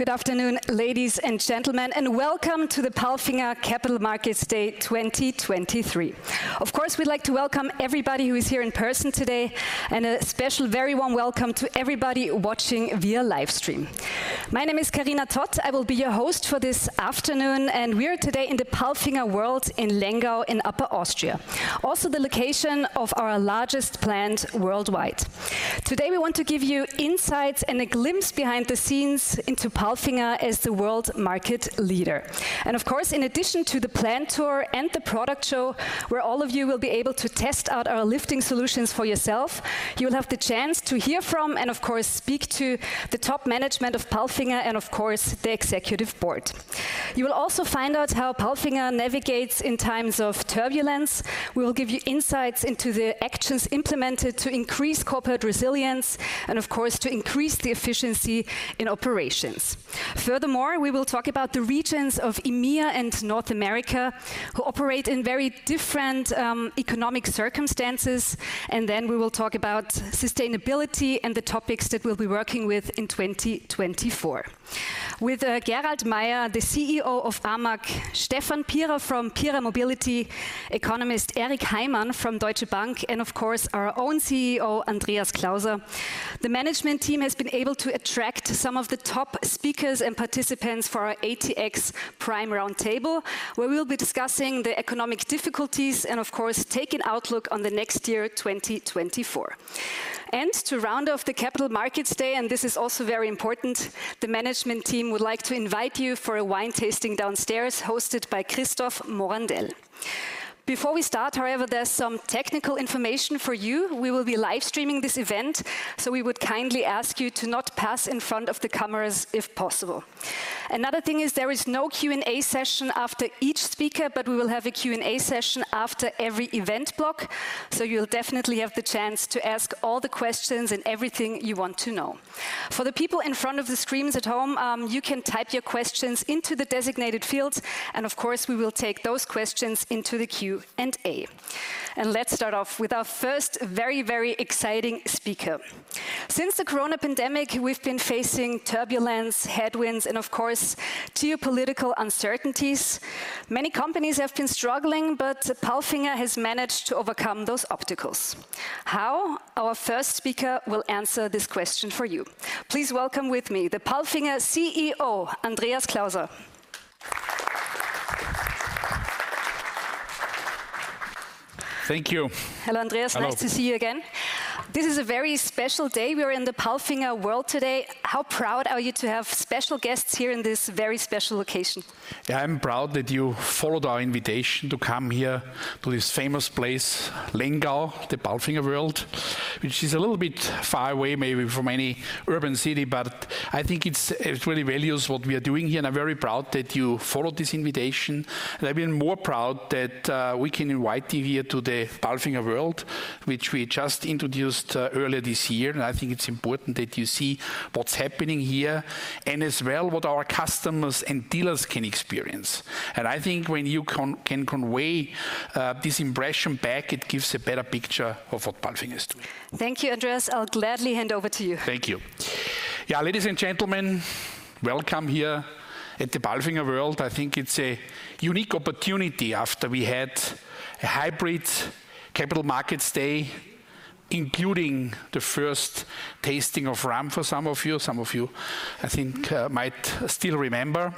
Good afternoon, ladies and gentlemen, and welcome to the PALFINGER Capital Markets Day 2023. Of course, we'd like to welcome everybody who is here in person today, and a special, very warm welcome to everybody watching via live stream. My name is Karina Toth. I will be your host for this afternoon, and we are today in the PALFINGER World in Lengau, in Upper Austria, also the location of our largest plant worldwide. Today, we want to give you insights and a glimpse behind the scenes into PALFINGER as the world market leader. Of course, in addition to the plant tour and the product show, where all of you will be able to test out our lifting solutions for yourself, you will have the chance to hear from and, of course, speak to the top management of PALFINGER and, of course, the executive board. You will also find out how PALFINGER navigates in times of turbulence. We will give you insights into the actions implemented to increase corporate resilience and, of course, to increase the efficiency in operations. Furthermore, we will talk about the regions of EMEA and North America, who operate in very different economic circumstances, and then we will talk about sustainability and the topics that we'll be working with in 2024. With Gerald Mayer, the CEO of AMAG, Stefan Pierer from Pierer Mobility, economist Eric Heymann from Deutsche Bank, and of course, our own CEO, Andreas Klauser, the management team has been able to attract some of the top speakers and participants for our ATX Prime Round Table, where we will be discussing the economic difficulties and, of course, take an outlook on the next year, 2024. To round off the Capital Markets Day, and this is also very important, the management team would like to invite you for a wine tasting downstairs, hosted by Christoph Morandell. Before we start, however, there's some technical information for you. We will be live streaming this event, so we would kindly ask you to not pass in front of the cameras, if possible. Another thing is, there is no Q&A session after each speaker, but we will have a Q&A session after every event block, so you'll definitely have the chance to ask all the questions and everything you want to know. For the people in front of the screens at home, you can type your questions into the designated fields, and of course, we will take those questions into the Q&A. Let's start off with our first very, very exciting speaker. Since the Corona pandemic, we've been facing turbulence, headwinds, and of course, geopolitical uncertainties. Many companies have been struggling, but PALFINGER has managed to overcome those obstacles. How? Our first speaker will answer this question for you. Please welcome with me, the PALFINGER CEO, Andreas Klauser. Thank you. Hello, Andreas. Hello. Nice to see you again. This is a very special day. We are in the PALFINGER World today. How proud are you to have special guests here in this very special location? Yeah, I'm proud that you followed our invitation to come here to this famous place, Lengau, the PALFINGER World, which is a little bit far away, maybe, from any urban city, but I think it really values what we are doing here, and I'm very proud that you followed this invitation. And I've been more proud that we can invite you here to the PALFINGER World, which we just introduced earlier this year. And I think it's important that you see what's happening here and as well, what our customers and dealers can experience. And I think when you can convey this impression back, it gives a better picture of what PALFINGER is doing. Thank you, Andreas. I'll gladly hand over to you. Thank you. Yeah, ladies and gentlemen, welcome here at the PALFINGER World. I think it's a unique opportunity, after we had a hybrid Capital Markets Day, including the first tasting of rum for some of you. Some of you, I think, might still remember.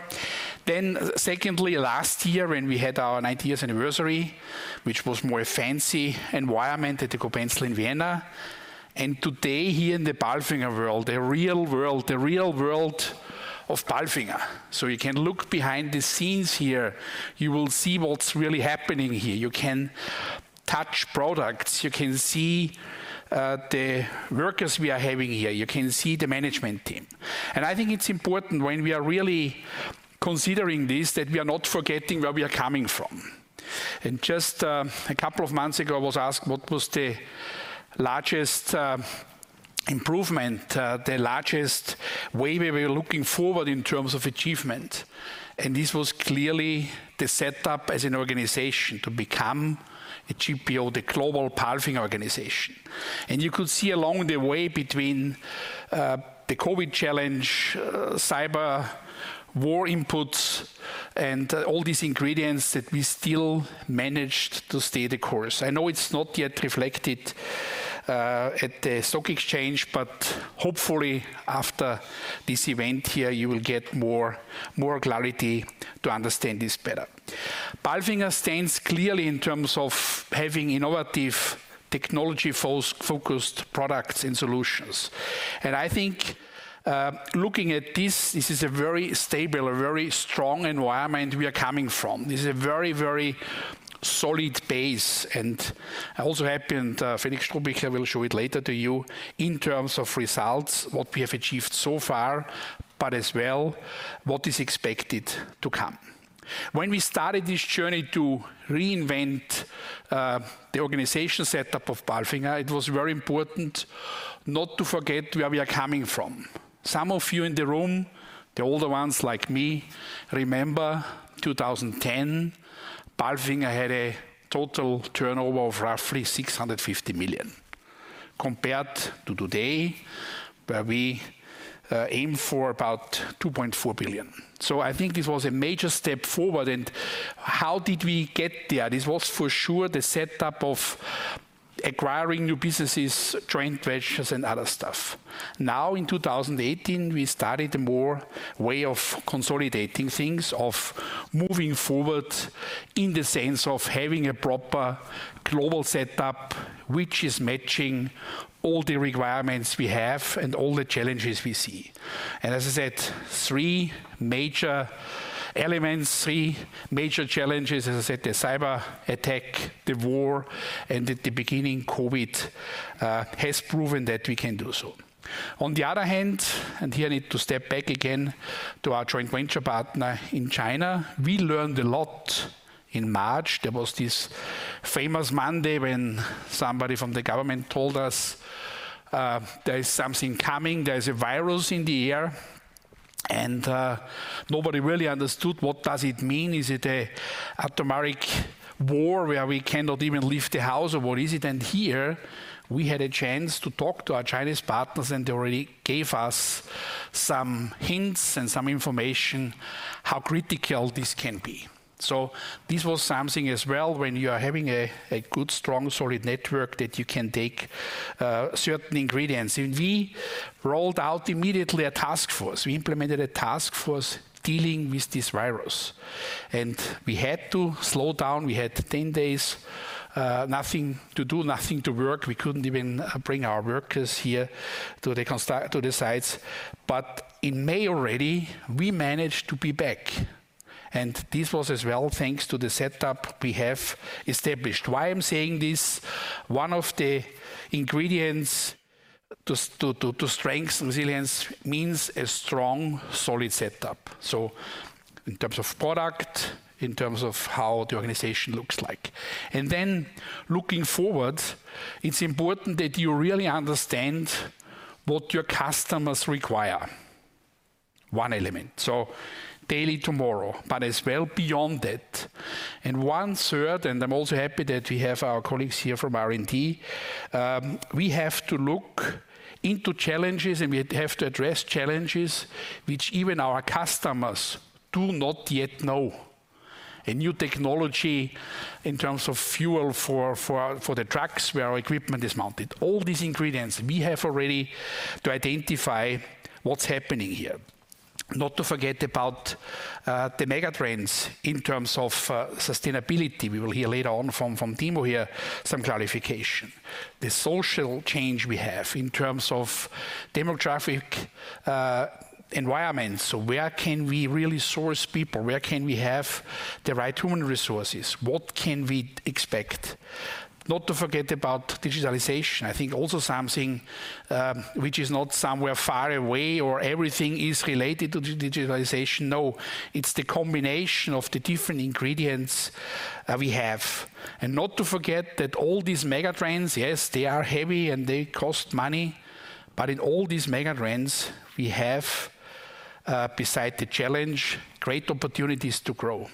Then secondly, last year, when we had our ninetieth anniversary, which was more a fancy environment at the Cobenzl in Vienna, and today, here in the PALFINGER World, the real world, the real world of PALFINGER. So you can look behind the scenes here. You will see what's really happening here. You can touch products, you can see the workers we are having here, you can see the management team. I think it's important when we are really considering this, that we are not forgetting where we are coming from. And just a couple of months ago, I was asked, "What was the largest improvement, the largest way we were looking forward in terms of achievement?" This was clearly the setup as an organization to become a GPO, the Global PALFINGER Organization. You could see along the way, between the COVID challenge, cyber war inputs, and all these ingredients, that we still managed to stay the course. I know it's not yet reflected at the stock exchange, but hopefully, after this event here, you will get more clarity to understand this better. PALFINGER stands clearly in terms of having innovative technology-focused products and solutions. And I think, looking at this, this is a very stable, a very strong environment we are coming from. This is a very, very solid base, and I also happy, and Felix Strohbichler will show it later to you, in terms of results, what we have achieved so far, but as well, what is expected to come. When we started this journey to reinvent the organization setup of PALFINGER, it was very important not to forget where we are coming from. Some of you in the room, the older ones like me, remember 2010, PALFINGER had a total turnover of roughly 650 million. compared to today, where we aim for about 2.4 billion. So I think this was a major step forward, and how did we get there? This was for sure the setup of acquiring new businesses, joint ventures, and other stuff. Now, in 2018, we started more way of consolidating things, of moving forward in the sense of having a proper global setup, which is matching all the requirements we have and all the challenges we see. And as I said, three major elements, three major challenges, as I said, the cyberattack, the war, and at the beginning, COVID, has proven that we can do so. On the other hand, and here I need to step back again to our joint venture partner in China, we learned a lot in March. There was this famous Monday when somebody from the government told us, there is something coming, there is a virus in the air, and, nobody really understood what does it mean. Is it a atomic war where we cannot even leave the house, or what is it? And here we had a chance to talk to our Chinese partners, and they already gave us some hints and some information how critical this can be. So this was something as well, when you are having a good, strong, solid network, that you can take certain ingredients. And we rolled out immediately a task force. We implemented a task force dealing with this virus, and we had to slow down. We had 10 days, nothing to do, nothing to work. We couldn't even bring our workers here to the sites. But in May already, we managed to be back, and this was as well, thanks to the setup we have established. Why I'm saying this? One of the ingredients to strengthen resilience means a strong, solid setup. So in terms of product, in terms of how the organization looks like. Then looking forward, it's important that you really understand what your customers require. One element, so daily tomorrow, but as well beyond that. One third, and I'm also happy that we have our colleagues here from R&D. We have to look into challenges, and we have to address challenges which even our customers do not yet know. A new technology in terms of fuel for the trucks, where our equipment is mounted. All these ingredients, we have already to identify what's happening here. Not to forget about the megatrends in terms of sustainability. We will hear later on from Thiemo here, some clarification. The social change we have in terms of demographic environments. So where can we really source people? Where can we have the right human resources? What can we expect? Not to forget about digitalization, I think also something, which is not somewhere far away or everything is related to digitalization. No, it's the combination of the different ingredients that we have. And not to forget that all these megatrends, yes, they are heavy and they cost money, but in all these megatrends, we have, beside the challenge, great opportunities to grow.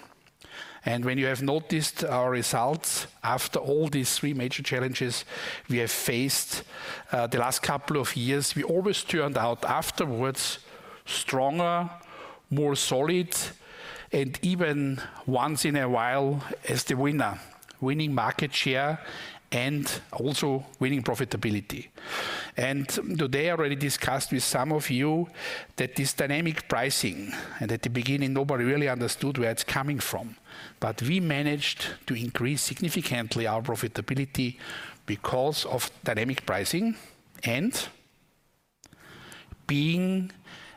And when you have noticed our results, after all these three major challenges we have faced, the last couple of years, we always turned out afterwards stronger, more solid, and even once in a while, as the winner, winning market share and also winning profitability. And today, I already discussed with some of you that this dynamic pricing, and at the beginning, nobody really understood where it's coming from, but we managed to increase significantly our profitability because of dynamic pricing and being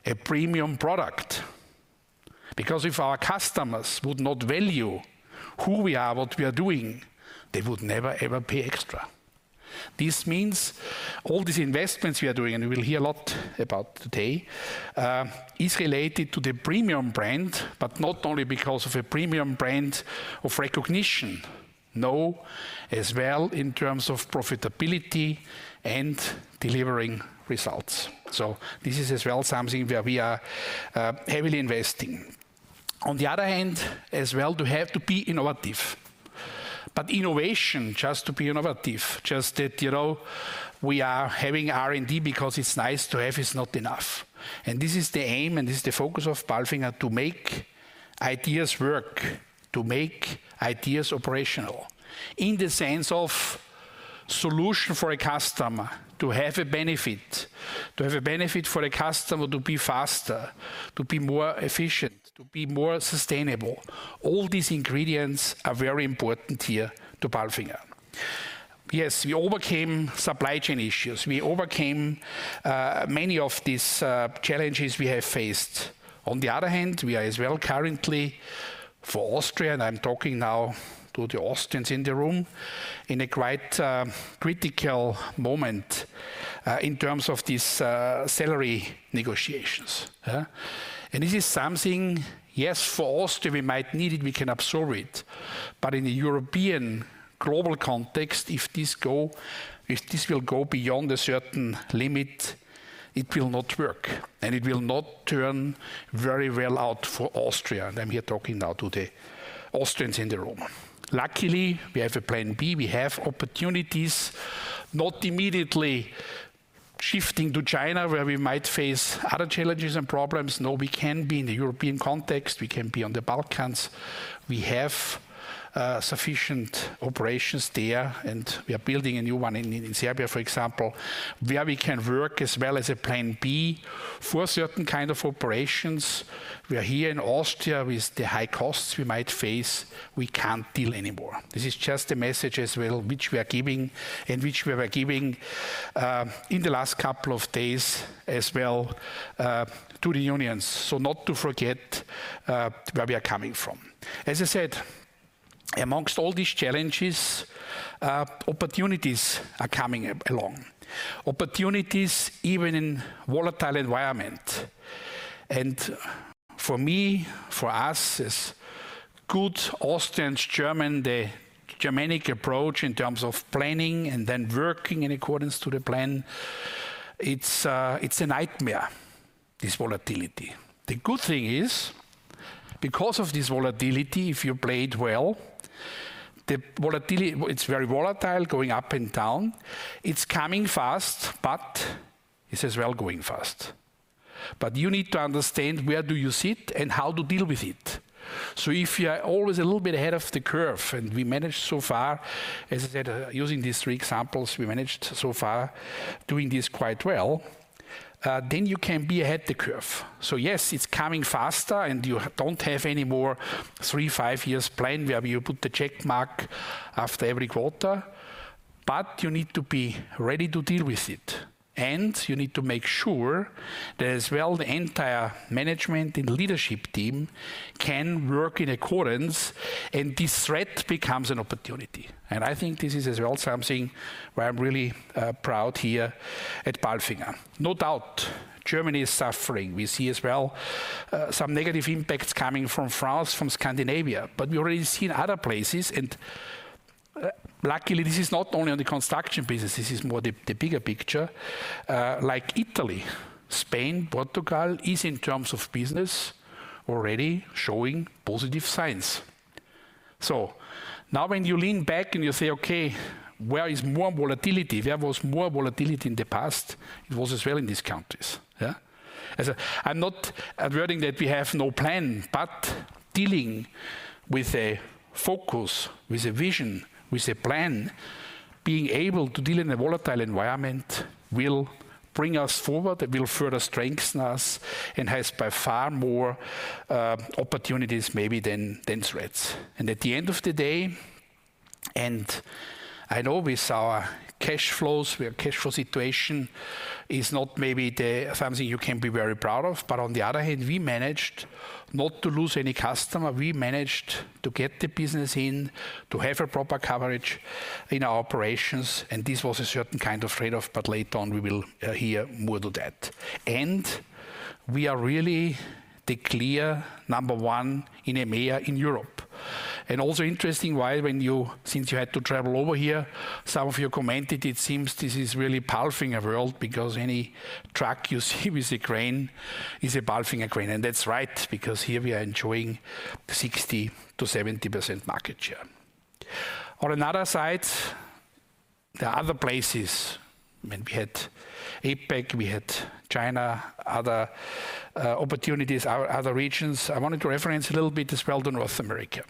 a premium product. Because if our customers would not value who we are, what we are doing, they would never, ever pay extra. This means all these investments we are doing, and you will hear a lot about today, is related to the premium brand, but not only because of a premium brand of recognition, no, as well in terms of profitability and delivering results. So this is as well something where we are heavily investing. On the other hand, as well, to have to be innovative, but innovation, just to be innovative, just that, you know, we are having R&D because it's nice to have, is not enough. This is the aim, and this is the focus of PALFINGER: to make ideas work, to make ideas operational, in the sense of solution for a customer, to have a benefit. To have a benefit for a customer, to be faster, to be more efficient, to be more sustainable. All these ingredients are very important here to PALFINGER. Yes, we overcame supply chain issues. We overcame many of these challenges we have faced. On the other hand, we are as well currently for Austria, and I'm talking now to the Austrians in the room, in a quite critical moment in terms of these salary negotiations. And this is something, yes, for Austria, we might need it, we can absorb it, but in the European global context, if this will go beyond a certain limit. It will not work, and it will not turn very well out for Austria. I'm here talking now to the Austrians in the room. Luckily, we have a plan B. We have opportunities, not immediately shifting to China, where we might face other challenges and problems. No, we can be in the European context, we can be on the Balkans. We have sufficient operations there, and we are building a new one in Serbia, for example, where we can work as well as a plan B for certain kind of operations, where here in Austria, with the high costs we might face, we can't deal anymore. This is just a message as well, which we are giving and which we were giving in the last couple of days as well to the unions. So not to forget where we are coming from. As I said, among all these challenges, opportunities are coming along. Opportunities even in volatile environment. For me, for us, as good Austrians, Germans, the Germanic approach in terms of planning and then working in accordance to the plan, it's a nightmare, this volatility. The good thing is, because of this volatility, if you play it well, the volatility. It's very volatile, going up and down. It's coming fast, but it's as well going fast. But you need to understand where do you sit and how to deal with it. So if you are always a little bit ahead of the curve, and we managed so far, as I said, using these three examples, we managed so far doing this quite well, then you can be ahead the curve. So yes, it's coming faster, and you don't have any more three to five years plan, where you put the check mark after every quarter, but you need to be ready to deal with it. And you need to make sure that as well, the entire management and leadership team can work in accordance, and this threat becomes an opportunity. And I think this is as well something where I'm really proud here at PALFINGER. No doubt, Germany is suffering. We see as well some negative impacts coming from France, from Scandinavia, but we already seen other places, and luckily, this is not only on the construction business, this is more the bigger picture. Like Italy, Spain, Portugal, is in terms of business, already showing positive signs. So now when you lean back and you say, "Okay, where is more volatility? Where was more volatility in the past?" It was as well in these countries. Yeah. As I. I'm not asserting that we have no plan, but dealing with a focus, with a vision, with a plan, being able to deal in a volatile environment will bring us forward, it will further strengthen us, and has by far more, opportunities maybe than, than threats. And at the end of the day, and I know with our cash flows, where cash flow situation is not maybe the something you can be very proud of, but on the other hand, we managed not to lose any customer. We managed to get the business in, to have a proper coverage in our operations, and this was a certain kind of trade-off, but later on, we will hear more to that. And we are really the clear number one in EMEA in Europe. Also interesting, since you had to travel over here, some of you commented, it seems this is really PALFINGER world, because any truck you see with a crane is a PALFINGER crane. And that's right, because here we are enjoying 60%-70% market share. On another side, there are other places. I mean, we had APAC, we had China, other opportunities, other regions. I wanted to reference a little bit as well the North America.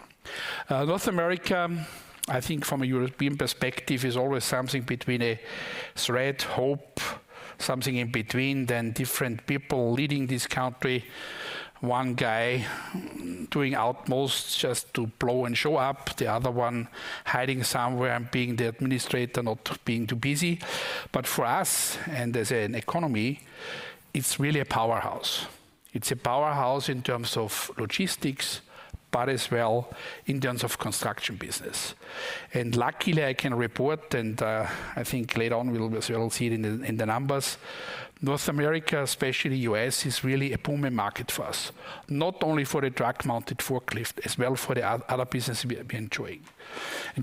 North America, I think from a European perspective, is always something between a threat, hope, something in between, then different people leading this country. One guy doing utmost just to blow and show up, the other one hiding somewhere and being the administrator, not being too busy. But for us, and as an economy, it's really a powerhouse. It's a powerhouse in terms of logistics, but as well in terms of construction business. Luckily, I can report and I think later on we will as well see it in the numbers. North America, especially U.S., is really a booming market for us. Not only for the truck-mounted forklift, as well, for the other business we have been enjoying.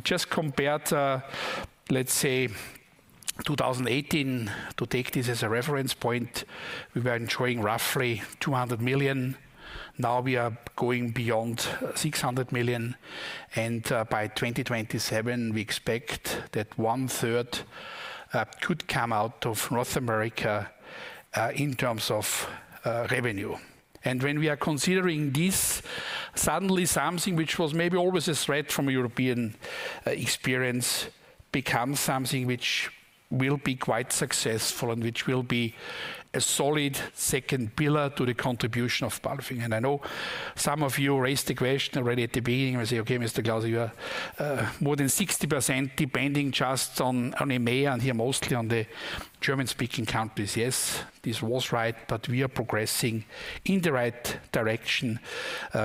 Just compared to, let's say, 2018, to take this as a reference point, we were enjoying roughly 200 million. Now we are going beyond 600 million, and by 2027, we expect that one-third could come out of North America in terms of revenue. When we are considering this, suddenly something which was maybe always a threat from a European experience, becomes something which will be quite successful and which will be a solid second pillar to the contribution of PALFINGER. I know some of you raised the question already at the beginning, and say, "Okay, Mr. Klauser, you are more than 60%, depending just on EMEA and here, mostly on the German-speaking countries." Yes, this was right, but we are progressing in the right direction.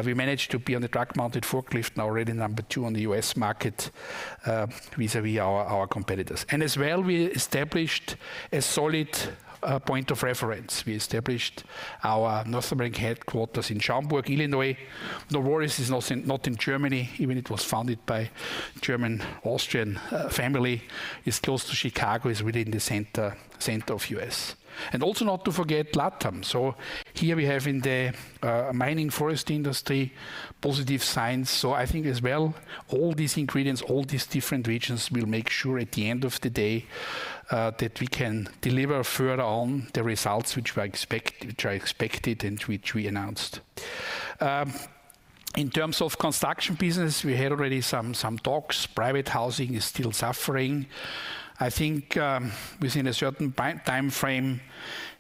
We managed to be on the truck-mounted forklift, now already number two on the U.S. market, vis-à-vis our competitors. As well, we established a solid point of reference. We established our North American headquarters in Schaumburg, Illinois. No worries, it's not in, not in Germany, even it was founded by German, Austrian family. It's close to Chicago, it's within the center of U.S. And also not to forget LATAM. So here we have in the mining forest industry, positive signs. So I think as well, all these ingredients, all these different regions, will make sure at the end of the day, that we can deliver further on the results which we expect—which I expected and which we announced. In terms of construction business, we had already some talks. Private housing is still suffering. I think, within a certain time frame,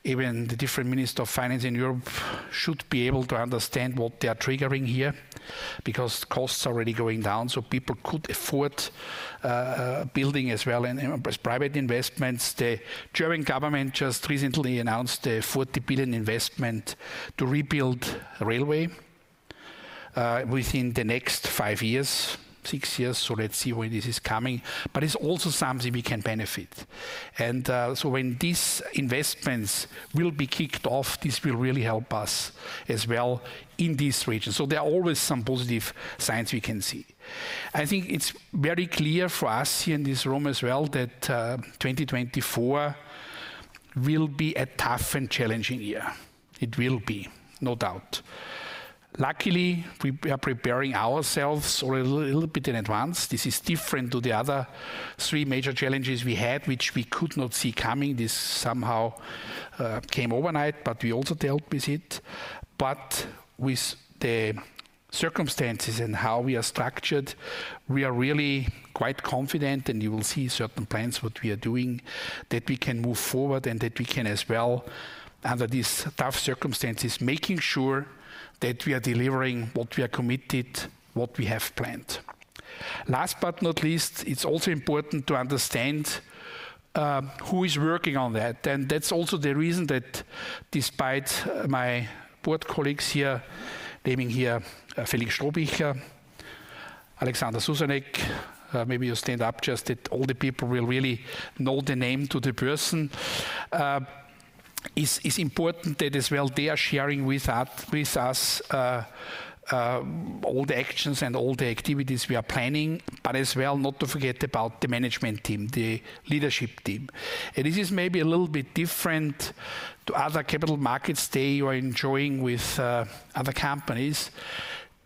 even the different minister of finance in Europe should be able to understand what they are triggering here, because costs are already going down, so people could afford building as well. Private investments, the German government just recently announced a 40 billion investment to rebuild railway within the next five years, six years. So let's see where this is coming. But it's also something we can benefit. So when these investments will be kicked off, this will really help us as well in these regions. So there are always some positive signs we can see. I think it's very clear for us here in this room as well, that 2024 will be a tough and challenging year. It will be, no doubt. Luckily, we are preparing ourselves a little, little bit in advance. This is different to the other three major challenges we had, which we could not see coming. This somehow came overnight, but we also dealt with it. But with the circumstances and how we are structured, we are really quite confident, and you will see certain plans, what we are doing, that we can move forward and that we can as well, under these tough circumstances, making sure that we are delivering what we are committed, what we have planned. Last but not least, it's also important to understand who is working on that. That's also the reason that despite my board colleagues here, naming here, Felix Strohbichler, Alexander Susanek, maybe you stand up just that all the people will really know the name to the person is important that as well, they are sharing with us all the actions and all the activities we are planning, but as well, not to forget about the management team, the leadership team. This is maybe a little bit different to other capital markets they are enjoying with other companies.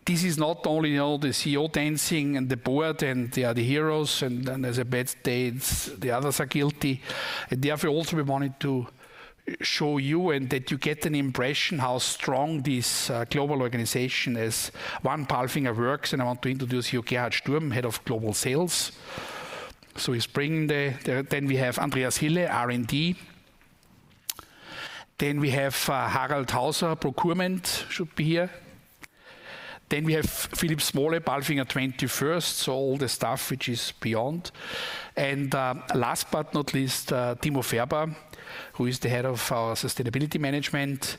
This is not only all the CEO dancing and the board, and they are the heroes, and then there's a bad days, the others are guilty. Therefore, also, we wanted to show you and that you get an impression how strong this global organization is. One PALFINGER works, and I want to introduce you Gerhard Sturm, Head of Global Sales. So he's bringing the then we have Andreas Hille, R&D. Then we have Harald Hauser, Procurement, should be here. Then we have Philipp Smole, PALFINGER 21st. So all the stuff which is beyond. And last but not least, Thiemo Färber, who is the head of our Sustainability Management.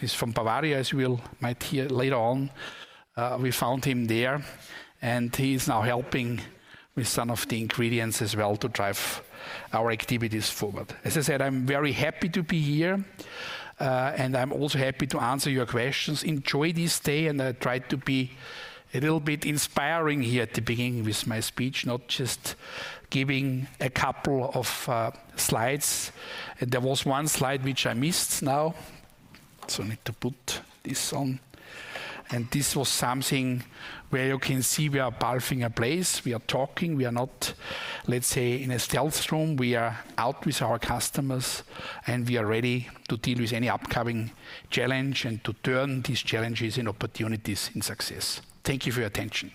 He's from Bavaria, as you will might hear later on. We found him there, and he's now helping with some of the ingredients as well to drive our activities forward. As I said, I'm very happy to be here, and I'm also happy to answer your questions. Enjoy this day, and try to be a little bit inspiring here at the beginning with my speech, not just giving a couple of slides. There was one slide which I missed now, so I need to put this on. And this was something where you can see we are PALFINGER place, we are talking, we are not, let's say, in a sales room. We are out with our customers, and we are ready to deal with any upcoming challenge and to turn these challenges into opportunities and success. Thank you for your attention.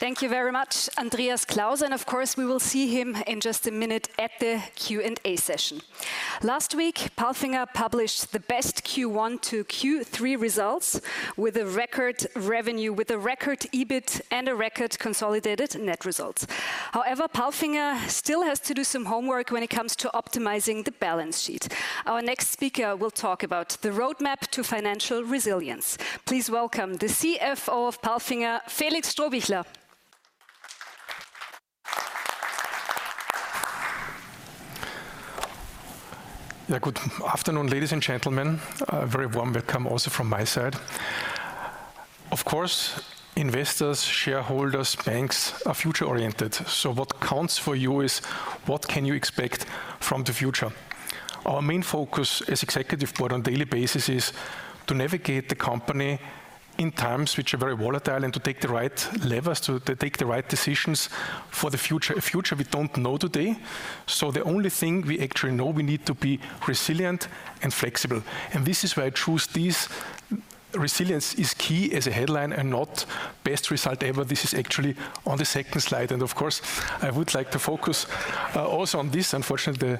Thank you very much, Andreas Klauser, and of course, we will see him in just a minute at the Q&A session. Last week, PALFINGER published the best Q1 to Q3 results with a record revenue, with a record EBIT, and a record consolidated net results. However, PALFINGER still has to do some homework when it comes to optimizing the balance sheet. Our next speaker will talk about the roadmap to financial resilience. Please welcome the CFO of PALFINGER, Felix Strohbichler. Yeah, good afternoon, ladies and gentlemen. Very warm welcome also from my side. Of course, investors, shareholders, banks are future-oriented, so what counts for you is: What can you expect from the future? Our main focus as executive board on daily basis is to navigate the company in times which are very volatile and to take the right levers, to, to take the right decisions for the future, a future we don't know today. So the only thing we actually know, we need to be resilient and flexible. And this is why I choose this, "Resilience is key" as a headline and not "Best result ever." This is actually on the second slide. And of course, I would like to focus, also on this. Unfortunately, the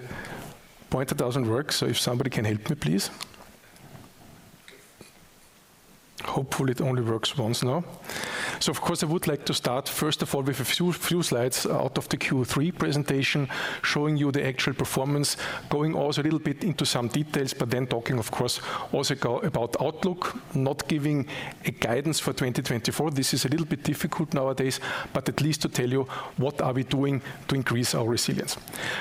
pointer doesn't work, so if somebody can help me, please. Hopefully, it only works once now. So of course, I would like to start, first of all, with a few, few slides out of the Q3 presentation, showing you the actual performance, going also a little bit into some details, but then talking, of course, also go about outlook, not giving a guidance for 2024. This is a little bit difficult nowadays, but at least to tell you, what are we doing to increase our resilience?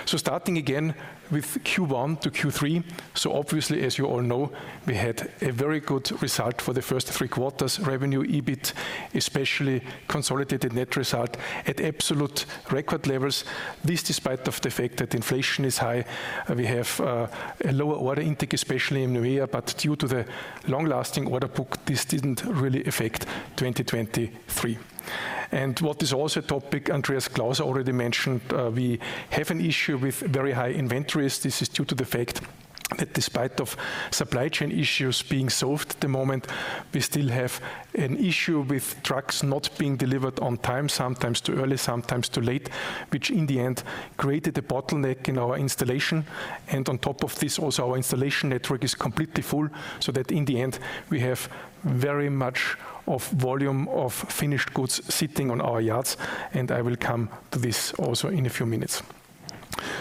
So starting again with Q1 to Q3, so obviously, as you all know, we had a very good result for the first three quarters. Revenue, EBIT, especially consolidated net result at absolute record levels. This, despite of the fact that inflation is high, we have a lower order intake, especially in Korea, but due to the long-lasting order book, this didn't really affect 2023. And what is also a topic Andreas Klauser already mentioned, we have an issue with very high inventories. This is due to the fact that despite of supply chain issues being solved at the moment, we still have an issue with trucks not being delivered on time, sometimes too early, sometimes too late, which in the end created a bottleneck in our installation. And on top of this, also, our installation network is completely full, so that in the end, we have very much of volume of finished goods sitting on our yards, and I will come to this also in a few minutes.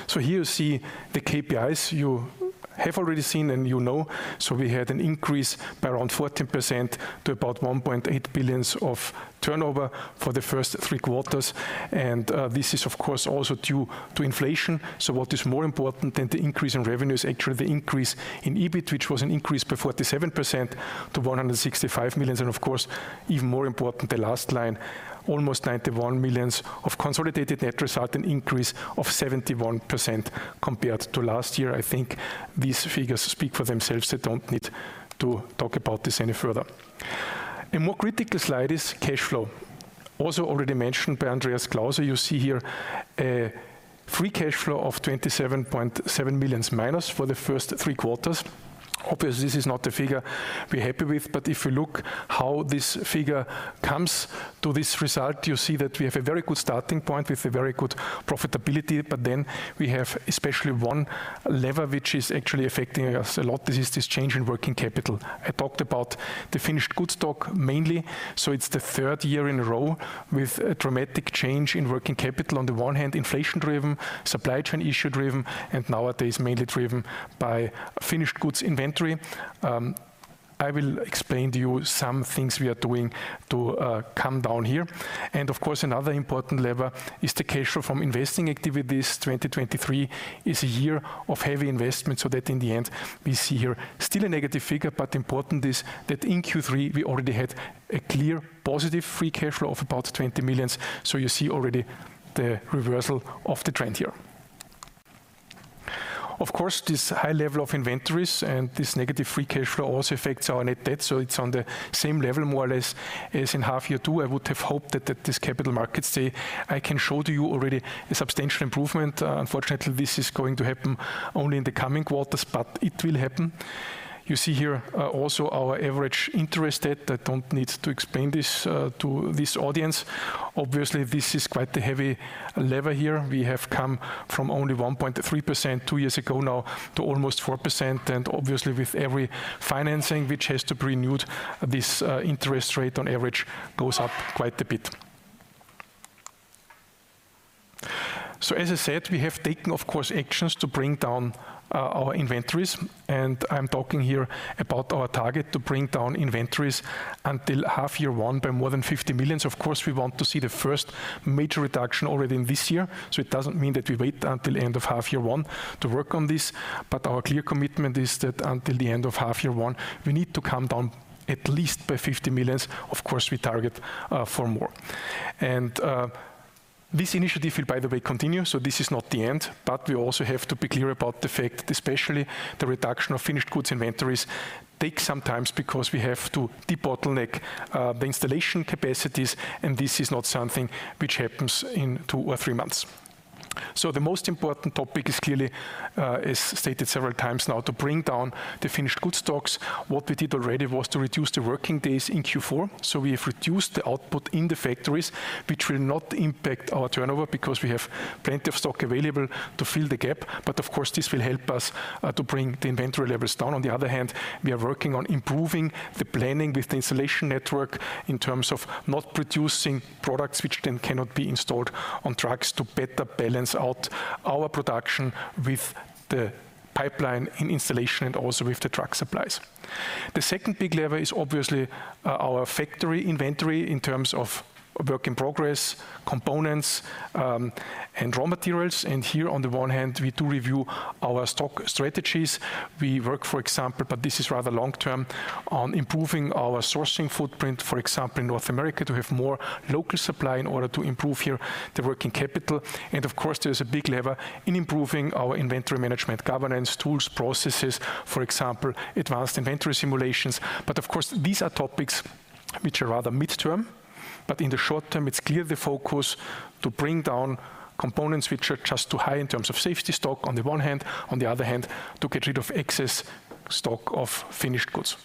So here you see the KPIs you have already seen and you know. So we had an increase by around 14% to about 1.8 billion of turnover for the first three quarters. And this is, of course, also due to inflation. So what is more important than the increase in revenue is actually the increase in EBIT, which was an increase by 47% to 165 million. And of course, even more important, the last line, almost 91 million of consolidated net result, an increase of 71% compared to last year. I think these figures speak for themselves. I don't need to talk about this any further. A more critical slide is cash flow. Also already mentioned by Andreas Klauser. You see here a free cash flow of -27.7 million for the first three quarters. Obviously, this is not the figure we're happy with, but if you look how this figure comes to this result, you see that we have a very good starting point with a very good profitability, but then we have especially one lever, which is actually affecting us a lot. This is this change in working capital. I talked about the finished good stock mainly, so it's the third year in a row with a dramatic change in working capital. On the one hand, inflation-driven, supply chain issue-driven, and nowadays, mainly driven by finished goods inventory. I will explain to you some things we are doing to come down here. And of course, another important lever is the cash flow from investing activities. 2023 is a year of heavy investment, so that in the end, we see here still a negative figure, but important is that in Q3, we already had a clear positive free cash flow of about 20 million. So you see already the reversal of the trend here. Of course, this high level of inventories and this negative free cash flow also affects our net debt, so it's on the same level, more or less, as in half year two. I would have hoped that, that this Capital Markets Day, I can show to you already a substantial improvement. Unfortunately, this is going to happen only in the coming quarters, but it will happen. You see here also our average interest debt. I don't need to explain this to this audience. Obviously, this is quite a heavy lever here. We have come from only 1.3% two years ago now to almost 4%, and obviously, with every financing which has to be renewed, this interest rate on average goes up quite a bit. So as I said, we have taken, of course, actions to bring down our inventories, and I'm talking here about our target to bring down inventories until half year one by more than 50 million. Of course, we want to see the first major reduction already in this year, so it doesn't mean that we wait until end of half year one to work on this. But our clear commitment is that until the end of half year one, we need to come down at least by 50 million. Of course, we target for more. This initiative will, by the way, continue, so this is not the end, but we also have to be clear about the fact that especially the reduction of finished goods inventories takes some time because we have to debottleneck the installation capacities, and this is not something which happens in two or three months. So the most important topic is clearly is stated several times now, to bring down the finished good stocks. What we did already was to reduce the working days in Q4, so we have reduced the output in the factories, which will not impact our turnover because we have plenty of stock available to fill the gap. But of course, this will help us to bring the inventory levels down. On the other hand, we are working on improving the planning with the installation network in terms of not producing products which then cannot be installed on trucks to better balance out our production with the pipeline in installation and also with the truck supplies. The second big lever is obviously our factory inventory in terms of work in progress, components, and raw materials, and here on the one hand, we do review our stock strategies. We work, for example, but this is rather long-term, on improving our sourcing footprint, for example, in North America, to have more local supply in order to improve here the working capital. And of course, there is a big lever in improving our inventory management, governance, tools, processes, for example, advanced inventory simulations. But of course, these are topics which are rather midterm, but in the short term, it's clear the focus to bring down components which are just too high in terms of safety stock on the one hand, on the other hand, to get rid of excess stock of finished goods.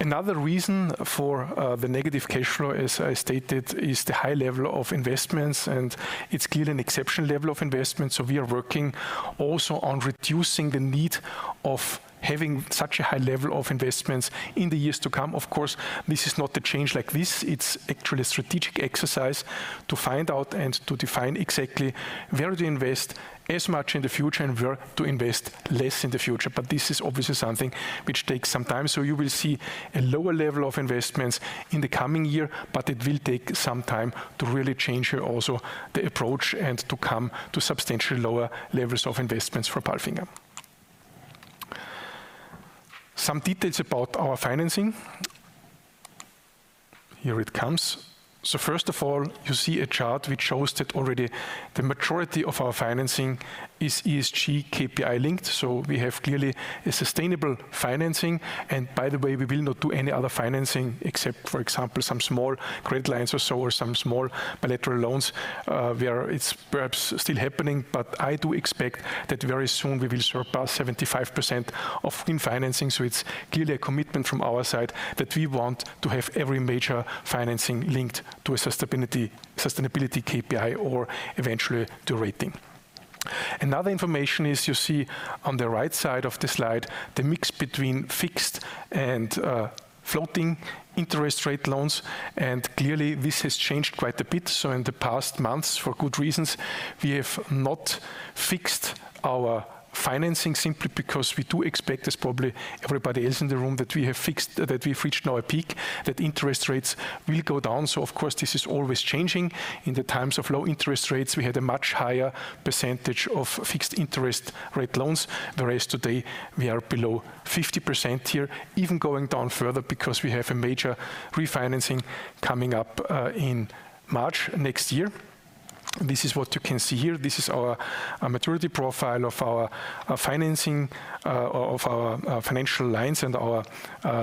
Another reason for, the negative cash flow, as I stated, is the high level of investments, and it's clear an exceptional level of investment. So we are working also on reducing the need of having such a high level of investments in the years to come. Of course, this is not a change like this. It's actually a strategic exercise to find out and to define exactly where to invest as much in the future and where to invest less in the future. But this is obviously something which takes some time. So you will see a lower level of investments in the coming year, but it will take some time to really change here also the approach and to come to substantially lower levels of investments for PALFINGER. Some details about our financing. Here it comes. So first of all, you see a chart which shows that already the majority of our financing is ESG KPI linked. So we have clearly a sustainable financing. And by the way, we will not do any other financing except, for example, some small credit lines or so, or some small bilateral loans, where it's perhaps still happening. But I do expect that very soon we will surpass 75% of green financing. So it's clearly a commitment from our side that we want to have every major financing linked to a sustainability, sustainability KPI or eventually, the rating. Another information is, you see on the right side of the slide, the mix between fixed and floating interest rate loans, and clearly this has changed quite a bit. So in the past months, for good reasons, we have not fixed our financing simply because we do expect, as probably everybody else in the room, that we've reached now a peak, that interest rates will go down. So of course, this is always changing. In the times of low interest rates, we had a much higher percentage of fixed interest rate loans, whereas today we are below 50% here, even going down further because we have a major refinancing coming up in March next year. This is what you can see here. This is our maturity profile of our financing of our financial lines and our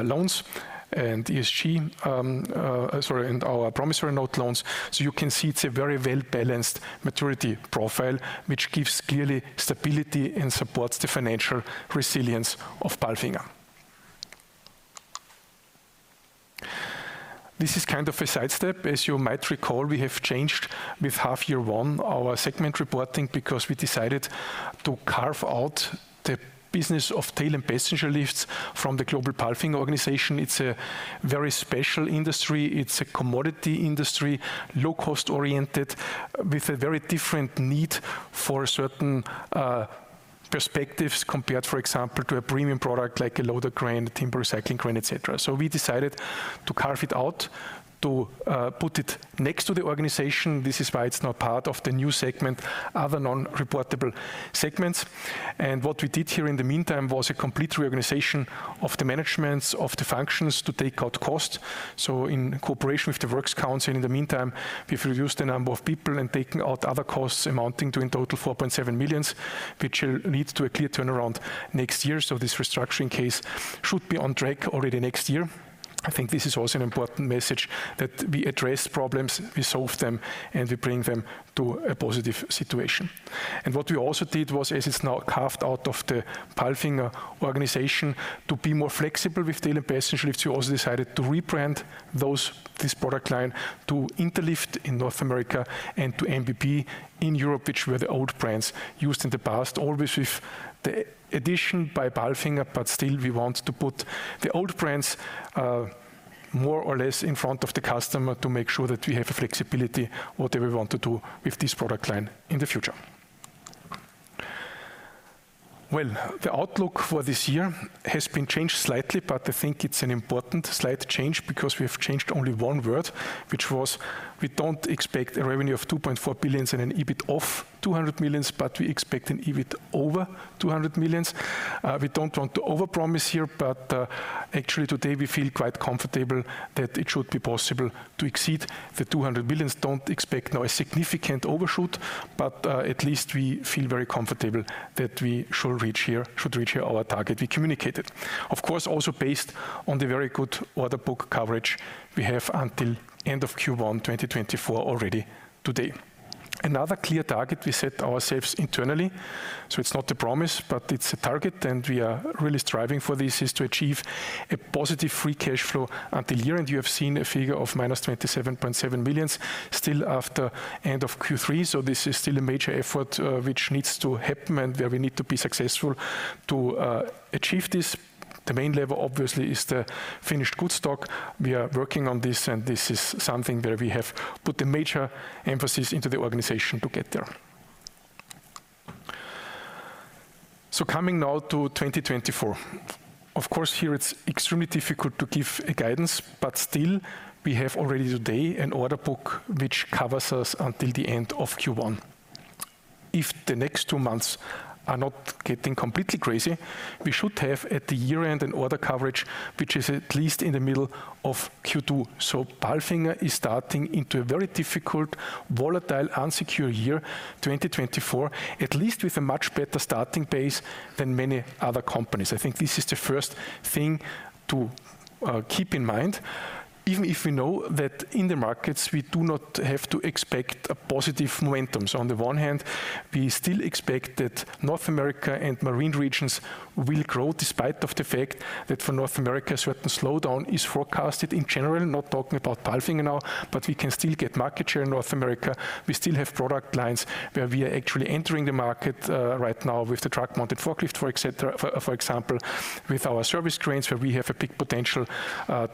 loans and ESG. Sorry, and our promissory note loans. So you can see it's a very well-balanced maturity profile, which gives clearly stability and supports the financial resilience of PALFINGER. This is kind of a sidestep. As you might recall, we have changed with half year one our segment reporting, because we decided to carve out the business of tail and passenger lifts from the Global PALFINGER Prganization. It's a very special industry. It's a commodity industry, low cost-oriented, with a very different need for certain perspectives, compared, for example, to a premium product like a Loader Crane, a timber recycling crane, et cetera. So we decided to carve it out, to put it next to the organization. This is why it's not part of the new segment, other non-reportable segments. What we did here in the meantime was a complete reorganization of the managements, of the functions to take out costs. So in cooperation with the Works Council, in the meantime, we've reduced the number of people and taken out other costs, amounting to, in total, 4.7 million, which will lead to a clear turnaround next year. So this restructuring case should be on track already next year. I think this is also an important message, that we address problems, we solve them, and we bring them to a positive situation. What we also did was, as it's now carved out of the PALFINGER organization, to be more flexible with tail and passenger lifts, we also decided to rebrand those, this product line to Interlift in North America and to MBB in Europe, which were the old brands used in the past, always with the addition by PALFINGER, but still, we want to put the old brands more or less in front of the customer to make sure that we have flexibility, whatever we want to do with this product line in the future. Well, the outlook for this year has been changed slightly, but I think it's an important slight change because we have changed only one word, which was: we don't expect revenue of 2.4 billion and an EBIT of 200 million, but we expect an EBIT over 200 million. We don't want to overpromise here, but, actually today we feel quite comfortable that it should be possible to exceed the 200 million. Don't expect now a significant overshoot, but, at least we feel very comfortable that we shall reach here, should reach our target we communicated. Of course, also based on the very good order book coverage we have until end of Q1 2024 already today. Another clear target we set ourselves internally, so it's not a promise, but it's a target and we are really striving for this, is to achieve a positive free cash flow until year-end. You have seen a figure of -27.7 million still after end of Q3, so this is still a major effort, which needs to happen and where we need to be successful to, achieve this. The main level, obviously, is the finished goods stock. We are working on this, and this is something where we have put a major emphasis into the organization to get there. Coming now to 2024. Of course, here it's extremely difficult to give a guidance, but still, we have already today an order book which covers us until the end of Q1. If the next two months are not getting completely crazy, we should have, at the year-end, an order coverage which is at least in the middle of Q2. PALFINGER is starting into a very difficult, volatile, unsecure year, 2024, at least with a much better starting base than many other companies. I think this is the first thing to keep in mind, even if we know that in the markets, we do not have to expect a positive momentum. So on the one hand, we still expect that North America and marine regions will grow, despite of the fact that for North America, a certain slowdown is forecasted in general, not talking about PALFINGER now, but we can still get market share in North America. We still have product lines where we are actually entering the market, right now with the truck-mounted forklift, for et cetera, for example, with our service cranes, where we have a big potential,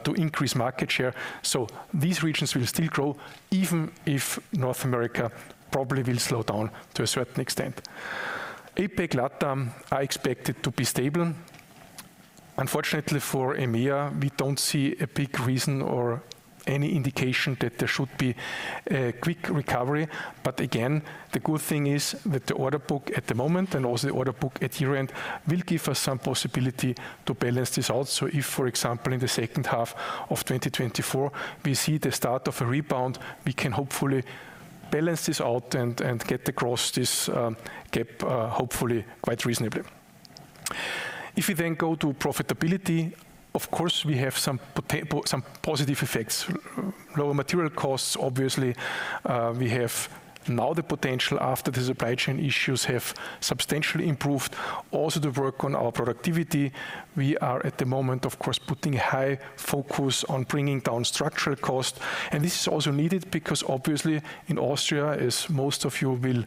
to increase market share. So these regions will still grow, even if North America probably will slow down to a certain extent. APAC, LATAM, are expected to be stable. Unfortunately for EMEA, we don't see a big reason or any indication that there should be a quick recovery. But again, the good thing is that the order book at the moment, and also the order book at year-end, will give us some possibility to balance this out. So if, for example, in the second half of 2024, we see the start of a rebound, we can hopefully balance this out and get across this gap, hopefully quite reasonably. If you then go to profitability, of course, we have some positive effects. Lower material costs, obviously, we have now the potential, after the supply chain issues have substantially improved, also the work on our productivity. We are at the moment, of course, putting high focus on bringing down structural cost. And this is also needed because obviously, in Austria, as most of you will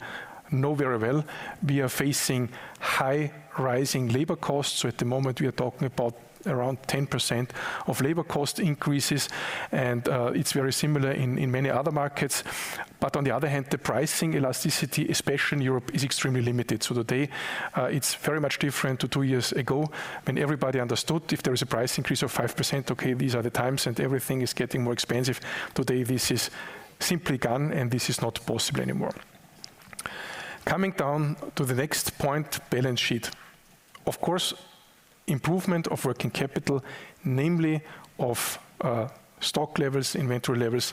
know very well, we are facing high rising labor costs. So at the moment, we are talking about around 10% of labor cost increases, and it's very similar in many other markets. But on the other hand, the pricing elasticity, especially in Europe, is extremely limited. So today, it's very much different to two years ago, when everybody understood if there is a price increase of 5%, okay, these are the times, and everything is getting more expensive. Today, this is simply gone, and this is not possible anymore. Coming down to the next point, balance sheet. Of course, improvement of working capital, namely of stock levels, inventory levels,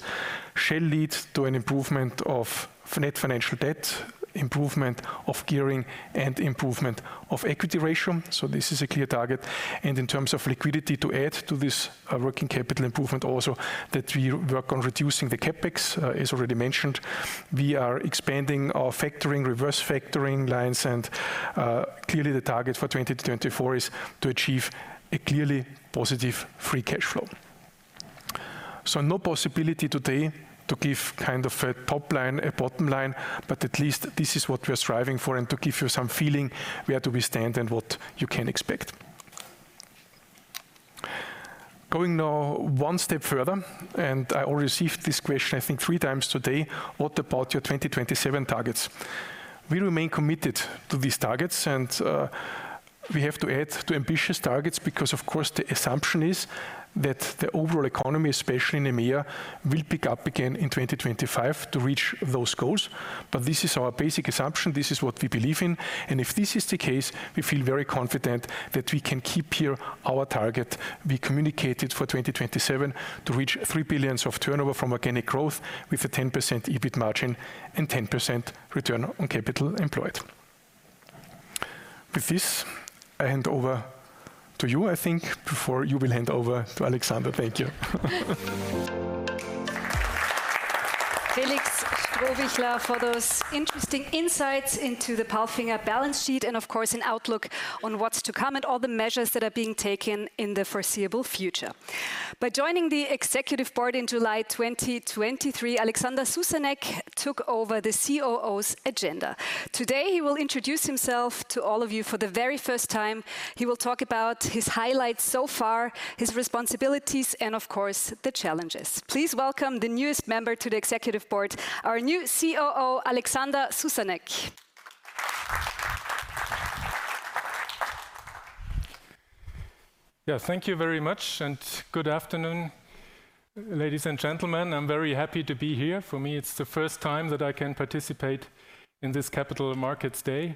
shall lead to an improvement of net financial debt, improvement of gearing, and improvement of equity ratio. So this is a clear target, and in terms of liquidity, to add to this, working capital improvement also, that we work on reducing the CapEx, as already mentioned. We are expanding our factoring, reverse factoring lines, and, clearly, the target for 2020-2024 is to achieve a clearly positive free cash flow. So no possibility today to give kind of a top line, a bottom line, but at least this is what we are striving for, and to give you some feeling where do we stand and what you can expect. Going now one step further, and I already received this question, I think, three times today: What about your 2027 targets? We remain committed to these targets, and we have to add to ambitious targets, because, of course, the assumption is that the overall economy, especially in EMEA, will pick up again in 2025 to reach those goals. But this is our basic assumption, this is what we believe in, and if this is the case, we feel very confident that we can keep here our target. We communicated for 2027 to reach 3 billion of turnover from organic growth, with a 10% EBIT margin and 10% return on capital employed. With this, I hand over to you, I think, before you will hand over to Alexander. Thank you. Felix Strohbichler for those interesting insights into the PALFINGER balance sheet, and of course, an outlook on what's to come and all the measures that are being taken in the foreseeable future. By joining the executive board in July 2023, Alexander Susanek took over the COO's agenda. Today, he will introduce himself to all of you for the very first time. He will talk about his highlights so far, his responsibilities, and of course, the challenges. Please welcome the newest member to the executive board, our new COO, Alexander Susanek. Yeah, thank you very much, and good afternoon, ladies and gentlemen. I'm very happy to be here. For me, it's the first time that I can participate in this Capital Markets Day,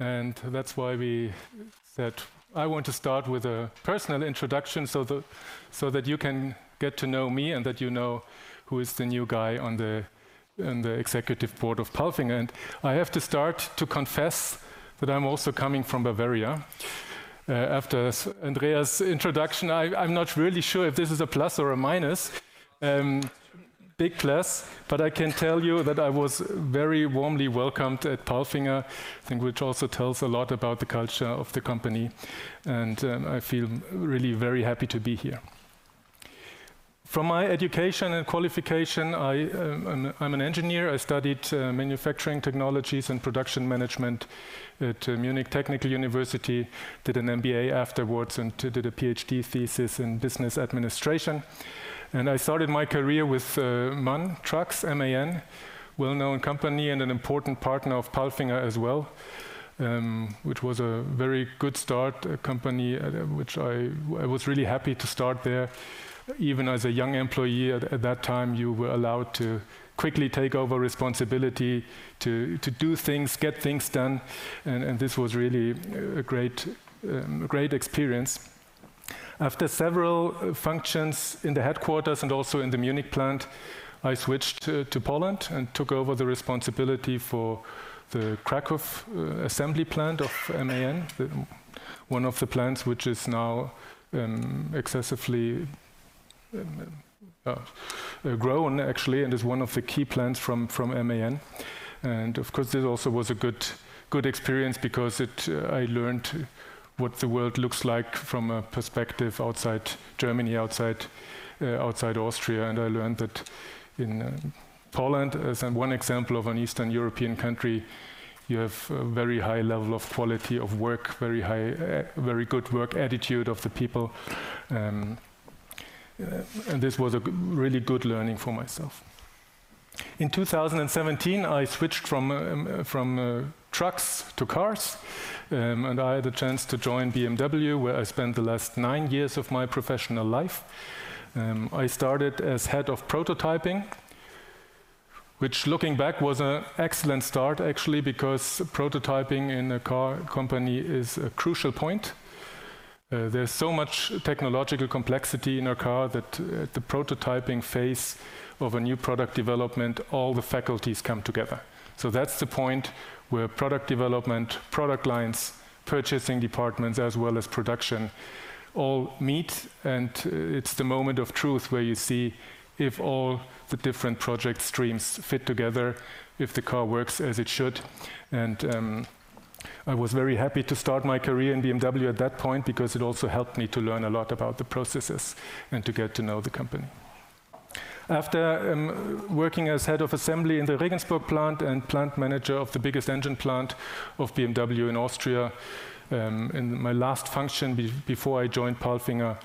and that's why we said I want to start with a personal introduction, so that you can get to know me and that you know who is the new guy on the, in the executive board of PALFINGER. And I have to start to confess that I'm also coming from Bavaria. After Andreas' introduction, I'm not really sure if this is a plus or a minus, big plus, but I can tell you that I was very warmly welcomed at PALFINGER, I think, which also tells a lot about the culture of the company, and I feel really very happy to be here. From my education and qualification, I, I'm an engineer. I studied manufacturing technologies and production management at Munich Technical University, did an MBA afterwards, and did a PhD thesis in business administration. I started my career with MAN Trucks, M-A-N, well-known company and an important partner of PALFINGER as well, which was a very good start, a company which I was really happy to start there. Even as a young employee at that time, you were allowed to quickly take over responsibility to do things, get things done, and this was really a great experience. After several functions in the headquarters and also in the Munich plant, I switched to Poland and took over the responsibility for the Kraków assembly plant of MAN. One of the plants which is now excessively grown, actually, and is one of the key plants from MAN. And of course, this also was a good experience because I learned what the world looks like from a perspective outside Germany, outside Austria. And I learned that in Poland, as one example of an Eastern European country, you have a very high level of quality of work, very high, very good work attitude of the people, and this was a really good learning for myself. In 2017, I switched from trucks to cars, and I had a chance to join BMW, where I spent the last nine years of my professional life. I started as head of prototyping, which, looking back, was an excellent start, actually, because prototyping in a car company is a crucial point. There's so much technological complexity in a car that, the prototyping phase of a new product development, all the faculties come together. So that's the point where product development, product lines, purchasing departments, as well as production, all meet, and it's the moment of truth where you see if all the different project streams fit together, if the car works as it should. And, I was very happy to start my career in BMW at that point because it also helped me to learn a lot about the processes and to get to know the company. After working as Head of Assembly in the Regensburg plant and Plant Manager of the biggest engine plant of BMW in Austria, and my last function before I joined PALFINGER,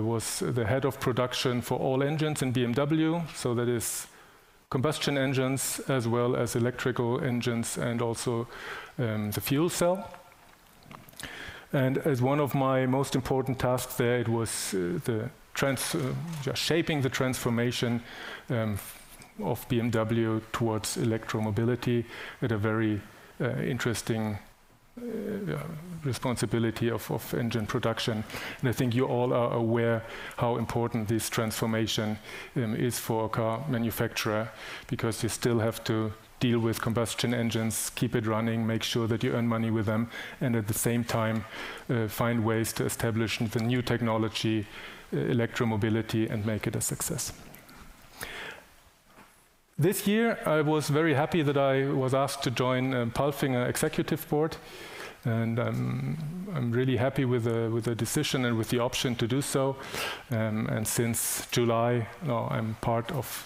was the Head of Production for all engines in BMW. So that is combustion engines, as well as electrical engines, and also the fuel cell. And as one of my most important tasks there, it was just shaping the transformation of BMW towards electromobility at a very interesting responsibility of engine production. And I think you all are aware how important this transformation is for a car manufacturer, because you still have to deal with combustion engines, keep it running, make sure that you earn money with them, and at the same time find ways to establish the new technology, electromobility, and make it a success. This year, I was very happy that I was asked to join PALFINGER Executive Board, and I'm really happy with the decision and with the option to do so. And since July, now I'm part of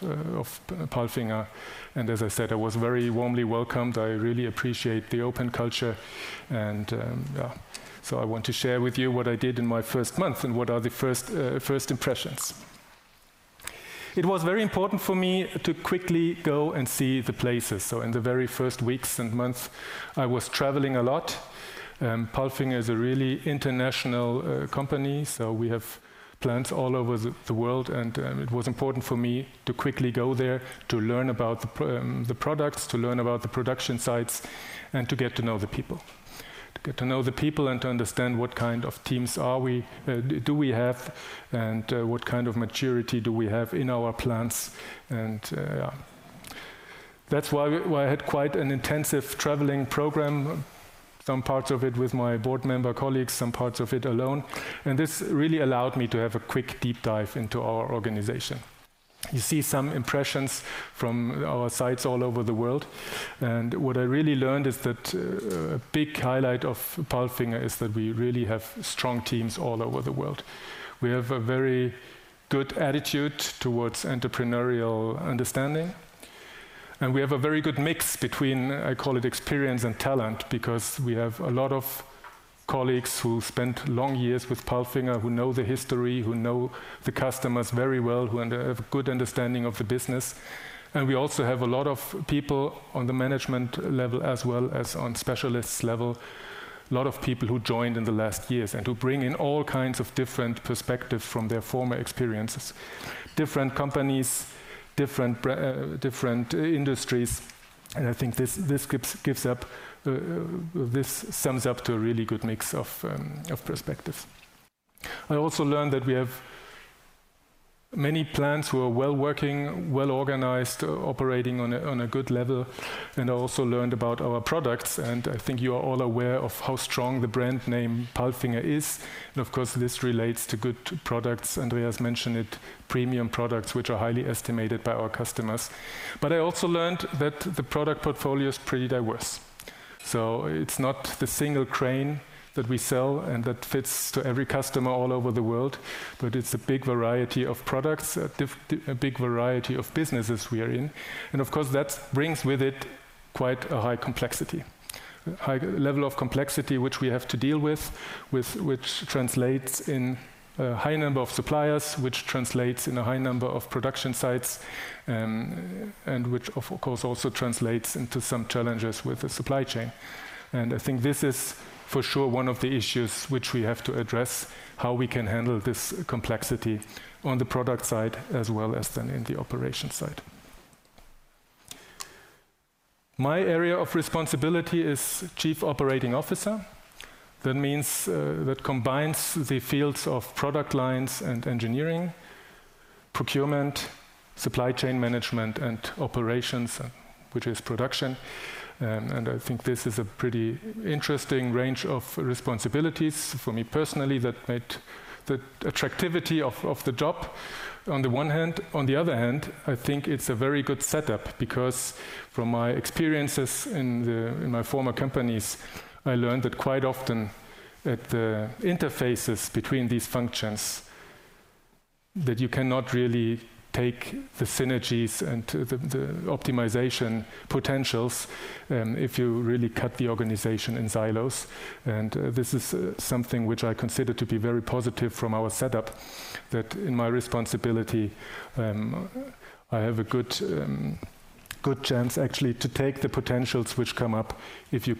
PALFINGER, and as I said, I was very warmly welcomed. I really appreciate the open culture and yeah. So I want to share with you what I did in my first month and what are the first impressions. It was very important for me to quickly go and see the places. So in the very first weeks and months, I was traveling a lot. PALFINGER is a really international company, so we have plants all over the world, and it was important for me to quickly go there, to learn about the products, to learn about the production sites, and to get to know the people. To get to know the people and to understand what kind of teams do we have, and what kind of maturity do we have in our plants, and that's why I had quite an intensive traveling program, some parts of it with my board member colleagues, some parts of it alone, and this really allowed me to have a quick deep dive into our organization. You see some impressions from our sites all over the world, and what I really learned is that, a big highlight of PALFINGER is that we really have strong teams all over the world. We have a very good attitude towards entrepreneurial understanding, and we have a very good mix between, I call it experience and talent, because we have a lot of colleagues who spent long years with PALFINGER, who know the history, who know the customers very well, who have a good understanding of the business. We also have a lot of people on the management level, as well as on specialists level, a lot of people who joined in the last years and who bring in all kinds of different perspective from their former experiences, different companies, different industries, and I think this sums up to a really good mix of perspectives. I also learned that we have many plants who are well-working, well-organized, operating on a good level, and I also learned about our products, and I think you are all aware of how strong the brand name PALFINGER is. And of course, this relates to good products, Andreas mentioned it, premium products, which are highly estimated by our customers. But I also learned that the product portfolio is pretty diverse. So it's not the single crane that we sell and that fits to every customer all over the world, but it's a big variety of products, a big variety of businesses we are in. And of course, that brings with it quite a high complexity. A high level of complexity, which we have to deal with, which translates in a high number of suppliers, which translates in a high number of production sites, and which, of course, also translates into some challenges with the supply chain. And I think this is for sure one of the issues which we have to address, how we can handle this complexity on the product side as well as then in the operation side. My area of responsibility is Chief Operating Officer. That means that combines the fields of product lines and engineering, procurement, supply chain management, and operations, which is production. And I think this is a pretty interesting range of responsibilities for me personally, that made the attractivity of the job on the one hand. On the other hand, I think it's a very good setup because from my experiences in my former companies, I learned that quite often at the interfaces between these functions, that you cannot really take the synergies and the optimization potentials, if you really cut the organization in silos. And this is something which I consider to be very positive from our setup, that in my responsibility, I have a good. Good chance actually to take the potentials which come up if you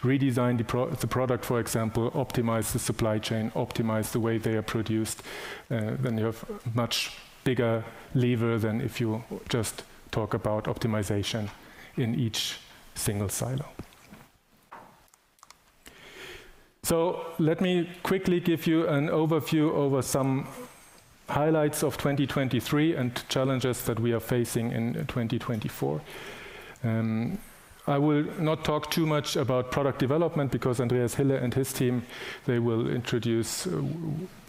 can redesign the product, for example, optimize the supply chain, optimize the way they are produced, then you have much bigger lever than if you just talk about optimization in each single silo. So let me quickly give you an overview over some highlights of 2023 and challenges that we are facing in 2024. I will not talk too much about product development because Andreas Hille and his team, they will introduce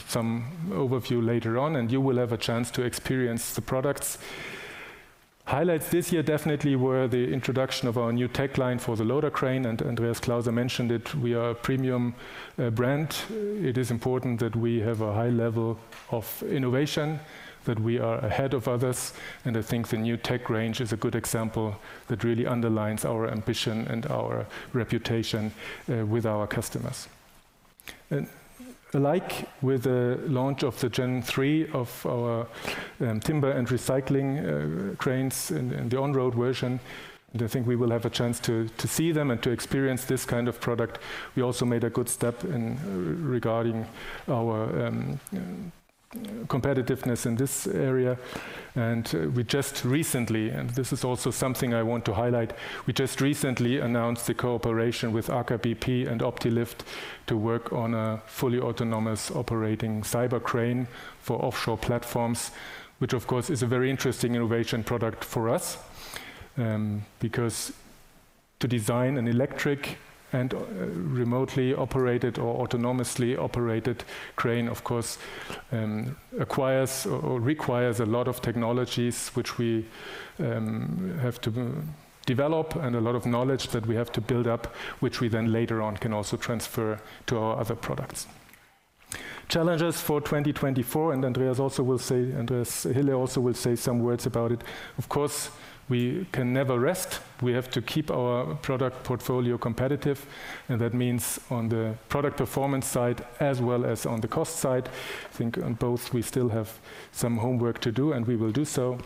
some overview later on, and you will have a chance to experience the products. Highlights this year definitely were the introduction of our new TEC line for the Loader Crane, and Andreas Klauser mentioned it, we are a premium brand. It is important that we have a high level of innovation, that we are ahead of others, and I think the new TEC Range is a good example that really underlines our ambition and our reputation, with our customers. And alike with the launch of the Gen Three of our, timber and recycling, cranes and, and the on-road version, and I think we will have a chance to, to see them and to experience this kind of product. We also made a good step in regarding our, competitiveness in this area, and we just recently, and this is also something I want to highlight, we just recently announced the cooperation with Aker BP and Optilift to work on a fully autonomous operating cyber crane for off-shore platforms, which of course, is a very interesting innovation product for us. Because to design an electric and remotely operated or autonomously operated crane, of course, acquires or requires a lot of technologies which we have to develop, and a lot of knowledge that we have to build up, which we then later on can also transfer to our other products. Challenges for 2024, and Andreas also will say, Andreas Hille also will say some words about it. Of course, we can never rest. We have to keep our product portfolio competitive, and that means on the product performance side as well as on the cost side. I think on both, we still have some homework to do, and we will do so.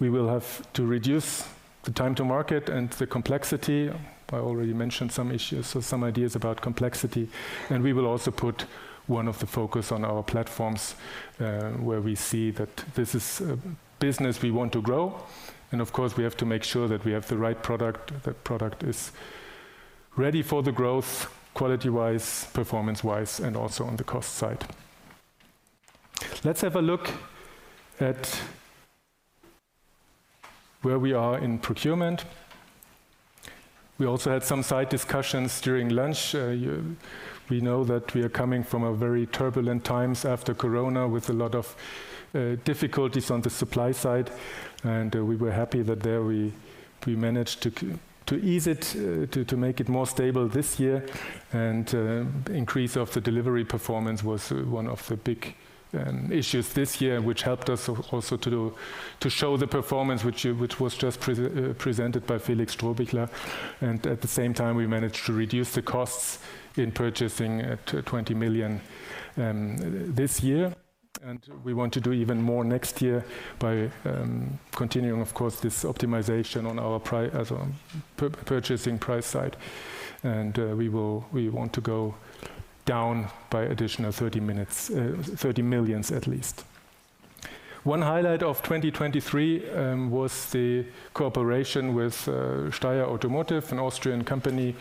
We will have to reduce the time to market and the complexity. I already mentioned some issues, so some ideas about complexity. And we will also put one of the focus on our platforms, where we see that this is a business we want to grow, and of course, we have to make sure that we have the right product, that product is ready for the growth, quality-wise, performance-wise, and also on the cost side. Let's have a look at where we are in procurement. We also had some side discussions during lunch. We know that we are coming from a very turbulent times after Corona, with a lot of difficulties on the supply side, and we were happy that there we managed to ease it, to make it more stable this year. Increase of the delivery performance was one of the big issues this year, which helped us also to show the performance, which was just presented by Felix Strohbichler. At the same time, we managed to reduce the costs in purchasing to 20 million this year, and we want to do even more next year by continuing, of course, this optimization on our purchasing price side, and we want to go down by additional 30 million at least. One highlight of 2023 was the cooperation with Steyr Automotive, an Austrian company,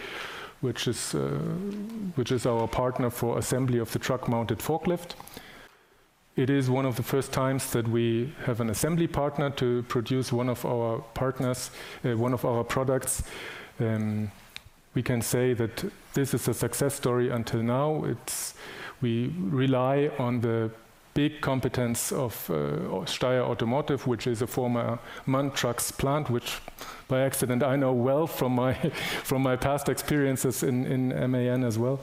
which is our partner for assembly of the truck-mounted forklift. It is one of the first times that we have an assembly partner to produce one of our partners, one of our products. We can say that this is a success story until now. We rely on the big competence of, Steyr Automotive, which is a former MAN Trucks plant, which by accident, I know well from my, from my past experiences in, in MAN as well.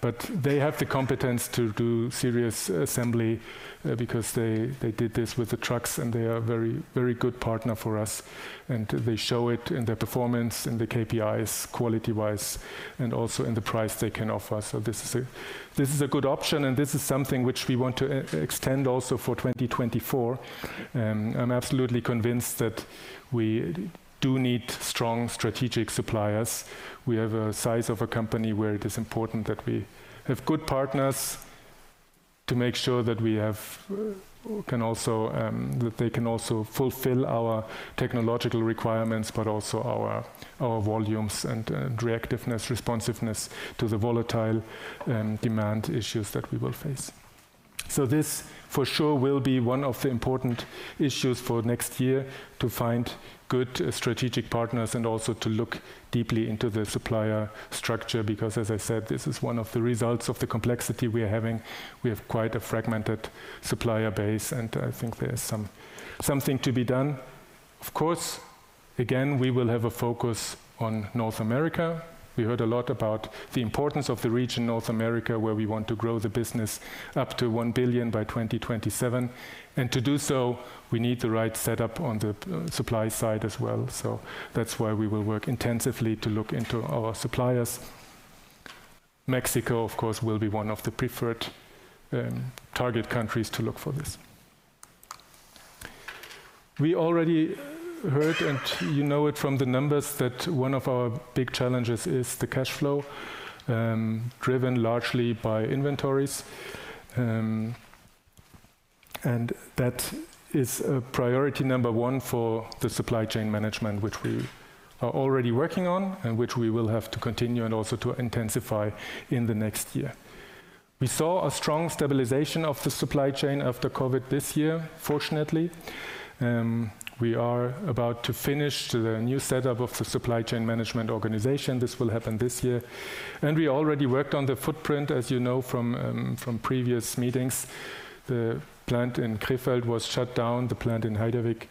But they have the competence to do serious assembly, because they, they did this with the trucks, and they are very, very good partner for us, and they show it in their performance, in the KPIs, quality-wise, and also in the price they can offer us. So this is a, this is a good option, and this is something which we want to extend also for 2024. I'm absolutely convinced that we do need strong strategic suppliers. We have a size of a company where it is important that we have good partners to make sure that we have, can also, that they can also fulfill our technological requirements, but also our, our volumes and, reactiveness, responsiveness to the volatile, demand issues that we will face. So this for sure will be one of the important issues for next year, to find good strategic partners and also to look deeply into the supplier structure, because, as I said, this is one of the results of the complexity we are having. We have quite a fragmented supplier base, and I think there's something to be done. Of course, again, we will have a focus on North America. We heard a lot about the importance of the region, North America, where we want to grow the business up to 1 billion by 2027. And to do so, we need the right setup on the supply side as well. So that's why we will work intensively to look into our suppliers. Mexico, of course, will be one of the preferred target countries to look for this. We already heard, and you know it from the numbers, that one of our big challenges is the cash flow, driven largely by inventories. And that is priority number one for the supply chain management, which we are already working on and which we will have to continue and also to intensify in the next year. We saw a strong stabilization of the supply chain after COVID this year, fortunately. We are about to finish the new setup of the supply chain management organization. This will happen this year, and we already worked on the footprint, as you know, from previous meetings. The plant in Krefeld was shut down. The plant in Heideck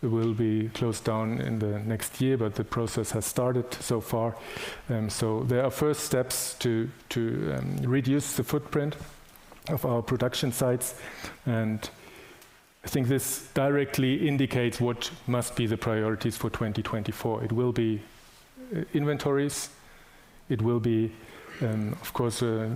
will be closed down in the next year, but the process has started so far. So there are first steps to reduce the footprint of our production sites, and I think this directly indicates what must be the priorities for 2024. It will be inventories, it will be, of course, a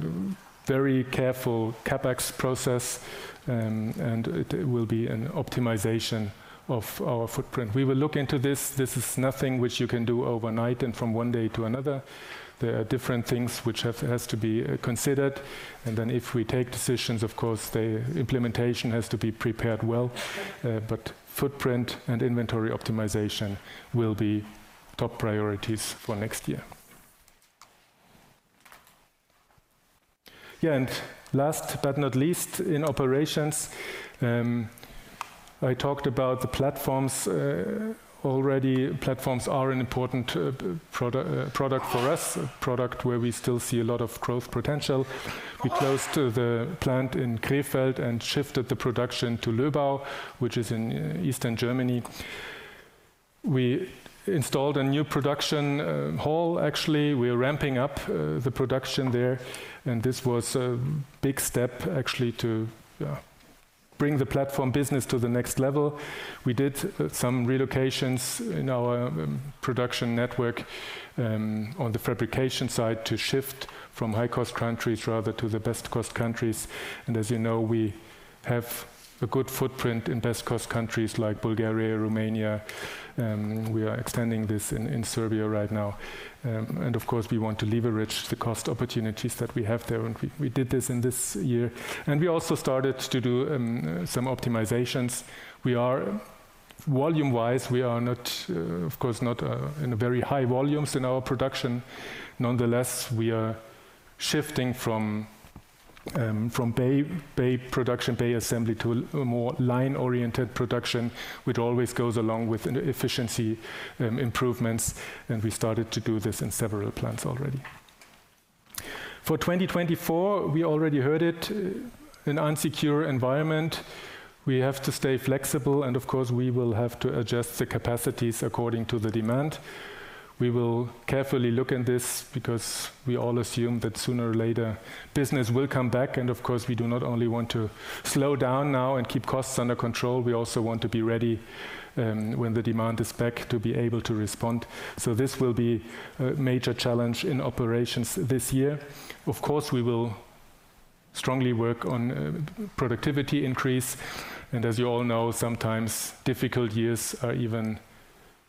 very careful CapEx process, and it will be an optimization of our footprint. We will look into this. This is nothing which you can do overnight and from one day to another. There are different things which has to be considered, and then if we take decisions, of course, the implementation has to be prepared well. But footprint and inventory optimization will be top priorities for next year. Yeah, and last but not least, in operations, I talked about the platforms already. Platforms are an important product for us, a product where we still see a lot of growth potential. We closed the plant in Krefeld and shifted the production to Lübbenau, which is in eastern Germany. We installed a new production hall, actually. We are ramping up the production there, and this was a big step actually to bring the platform business to the next level. We did some relocations in our production network, on the fabrication side, to shift from high-cost countries rather to the best cost countries. And as you know, we have a good footprint in best cost countries like Bulgaria, Romania, we are extending this in Serbia right now. And of course, we want to leverage the cost opportunities that we have there, and we did this in this year. And we also started to do some optimizations. We are, volume-wise, we are not, of course, not in very high volumes in our production. Nonetheless, we are shifting from bay production, bay assembly, to a more line-oriented production, which always goes along with efficiency improvements, and we started to do this in several plants already. For 2024, we already heard it an insecure environment. We have to stay flexible, and of course, we will have to adjust the capacities according to the demand. We will carefully look in this because we all assume that sooner or later, business will come back, and of course, we do not only want to slow down now and keep costs under control, we also want to be ready, when the demand is back to be able to respond. So this will be a major challenge in operations this year. Of course, we will strongly work on, productivity increase, and as you all know, sometimes difficult years are even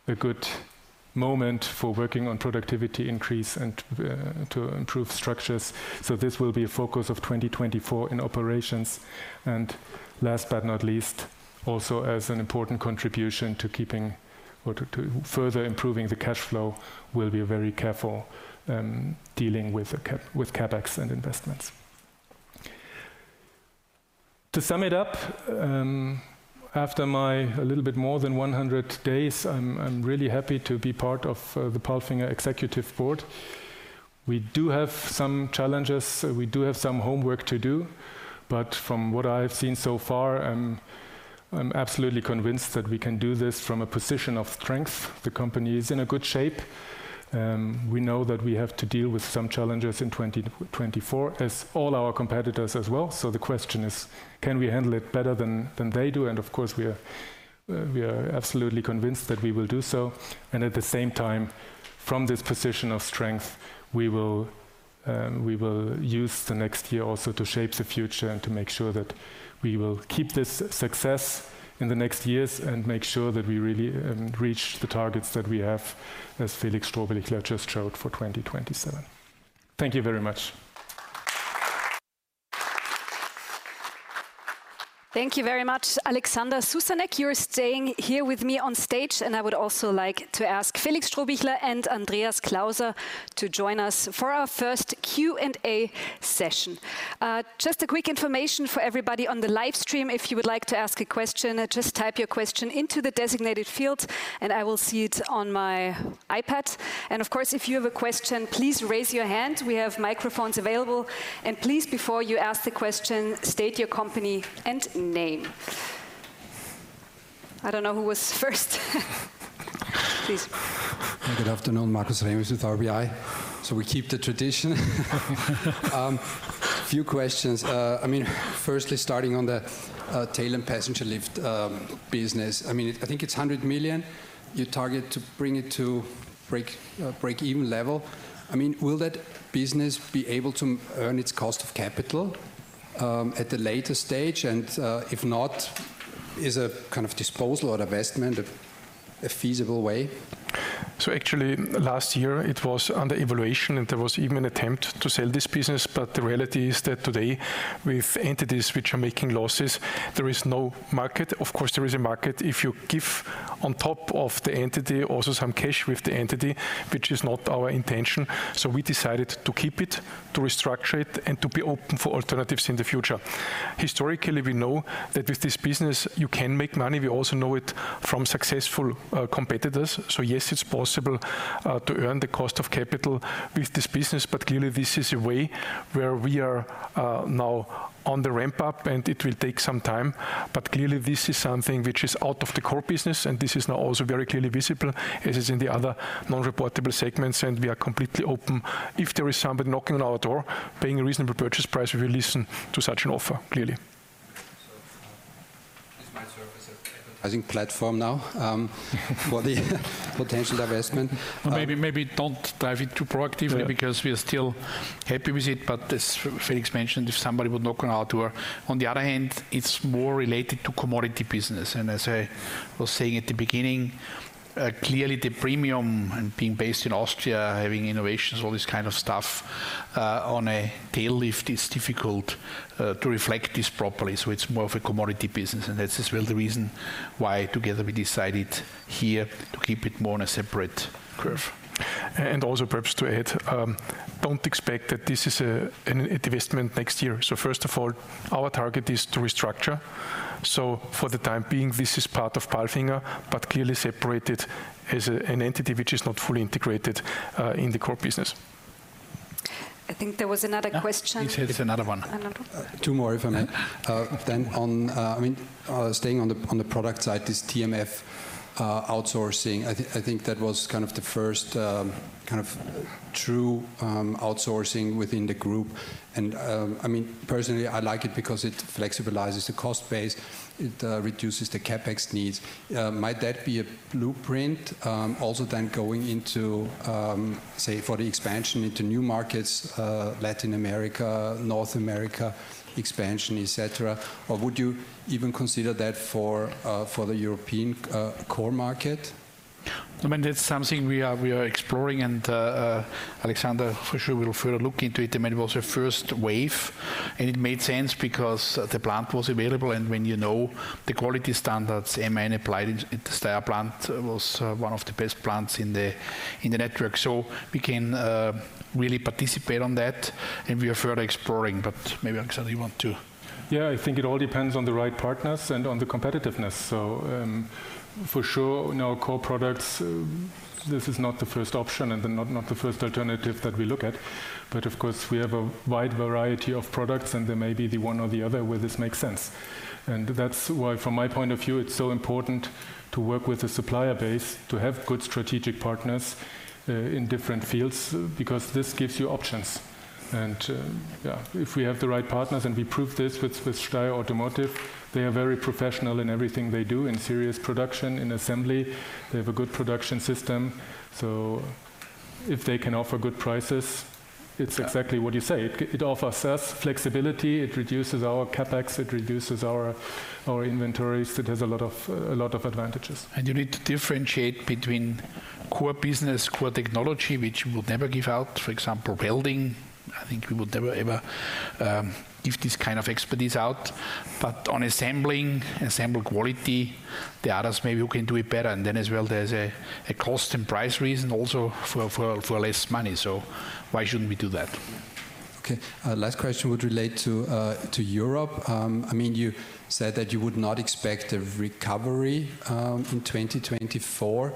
a good moment for working on productivity increase and, to improve structures. So this will be a focus of 2024 in operations. And last but not least, also as an important contribution to keeping or to further improving the cash flow, we'll be very careful dealing with the CapEx and investments. To sum it up, after my a little bit more than 100 days, I'm really happy to be part of the PALFINGER Executive Board. We do have some challenges. We do have some homework to do, but from what I've seen so far, I'm absolutely convinced that we can do this from a position of strength. The company is in a good shape. We know that we have to deal with some challenges in 2024, as all our competitors as well. So the question is: Can we handle it better than they do? And of course, we are absolutely convinced that we will do so. At the same time, from this position of strength, we will, we will use the next year also to shape the future and to make sure that we will keep this success in the next years and make sure that we really reach the targets that we have, as Felix Strohbichler just showed for 2027. Thank you very much. Thank you very much, Alexander Susanek. You're staying here with me on stage, and I would also like to ask Felix Strohbichler and Andreas Klauser to join us for our first Q&A session. Just a quick information for everybody on the live stream. If you would like to ask a question, just type your question into the designated field, and I will see it on my iPad. And of course, if you have a question, please raise your hand. We have microphones available. And please, before you ask the question, state your company and name. I don't know who was first. Please. Good afternoon, Markus Remis with RBI. We keep the tradition. A few questions. I mean, firstly, starting on the tail and passenger lift business. I mean, I think it's 100 million, you target to bring it to break-even level. I mean, will that business be able to earn its cost of capital at the later stage? And if not, is a kind of disposal or divestment a feasible way? So actually, last year it was under evaluation, and there was even an attempt to sell this business. But the reality is that today, with entities which are making losses, there is no market. Of course, there is a market if you give on top of the entity also some cash with the entity, which is not our intention. So we decided to keep it, to restructure it, and to be open for alternatives in the future. Historically, we know that with this business you can make money. We also know it from successful competitors. So yes, it's possible to earn the cost of capital with this business, but clearly this is a way where we are now on the ramp up, and it will take some time. But clearly, this is something which is out of the core business, and this is now also very clearly visible, as is in the other non-reportable segments, and we are completely open. If there is somebody knocking on our door, paying a reasonable purchase price, we will listen to such an offer, clearly. So, is my service as a platform now for the potential divestment? Maybe, maybe don't drive it too proactively because we are still happy with it. But as Felix mentioned, if somebody would knock on our door. On the other hand, it's more related to commodity business, and as I was saying at the beginning, clearly, the premium and being based in Austria, having innovations, all this kind of stuff, on a tail lift, it's difficult, to reflect this properly. So it's more of a commodity business, and that is really the reason why together we decided here to keep it more on a separate curve. And also, perhaps to add, don't expect that this is a divestment next year. So first of all, our target is to restructure. So for the time being, this is part of PALFINGER, but clearly separated as an entity which is not fully integrated in the core business. I think there was another question. Yeah, there's another one. Another one. Two more, if I may. Then on, I mean, staying on the product side, this TMF outsourcing, I think that was kind of the first kind of true outsourcing within the group. And, I mean, personally, I like it because it flexibilizes the cost base, it reduces the CapEx needs. Might that be a blueprint, also then going into, say, for the expansion into new markets, Latin America, North America expansion, et cetera? Or would you even consider that for the European core market? I mean, that's something we are exploring, and Alexander for sure will further look into it. I mean, it was a first wave, and it made sense because the plant was available. And when you know the quality standards BMW applied in the Steyr plant, it was one of the best plants in the network. So we can really participate on that, and we are further exploring. But maybe, Alexander, you want to? Yeah, I think it all depends on the right partners and on the competitiveness. So, for sure, in our core products, this is not the first option and not the first alternative that we look at. But of course, we have a wide variety of products, and there may be the one or the other where this makes sense. And that's why, from my point of view, it's so important to work with the supplier base, to have good strategic partners in different fields, because this gives you options. And yeah, if we have the right partners, and we proved this with Steyr Automotive, they are very professional in everything they do, in series production, in assembly. They have a good production system, so if they can offer good prices, it's exactly what you say. It, it offers us flexibility, it reduces our CapEx, it reduces our inventories. It has a lot of, a lot of advantages. You need to differentiate between core business, core technology, which we will never give out. For example, welding, I think we would never, ever, give this kind of expertise out. But on assembling, assembly quality, there are others maybe who can do it better. Then as well, there's a cost and price reason also for less money, so why shouldn't we do that? Okay, last question would relate to Europe. I mean, you said that you would not expect a recovery in 2024.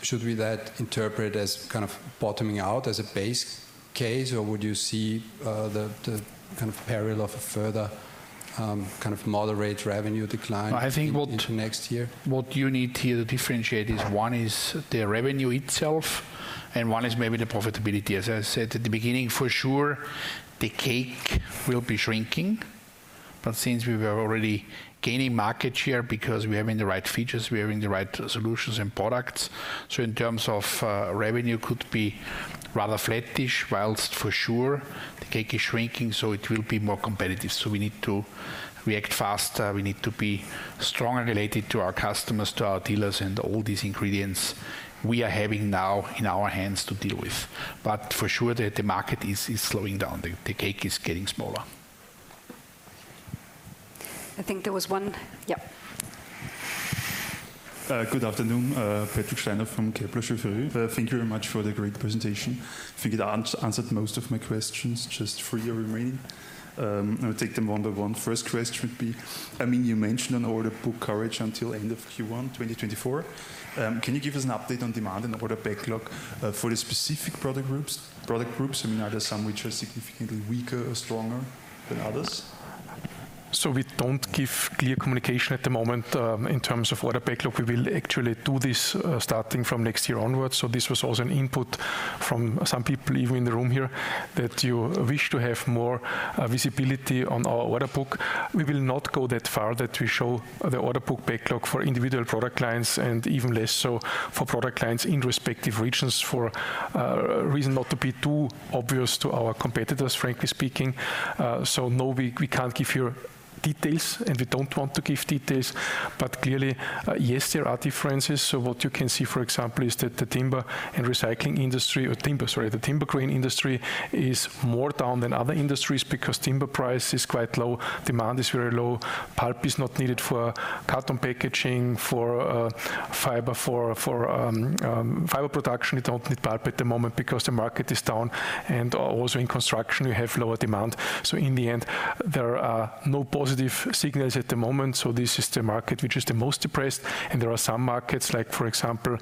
Should we that interpret as kind of bottoming out as a base case, or would you see the kind of peril of a further kind of moderate revenue decline into next year? What you need here to differentiate is, one is the revenue itself, and one is maybe the profitability. As I said at the beginning, for sure, the cake will be shrinking, but since we were already gaining market share because we are having the right features, we are having the right solutions and products. So in terms of revenue, could be rather flattish, whilst for sure the cake is shrinking, so it will be more competitive. So we need to react faster, we need to be stronger related to our customers, to our dealers, and all these ingredients we are having now in our hands to deal with. But for sure, the market is slowing down. The cake is getting smaller. I think there was one. Yep. Good afternoon, Patrick Steiner from Kepler Cheuvreux. Thank you very much for the great presentation. I think it answered most of my questions, just three are remaining. I'll take them one by one. First question would be, I mean, you mentioned an order book coverage until end of Q1 2024. Can you give us an update on demand and order backlog for the specific product groups? Product groups, I mean, are there some which are significantly weaker or stronger than others? So we don't give clear communication at the moment in terms of order backlog. We will actually do this starting from next year onwards. So this was also an input from some people even in the room here, that you wish to have more visibility on our order book. We will not go that far that we show the order book backlog for individual product lines, and even less so for product lines in respective regions, for reason not to be too obvious to our competitors, frankly speaking. So no, we can't give you details, and we don't want to give details, but clearly yes, there are differences. So what you can see, for example, is that the timber and recycling industry or timber, sorry, the timber crane industry is more down than other industries because timber price is quite low, demand is very low. Pulp is not needed for carton packaging, for fiber production. You don't need pulp at the moment because the market is down, and also in construction, you have lower demand. So in the end, there are no positive signals at the moment. So this is the market which is the most depressed, and there are some markets like, for example,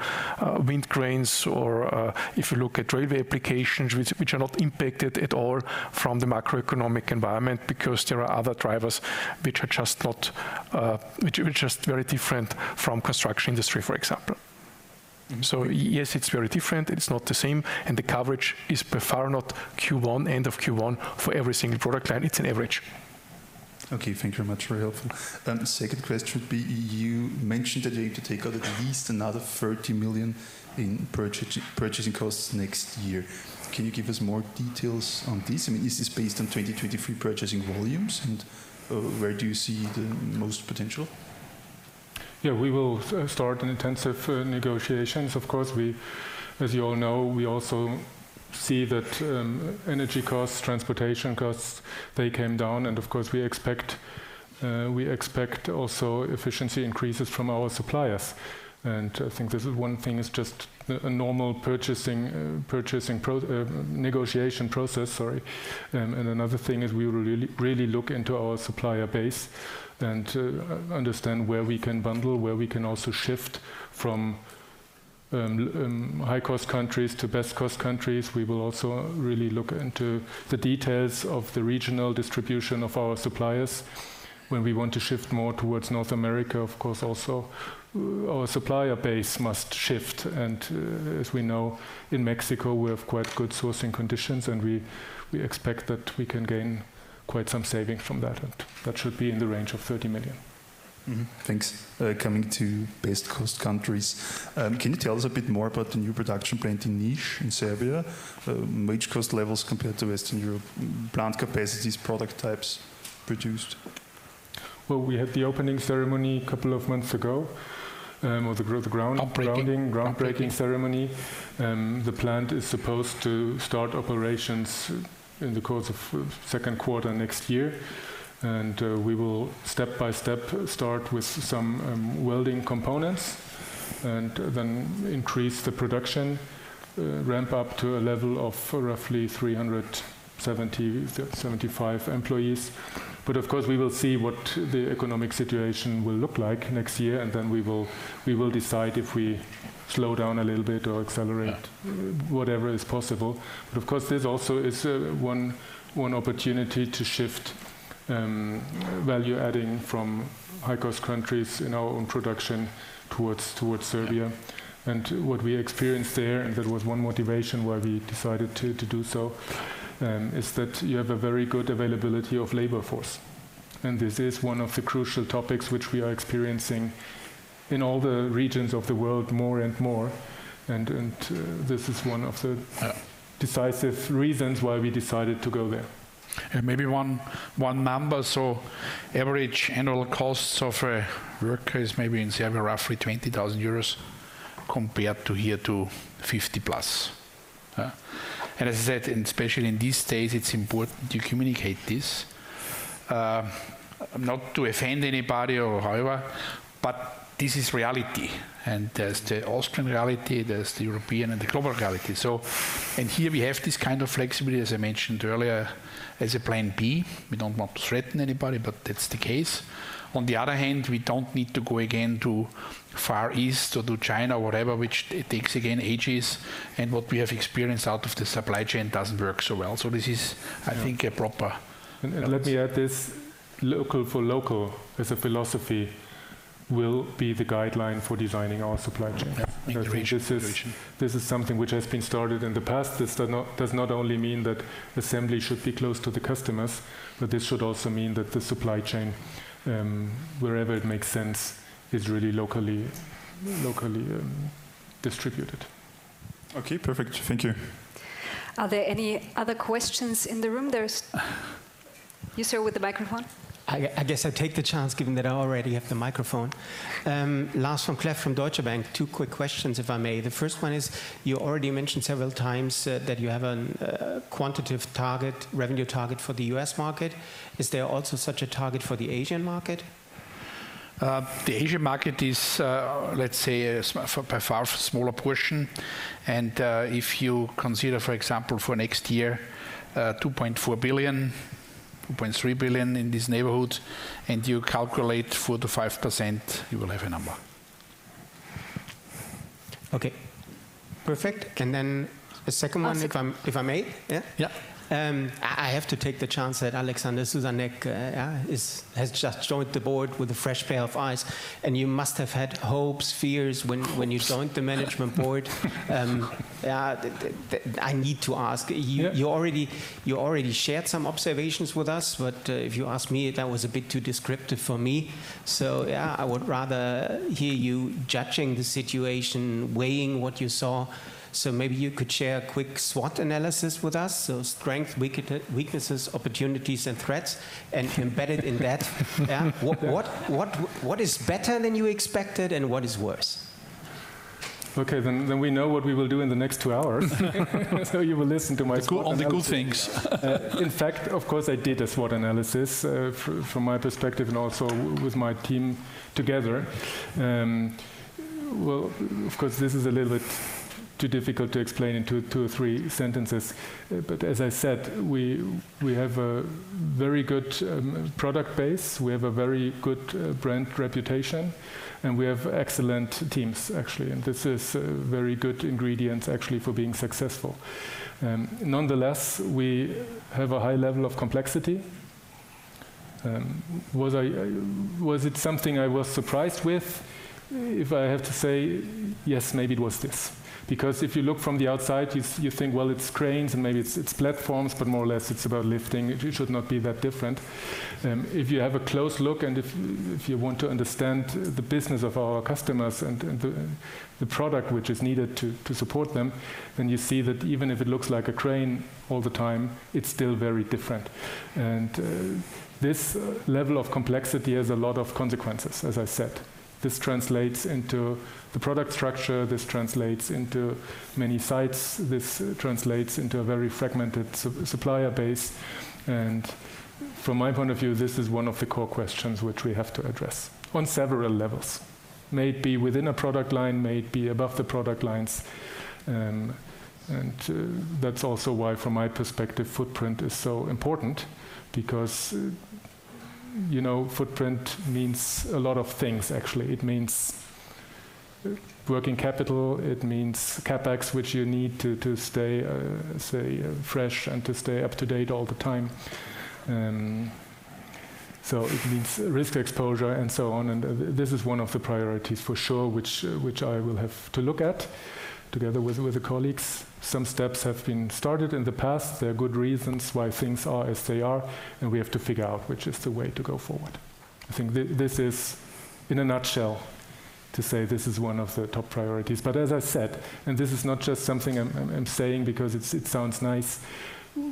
wind cranes or, if you look at railway applications, which are not impacted at all from the macroeconomic environment, because there are other drivers which are just not, which are just very different from construction industry, for example. So yes, it's very different. It's not the same, and the coverage is by far not Q1, end of Q1 for every single product line. It's an average. Okay, thank you very much. Very helpful. Then the second question would be, you mentioned that you need to take out at least another 30 million in purchasing costs next year. Can you give us more details on this? I mean, is this based on 2023 purchasing volumes, and where do you see the most potential? Yeah, we will start an intensive negotiations. Of course, we, as you all know, we also see that energy costs, transportation costs, they came down, and of course, we expect we expect also efficiency increases from our suppliers. And I think this is one thing, is just a normal purchasing negotiation process, sorry. And another thing is we will really, really look into our supplier base and understand where we can bundle, where we can also shift from high-cost countries to best cost countries. We will also really look into the details of the regional distribution of our suppliers. When we want to shift more towards North America, of course, also, our supplier base must shift, and, as we know, in Mexico, we have quite good sourcing conditions, and we expect that we can gain quite some saving from that, and that should be in the range of 30 million. Thanks. Coming to best cost countries, can you tell us a bit more about the new production plant in Niš, in Serbia? Wage cost levels compared to Western Europe, plant capacities, product types produced? Well, we had the opening ceremony a couple of months ago, or the ground, groundbreaking ceremony. The plant is supposed to start operations in the course of second quarter next year, and we will step by step start with some welding components and then increase the production, ramp up to a level of roughly 370-375 employees. But of course, we will see what the economic situation will look like next year, and then we will decide if we slow down a little bit or accelerate whatever is possible. But of course, this also is one opportunity to shift value-adding from high-cost countries in our own production towards Serbia. And what we experienced there, and that was one motivation why we decided to do so, is that you have a very good availability of labor force. And this is one of the crucial topics which we are experiencing in all the regions of the world, more and more, and this is one of the decisive reasons why we decided to go there. And maybe one number. Average annual costs of a worker is maybe in Serbia, roughly 20,000 euros, compared to here to 50,000+. And as I said, and especially in these days, it's important to communicate this. Not to offend anybody or however, but this is reality. And there's the Austrian reality, there's the European and the global reality. So, and here we have this kind of flexibility, as I mentioned earlier, as a plan B. We don't want to threaten anybody, but that's the case. On the other hand, we don't need to go again to Far East or to China or whatever, which it takes again, ages, and what we have experienced out of the supply chain doesn't work so well. So this is I think. And let me add this, local for local, as a philosophy, will be the guideline for designing our supply chain. Yeah. Integration. This is something which has been started in the past. This does not only mean that assembly should be close to the customers, but this should also mean that the supply chain, wherever it makes sense, is really locally distributed. Okay, perfect. Thank you. Are there any other questions in the room? There's. You, sir, with the microphone. I guess I take the chance, given that I already have the microphone. Lars Vom-Cleff from Deutsche Bank. Two quick questions, if I may. The first one is, you already mentioned several times that you have a quantitative target, revenue target for the U.S. market. Is there also such a target for the Asian market? The Asian market is, let's say, by far a smaller portion. If you consider, for example, for next year, 2.4 billion, 2.3 billion in this neighborhood, and you calculate 4%-5%, you will have a number. Okay, perfect. And then the second one, if I may? Yeah. Yeah. I have to take the chance that Alexander Susanek has just joined the board with a fresh pair of eyes, and you must have had hopes, fears, when you joined the management board. Yeah, I need to ask you already, you already shared some observations with us, but, if you ask me, that was a bit too descriptive for me. So, yeah, I would rather hear you judging the situation, weighing what you saw. So maybe you could share a quick SWOT analysis with us, so strengths, weaknesses, opportunities, and threats, and embedded in that, yeah, what, what, what is better than you expected, and what is worse? Okay, then we know what we will do in the next two hours. So you will listen to my SWOT analysis. All the good things. In fact, of course, I did a SWOT analysis from my perspective and also with my team together. Well, of course, this is a little bit too difficult to explain in two or three sentences, but as I said, we have a very good product base. We have a very good brand reputation, and we have excellent teams, actually, and this is very good ingredients, actually, for being successful. Nonetheless, we have a high level of complexity. Was it something I was surprised with? If I have to say, yes, maybe it was this. Because if you look from the outside, you think, well, it's cranes, and maybe it's platforms, but more or less it's about lifting. It should not be that different. If you have a close look and if you want to understand the business of our customers and the product which is needed to support them, then you see that even if it looks like a crane all the time, it's still very different. This level of complexity has a lot of consequences, as I said. This translates into the product structure. This translates into many sites. This translates into a very fragmented supplier base. And from my point of view, this is one of the core questions which we have to address on several levels. Maybe within a product line, maybe above the product lines. That's also why, from my perspective, footprint is so important because you know, footprint means a lot of things, actually. It means working capital, it means CapEx, which you need to stay, say, fresh and to stay up to date all the time. So it means risk exposure and so on, and this is one of the priorities for sure, which I will have to look at together with the colleagues. Some steps have been started in the past. There are good reasons why things are as they are, and we have to figure out which is the way to go forward. I think this is, in a nutshell, to say this is one of the top priorities. But as I said, and this is not just something I'm saying because it sounds nice,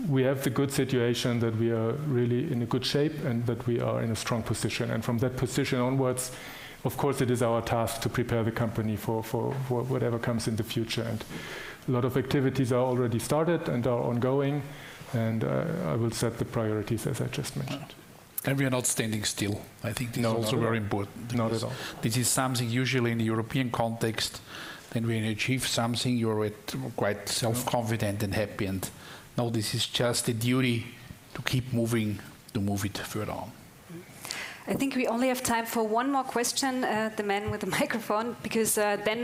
we have the good situation that we are really in a good shape and that we are in a strong position. From that position onwards, of course, it is our task to prepare the company for whatever comes in the future. A lot of activities are already started and are ongoing, and I will set the priorities as I just mentioned. We are not standing still. I think this is also very important. No. This is something usually in the European context, when we achieve something, you are quite self-confident and happy, and now this is just a duty to keep moving, to move it further on. I think we only have time for one more question, the man with the microphone, because, then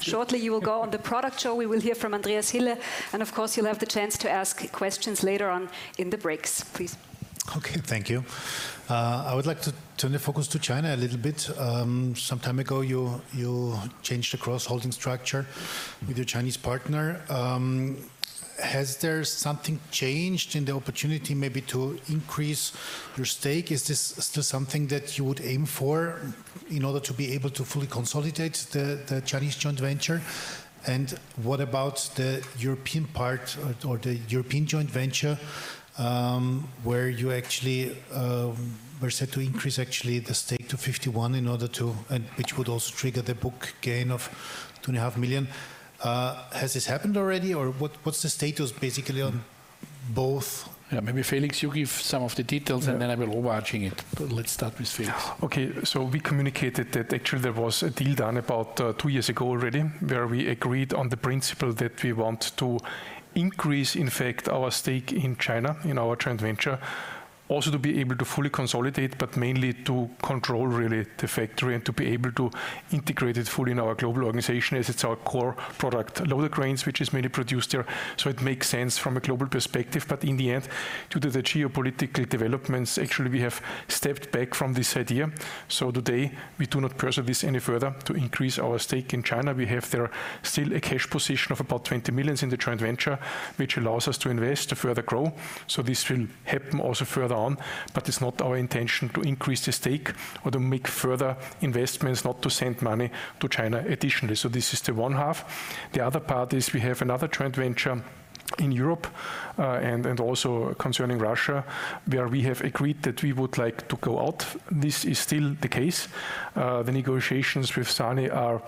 shortly you will go on the product show. We will hear from Andreas Hille, and of course, you'll have the chance to ask questions later on in the breaks. Please. Okay, thank you. I would like to turn the focus to China a little bit. Some time ago, you, you changed the cross-holding structure with your Chinese partner. Has there something changed in the opportunity maybe to increase your stake? Is this still something that you would aim for in order to be able to fully consolidate the, the Chinese joint venture? And what about the European part or, or the European joint venture, where you actually, were set to increase actually the stake to 51 in order to, which would also trigger the book gain of 2.5 million. Has this happened already, or what, what's the status, basically, on both? Yeah, maybe Felix, you give some of the details, and then I will watch it. But let's start with Felix. Okay, so we communicated that actually there was a deal done about two years ago already, where we agreed on the principle that we want to increase, in fact, our stake in China, in our joint venture. Also, to be able to fully consolidate, but mainly to control really the factory and to be able to integrate it fully in our global organization as it's our core product. A lot of the cranes, which is mainly produced there, so it makes sense from a global perspective. But in the end, due to the geopolitical developments, actually, we have stepped back from this idea. So today, we do not pursue this any further to increase our stake in China. We have there still a cash position of about 20 million in the joint venture, which allows us to invest, to further grow. So this will happen also further on, but it's not our intention to increase the stake or to make further investments, not to send money to China additionally. So this is the one half. The other part is we have another joint venture in Europe, and also concerning Russia, where we have agreed that we would like to go out. This is still the case. The negotiations with SANY are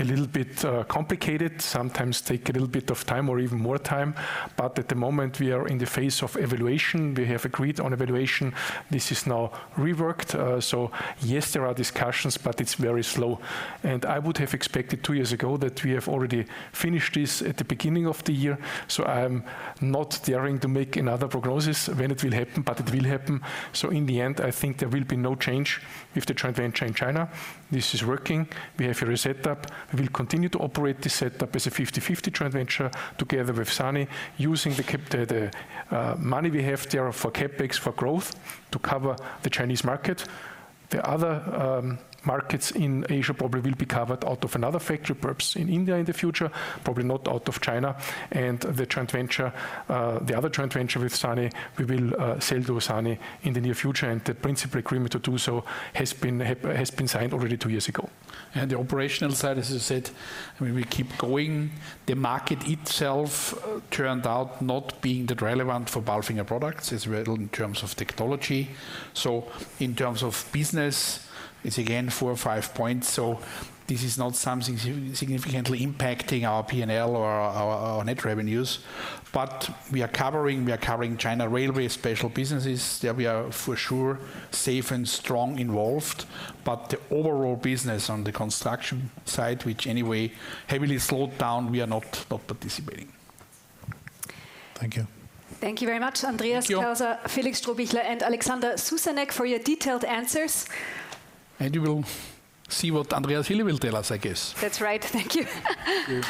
a little bit complicated, sometimes take a little bit of time or even more time, but at the moment, we are in the phase of evaluation. We have agreed on evaluation. This is now reworked. So yes, there are discussions, but it's very slow. I would have expected two years ago that we have already finished this at the beginning of the year, so I'm not daring to make another prognosis when it will happen, but it will happen. So in the end, I think there will be no change with the joint venture in China, this is working. We have a set up. We will continue to operate this setup as a 50/50 joint venture together with SANY, using the money we have there for CapEx, for growth, to cover the Chinese market. The other markets in Asia probably will be covered out of another factory, perhaps in India in the future, probably not out of China. The joint venture, the other joint venture with SANY, we will sell to SANY in the near future, and the principal agreement to do so has been signed already two years ago. The operational side, as I said, I mean, we keep going. The market itself turned out not being that relevant for PALFINGER products, as well in terms of technology. So in terms of business, it's again four or five points, so this is not something significantly impacting our P&L or our net revenues. But we are covering, we are covering China Railway, special businesses. There we are for sure, safe and strong involved. But the overall business on the construction side, which anyway, heavily slowed down, we are not participating. Thank you. Thank you very much, Andreas Klauser, Felix Strohbichler and Alexander Susanek for your detailed answers. You will see what Andreas Hille will tell us, I guess. That's right. Thank you. Thank you.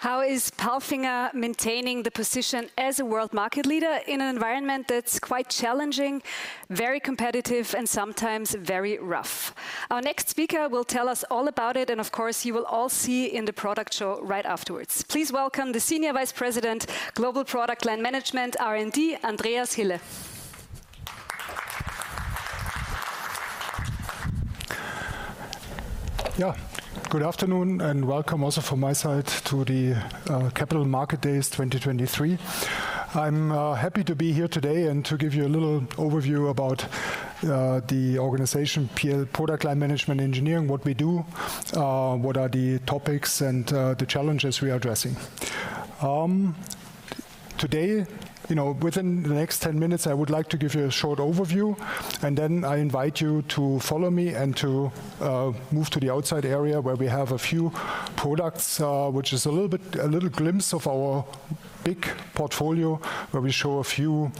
How is PALFINGER maintaining the position as a world market leader in an environment that's quite challenging, very competitive, and sometimes very rough? Our next speaker will tell us all about it, and of course, you will all see in the product show right afterwards. Please welcome the Senior Vice President, Global Product Line Management, R&D, Andreas Hille. Yeah. Good afternoon, and welcome also from my side to the Capital Market Days 2023. I'm happy to be here today and to give you a little overview about the organization, PL, Product Line Management Engineering, what we do, what are the topics, and the challenges we are addressing. Today, you know, within the next 10 minutes, I would like to give you a short overview, and then I invite you to follow me and to move to the outside area, where we have a few products, which is a little glimpse of our big portfolio, where we show a few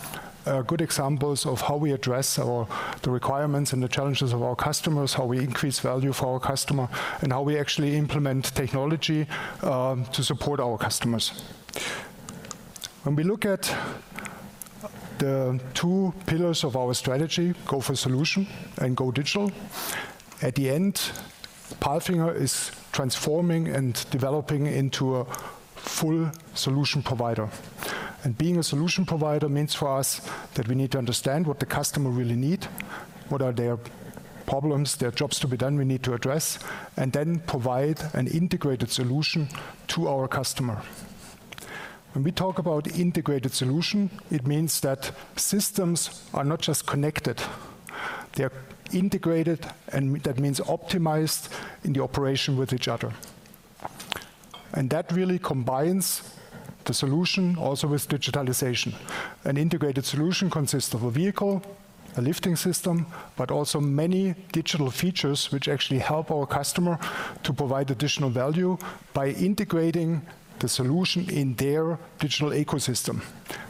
good examples of how we address our... the requirements and the challenges of our customers, how we increase value for our customer, and how we actually implement technology to support our customers. When we look at the two pillars of our strategy, Go for Solution and Go Digital, at the end, PALFINGER is transforming and developing into a full solution provider. And being a solution provider means for us that we need to understand what the customer really need, what are their problems, their jobs to be done, we need to address, and then provide an integrated solution to our customer. When we talk about integrated solution, it means that systems are not just connected, they are integrated, and that means optimized in the operation with each other. And that really combines the solution also with digitalization. An integrated solution consists of a vehicle, a lifting system, but also many digital features which actually help our customer to provide additional value by integrating the solution in their digital ecosystem.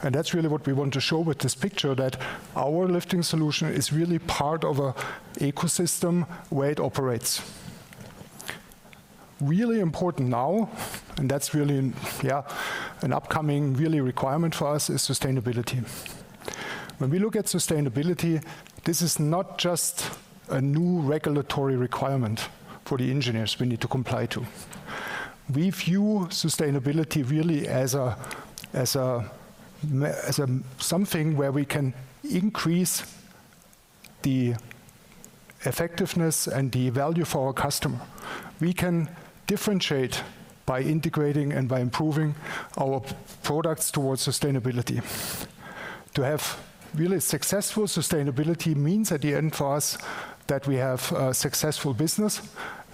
That's really what we want to show with this picture, that our lifting solution is really part of an ecosystem where it operates. Really important now, and that's really an upcoming requirement for us, is sustainability. When we look at sustainability, this is not just a new regulatory requirement for the engineers we need to comply to. We view sustainability really as a something where we can increase the effectiveness and the value for our customer. We can differentiate by integrating and by improving our products towards sustainability. To have really successful sustainability means at the end for us, that we have a successful business.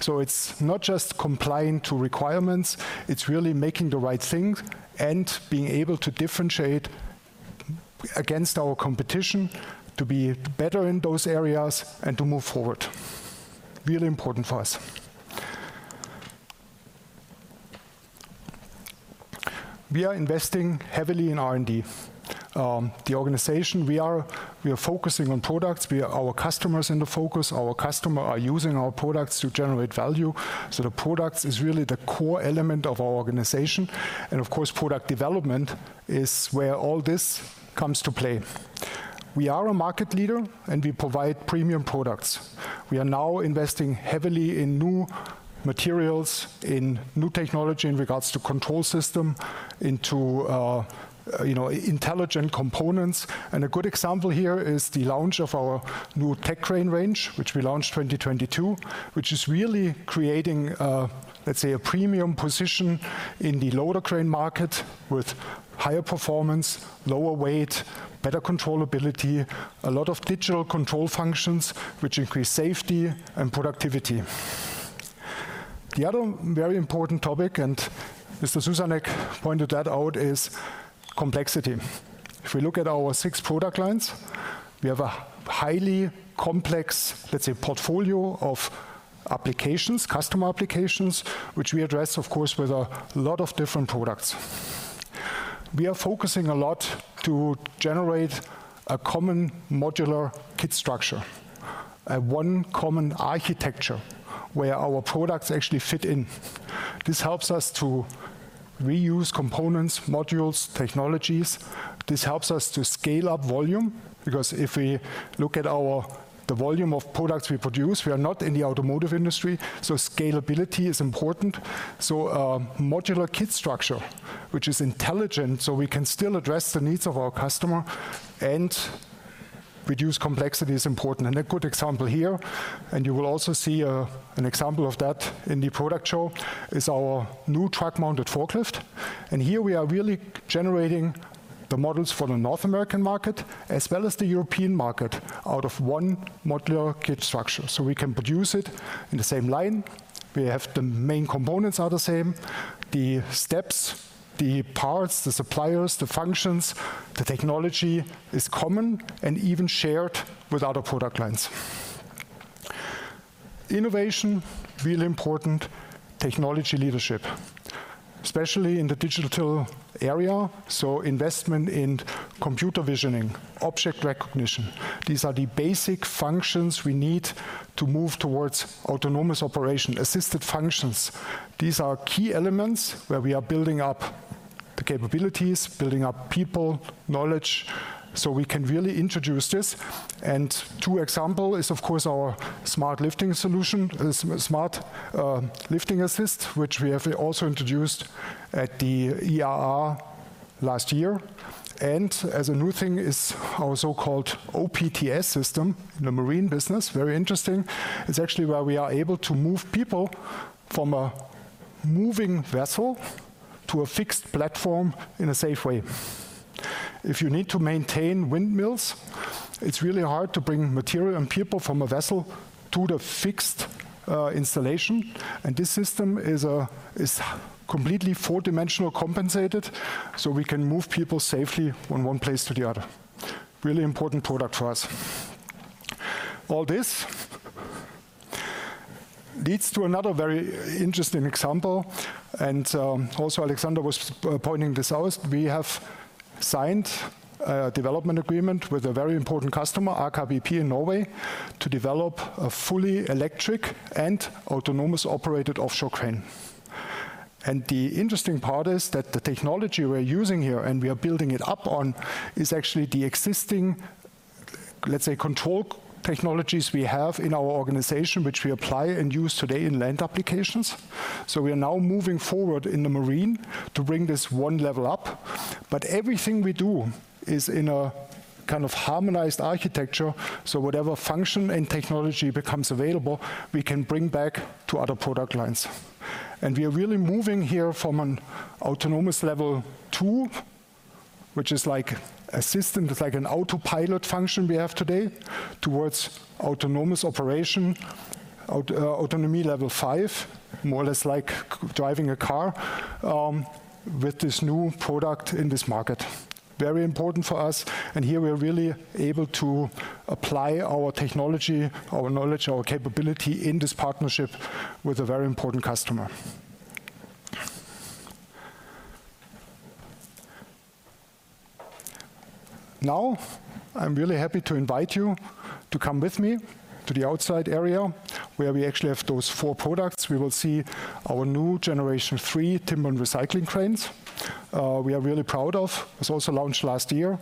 So it's not just complying to requirements, it's really making the right things and being able to differentiate against our competition, to be better in those areas, and to move forward. Really important for us. We are investing heavily in R&D. The organization, we are focusing on products, we are—our customer is in the focus, our customer are using our products to generate value, so the products is really the core element of our organization. And of course, product development is where all this comes to play. We are a market leader, and we provide premium products. We are now investing heavily in new materials, in new technology in regards to control system, into, you know, intelligent components. And a good example here is the launch of our new TEC range, which we launched 2022, which is really creating, let's say, a premium position in the Loader Crane market with higher performance, lower weight, better controllability, a lot of digital control functions, which increase safety and productivity. The other very important topic, and Mr. Susanek pointed that out, is complexity. If we look at our six product lines, we have a highly complex, let's say, portfolio of applications, customer applications, which we address, of course, with a lot of different products. We are focusing a lot to generate a common modular kit structure, one common architecture where our products actually fit in. This helps us to reuse components, modules, technologies. This helps us to scale up volume, because if we look at the volume of products we produce, we are not in the automotive industry, so scalability is important. So, modular kit structure, which is intelligent, so we can still address the needs of our customer and reduce complexity, is important. And a good example here, and you will also see an example of that in the product show, is our new truck-mounted forklift. Here we are really generating the models for the North American market, as well as the European market, out of one modular kit structure. We can produce it in the same line. We have the main components are the same, the steps, the parts, the suppliers, the functions, the technology is common and even shared with other product lines. Innovation, really important. Technology leadership, especially in the digital area, so investment in computer visioning, object recognition, these are the basic functions we need to move towards autonomous operation. Assisted functions, these are key elements where we are building up the capabilities, building up people, knowledge, so we can really introduce this. And two example is, of course, our Smart Lifting Assist, which we have also introduced at the IAA last year. And as a new thing is our so-called OPTS system in the marine business. Very interesting. It's actually where we are able to move people from a moving vessel to a fixed platform in a safe way. If you need to maintain windmills, it's really hard to bring material and people from a vessel to the fixed installation, and this system is completely four-dimensional compensated, so we can move people safely from one place to the other. Really important product for us. All this leads to another very interesting example, and also Alexander was pointing this out. We have signed a development agreement with a very important customer, Aker BP, in Norway, to develop a fully electric and autonomous-operated off-shore crane. The interesting part is that the technology we're using here, and we are building it up on, is actually the existing, let's say, control technologies we have in our organization, which we apply and use today in land applications. We are now moving forward in the marine to bring this one level up. Everything we do is in a kind of harmonized architecture, so whatever function and technology becomes available, we can bring back to other product lines. We are really moving here from an autonomous level two, which is like a system, it's like an autopilot function we have today, towards autonomous operation, autonomy level five, more or less like driving a car, with this new product in this market. Very important for us, and here we are really able to apply our technology, our knowledge, our capability in this partnership with a very important customer. Now, I'm really happy to invite you to come with me to the outside area, where we actually have those four products. We will see our new Generation 3 timber and recycling cranes, we are really proud of. It was also launched last year,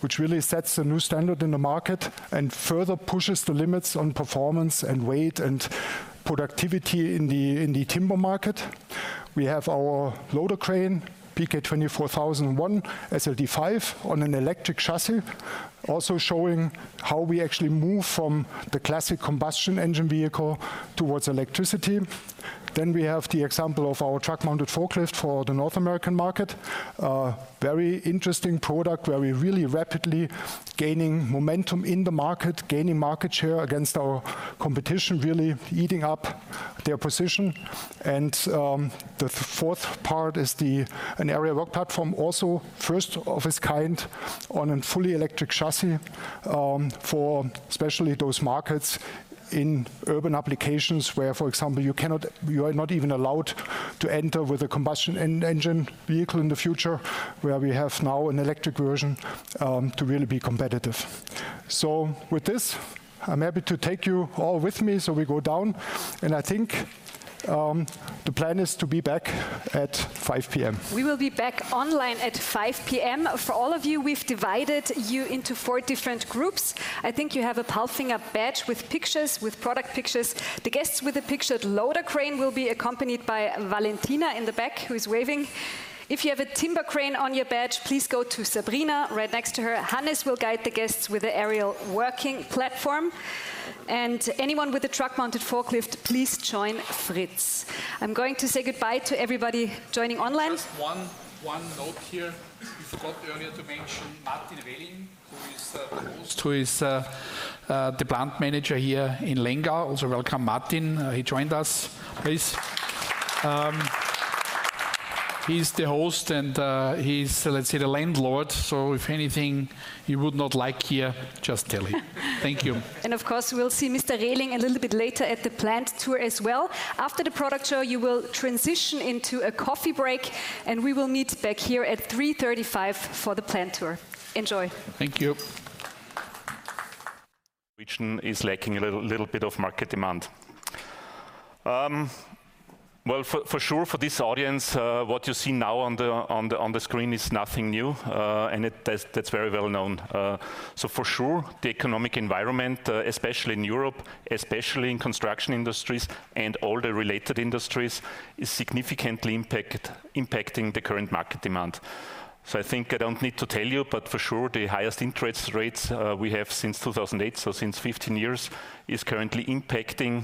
which really sets a new standard in the market and further pushes the limits on performance, and weight, and productivity in the, in the timber market. We have our Loader Crane, PK24.001 SLD5, on an electric chassis, also showing how we actually move from the classic combustion engine vehicle towards electricity. Then, we have the example of our truck-mounted forklift for the North American market. Very interesting product where we're really rapidly gaining momentum in the market, gaining market share against our competition, really eating up their position. And, the fourth part is the an aerial work platform, also first of its kind on a fully electric chassis, for especially those markets in urban applications where, for example, you cannot-- you are not even allowed to enter with a combustion engine vehicle in the future, where we have now an electric version, to really be competitive. So with this, I'm happy to take you all with me. So we go down, and I think, the plan is to be back at 5:00 P.M. We will be back online at 5:00 P.M. For all of you, we've divided you into four different groups. I think you have a PALFINGER badge with pictures, with product pictures. The guests with a pictured Loader Crane will be accompanied by Valentina in the back, who is waving. If you have a timber crane on your badge, please go to Sabrina, right next to her. Hannes will guide the guests with the aerial working platform. And anyone with a truck-mounted forklift, please join Fritz. I'm going to say goodbye to everybody joining online. Just one note here. We forgot earlier to mention Martin Rehling, who is the host, who is the Plant Manager here in Lengau. Also, welcome, Martin. He joined us. Please. He's the host, and he's, let's say, the landlord. So if anything you would not like here, just tell him. Thank you. Of course, we'll see Mr. Rehling a little bit later at the plant tour as well. After the product show, you will transition into a coffee break, and we will meet back here at 3:35 P.M. for the plant tour. Enjoy. Thank you. Which is lacking a little bit of market demand. Well, for sure, for this audience, what you see now on the screen is nothing new, and that's very well known. So for sure, the economic environment, especially in Europe, especially in construction industries and all the related industries, is significantly impacting the current market demand. So I think I don't need to tell you, but for sure, the highest interest rates we have since 2008, so since 15 years, is currently impacting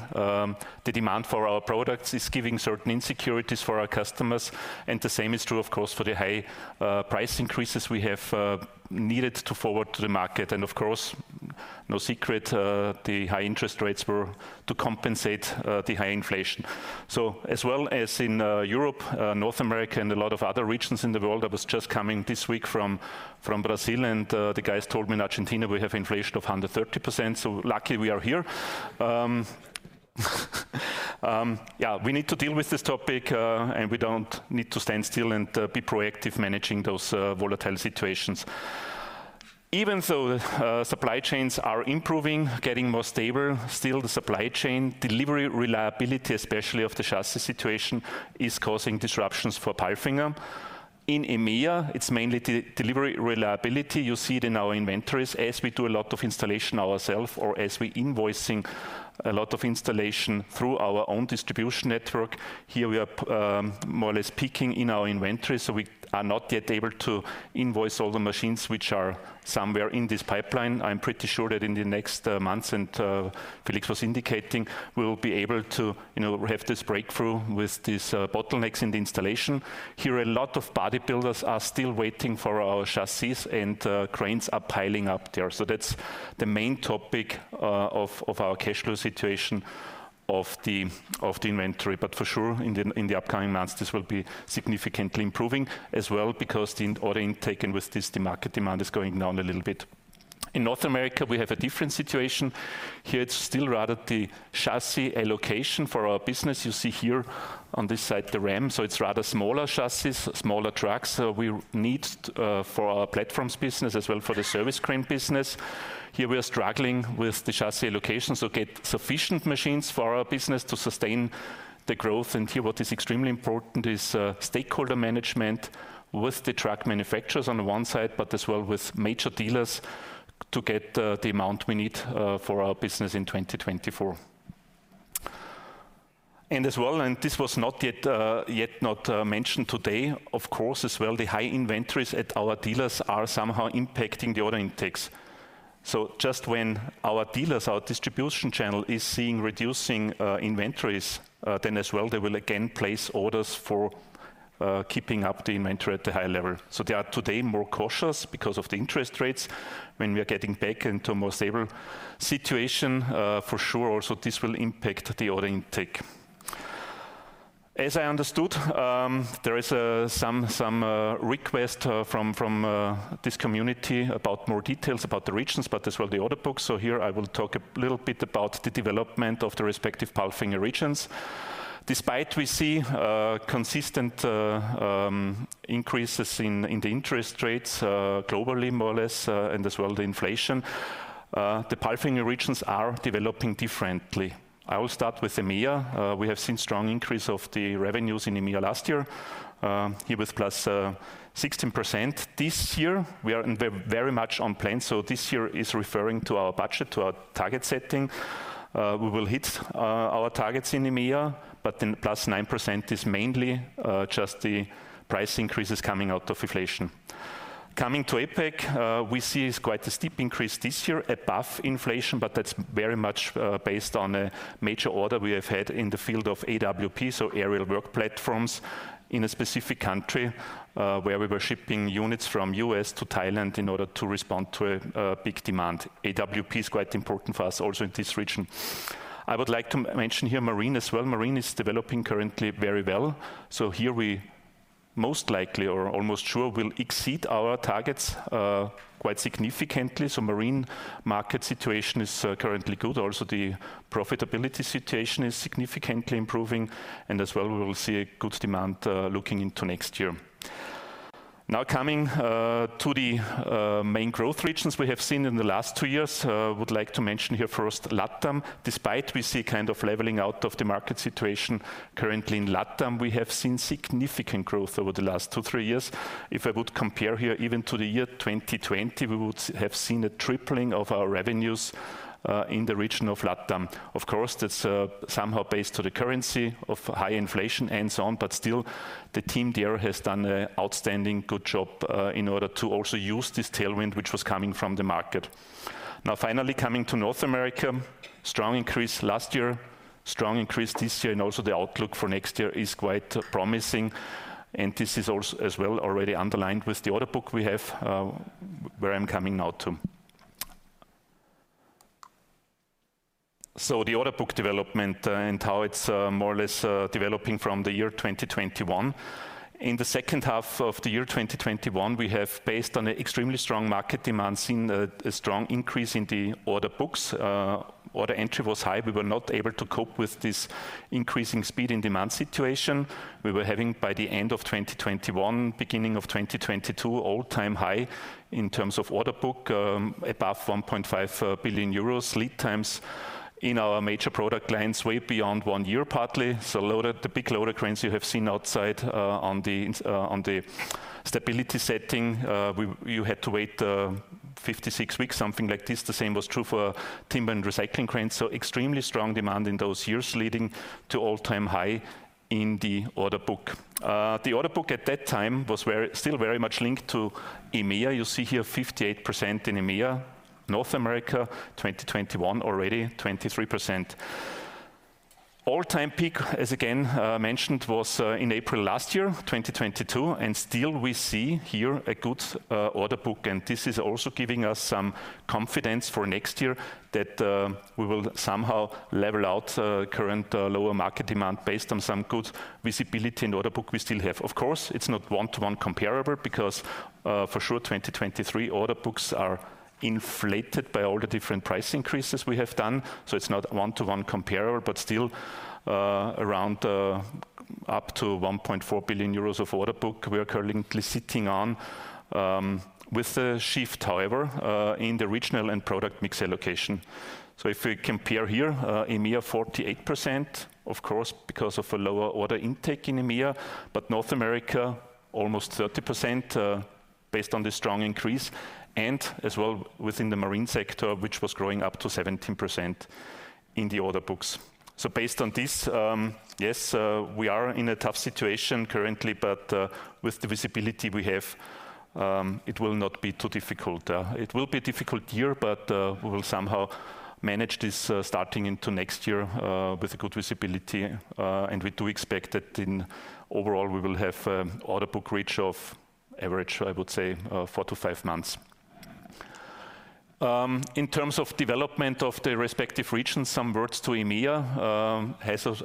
the demand for our products, is giving certain insecurities for our customers. And the same is true, of course, for the high price increases we have needed to forward to the market. Of course, no secret, the high interest rates were to compensate the high inflation. So as well as in Europe, North America, and a lot of other regions in the world, I was just coming this week from Brazil, and the guys told me in Argentina, we have inflation of 130%, so lucky we are here. Yeah, we need to deal with this topic, and we don't need to stand still and be proactive managing those volatile situations. Even so, supply chains are improving, getting more stable. Still, the supply chain delivery reliability, especially of the chassis situation, is causing disruptions for PALFINGER. In EMEA, it's mainly delivery reliability. You see it in our inventories as we do a lot of installation ourselves or as we're invoicing a lot of installation through our own distribution network. Here we are, more or less peaking in our inventory, so we are not yet able to invoice all the machines which are somewhere in this pipeline. I'm pretty sure that in the next months, and Felix was indicating, we will be able to, you know, have this breakthrough with these bottlenecks in the installation. Here, a lot of bodybuilders are still waiting for our chassis and cranes are piling up there. So that's the main topic of our cash flow situation of the inventory. But for sure, in the upcoming months, this will be significantly improving as well because the order intake and with this, the market demand is going down a little bit. In North America, we have a different situation. Here, it's still rather the chassis allocation for our business. You see here on this side, the RAM, so it's rather smaller chassis, smaller trucks, we need for our platforms business as well, for the service crane business. Here, we are struggling with the chassis allocation, so get sufficient machines for our business to sustain the growth. And here, what is extremely important is, stakeholder management with the truck manufacturers on one side, but as well with major dealers, to get the amount we need for our business in 2024. As well, and this was not yet, yet not, mentioned today, of course, as well, the high inventories at our dealers are somehow impacting the order intakes. So just when our dealers, our distribution channel, is seeing reducing inventories, then as well, they will again place orders for keeping up the inventory at the high level. So they are today more cautious because of the interest rates. When we are getting back into a more stable situation, for sure, also, this will impact the order intake. As I understood, there is some request from this community about more details about the regions, but as well, the order book. So here I will talk a little bit about the development of the respective PALFINGER regions. Despite we see consistent increases in the interest rates globally, more or less, and as well, the inflation, the PALFINGER regions are developing differently. I will start with EMEA. We have seen strong increase of the revenues in EMEA last year, here with +16%. This year, we are very much on plan, so this year is referring to our budget, to our target setting. We will hit our targets in EMEA, but the +9% is mainly just the price increases coming out of inflation. Coming to APAC, we see is quite a steep increase this year above inflation, but that's very much based on a major order we have had in the field of AWP, so aerial work platforms, in a specific country, where we were shipping units from U.S. to Thailand in order to respond to a big demand. AWP is quite important for us also in this region. I would like to mention here, Marine as well. Marine is developing currently very well. So here we most likely or almost sure will exceed our targets quite significantly. So Marine market situation is currently good. Also, the profitability situation is significantly improving, and as well, we will see a good demand looking into next year. Now, coming to the main growth regions we have seen in the last two years, I would like to mention here first, LATAM. Despite we see a kind of leveling out of the market situation currently in LATAM, we have seen significant growth over the last two, three years. If I would compare here even to the year 2020, we would have seen a tripling of our revenues, in the region of LATAM. Of course, that's somehow based to the currency of high inflation and so on, but still, the team there has done a outstanding, good job, in order to also use this tailwind, which was coming from the market. Now, finally, coming to North America, strong increase last year, strong increase this year, and also the outlook for next year is quite promising, and this is also as well already underlined with the order book we have, where I'm coming now to. So the order book development, and how it's, more or less, developing from the year 2021. In the second half of the year 2021, we have, based on an extremely strong market demand, seen a strong increase in the order books. Order entry was high. We were not able to cope with this increasing speed and demand situation. We were having, by the end of 2021, beginning of 2022, all-time high in terms of order book, above 1.5 billion euros. Lead times in our major product lines, way beyond one year, partly. So, the big Loader Cranes you have seen outside, on the stability setting, you had to wait 56 weeks, something like this. The same was true for timber and recycling cranes. So extremely strong demand in those years, leading to all-time high in the order book. The order book at that time was still very much linked to EMEA. You see here, 58% in EMEA, North America 2021, already 23%. All-time peak, as again mentioned, was in April last year, 2022, and still we see here a good order book. And this is also giving us some confidence for next year, that we will somehow level out current lower market demand based on some good visibility in order book we still have. Of course, it's not one-to-one comparable because, for sure, 2023 order books are inflated by all the different price increases we have done, so it's not one-to-one comparable. But still, around, up to 1.4 billion euros of order book, we are currently sitting on, with a shift, however, in the regional and product mix allocation. So if we compare here, EMEA, 48%, of course, because of a lower order intake in EMEA, but North America, almost 30%, based on the strong increase, and as well within the marine sector, which was growing up to 17% in the order books. So based on this, yes, we are in a tough situation currently, but, with the visibility we have, it will not be too difficult. It will be a difficult year, but we will somehow manage this, starting into next year, with a good visibility. And we do expect that in overall, we will have order book reach of average, I would say, four to five months. In terms of development of the respective regions, some words to EMEA,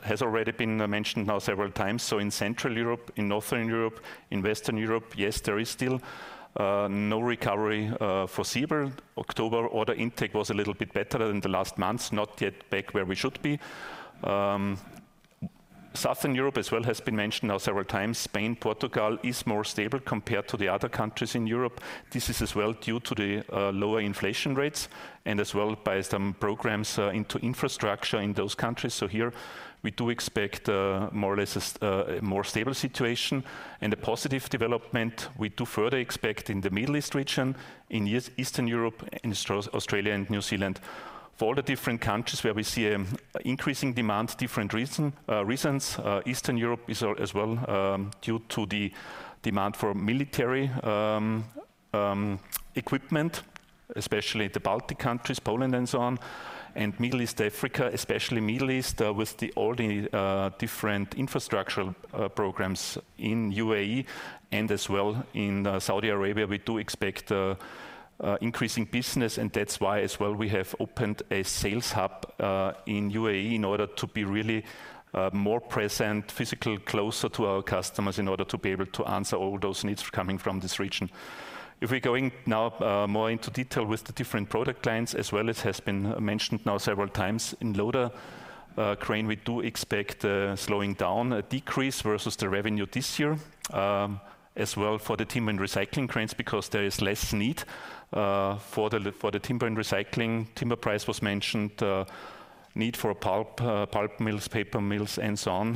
has already been mentioned now several times. So in Central Europe, in Northern Europe, in Western Europe, yes, there is still no recovery foreseeable. October order intake was a little bit better than the last months, not yet back where we should be. Southern Europe as well, has been mentioned now several times. Spain, Portugal is more stable compared to the other countries in Europe. This is as well due to the lower inflation rates, and as well by some programs into infrastructure in those countries. So here we do expect more or less a more stable situation and a positive development. We do further expect in the Middle East region, in Eastern Europe, in Australia and New Zealand, for all the different countries where we see an increasing demand, different reasons. Eastern Europe is as well due to the demand for military equipment, especially the Baltic countries, Poland and so on. Middle East, Africa, especially Middle East, with all the different infrastructural programs in UAE and as well in Saudi Arabia, we do expect increasing business, and that's why as well we have opened a sales hub in UAE in order to be really more present, physically closer to our customers, in order to be able to answer all those needs coming from this region. If we're going now more into detail with the different product lines as well, it has been mentioned now several times in Loader Crane, we do expect a slowing down, a decrease versus the revenue this year. As well for the timber and recycling cranes, because there is less need for the timber and recycling. Timber price was mentioned, need for pulp, pulp mills, paper mills, and so on.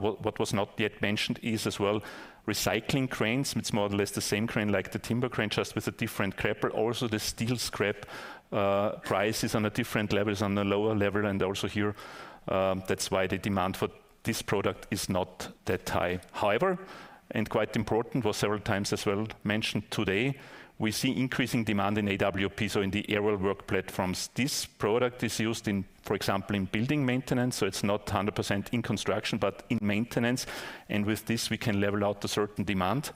What was not yet mentioned is as well, recycling cranes. It's more or less the same crane like the timber crane, just with a different gripper. Also, the steel scrap price is on a different level, is on a lower level, and also here, that's why the demand for this product is not that high. However, and quite important, for several times as well mentioned today, we see increasing demand in AWP, so in the aerial work platforms. This product is used in, for example, in building maintenance, so it's not 100% in construction, but in maintenance. And with this, we can level out a certain demand.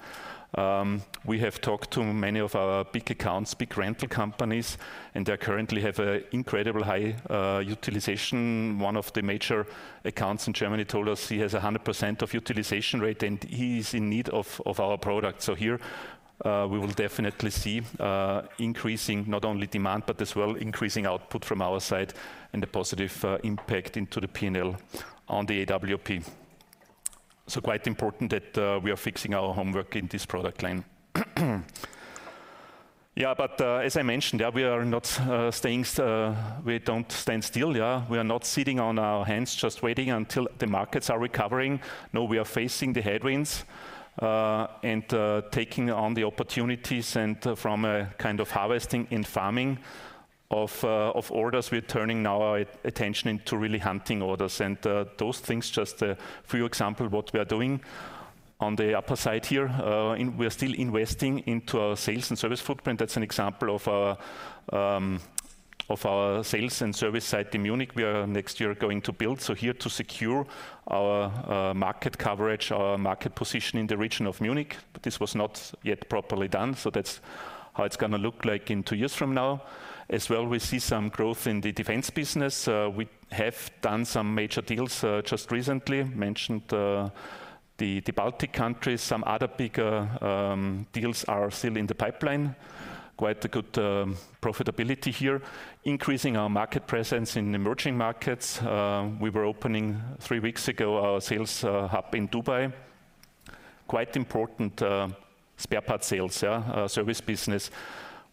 We have talked to many of our big accounts, big rental companies, and they currently have an incredible high utilization. One of the major accounts in Germany told us he has 100% utilization rate, and he's in need of our product. So here, we will definitely see increasing not only demand, but as well, increasing output from our side and a positive impact into the P&L on the AWP. So quite important that we are fixing our homework in this product line. Yeah, but, as I mentioned, yeah, we are not staying, we don't stand still, yeah. We are not sitting on our hands just waiting until the markets are recovering. No, we are facing the headwinds, and taking on the opportunities and, from a kind of harvesting and farming of orders, we're turning now our attention into really hunting orders. And, those things, just a few example, what we are doing. On the upper side here, we are still investing into our sales and service footprint. That's an example of our sales and service site in Munich, we are next year going to build. So here to secure our market coverage, our market position in the region of Munich, but this was not yet properly done, so that's how it's gonna look like in two years from now. As well, we see some growth in the defense business. We have done some major deals, just recently. Mentioned, the Baltic countries. Some other bigger deals are still in the pipeline. Quite a good profitability here. Increasing our market presence in emerging markets. We were opening, three weeks ago, our sales hub in Dubai. Quite important spare parts sales, yeah, service business.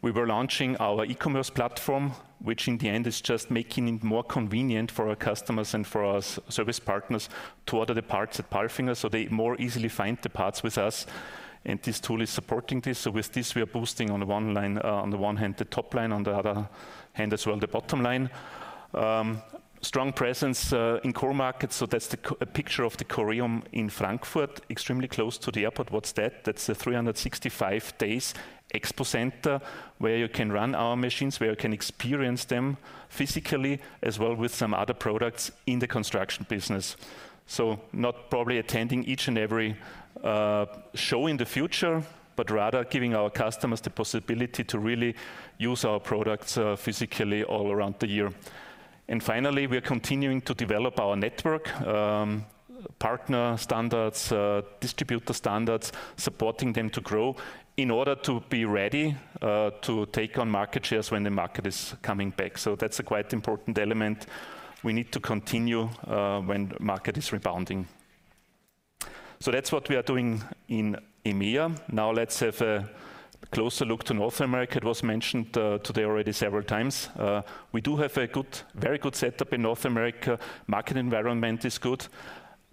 We were launching our e-commerce platform, which in the end, is just making it more convenient for our customers and for our service partners to order the parts at PALFINGER, so they more easily find the parts with us, and this tool is supporting this. So with this, we are boosting on the one line, on the one hand, the top line, on the other hand, as well, the bottom line. Strong presence in core markets, so that's a picture of the Coreum in Frankfurt, extremely close to the airport. What's that? That's the 365 days expo center, where you can run our machines, where you can experience them physically, as well with some other products in the construction business. So not probably attending each and every show in the future, but rather giving our customers the possibility to really use our products physically all around the year. And finally, we are continuing to develop our network, partner standards, distributor standards, supporting them to grow in order to be ready to take on market shares when the market is coming back. So that's a quite important element we need to continue when the market is rebounding. So that's what we are doing in EMEA. Now, let's have a closer look to North America. It was mentioned today already several times. We do have a good- very good setup in North America. Market environment is good,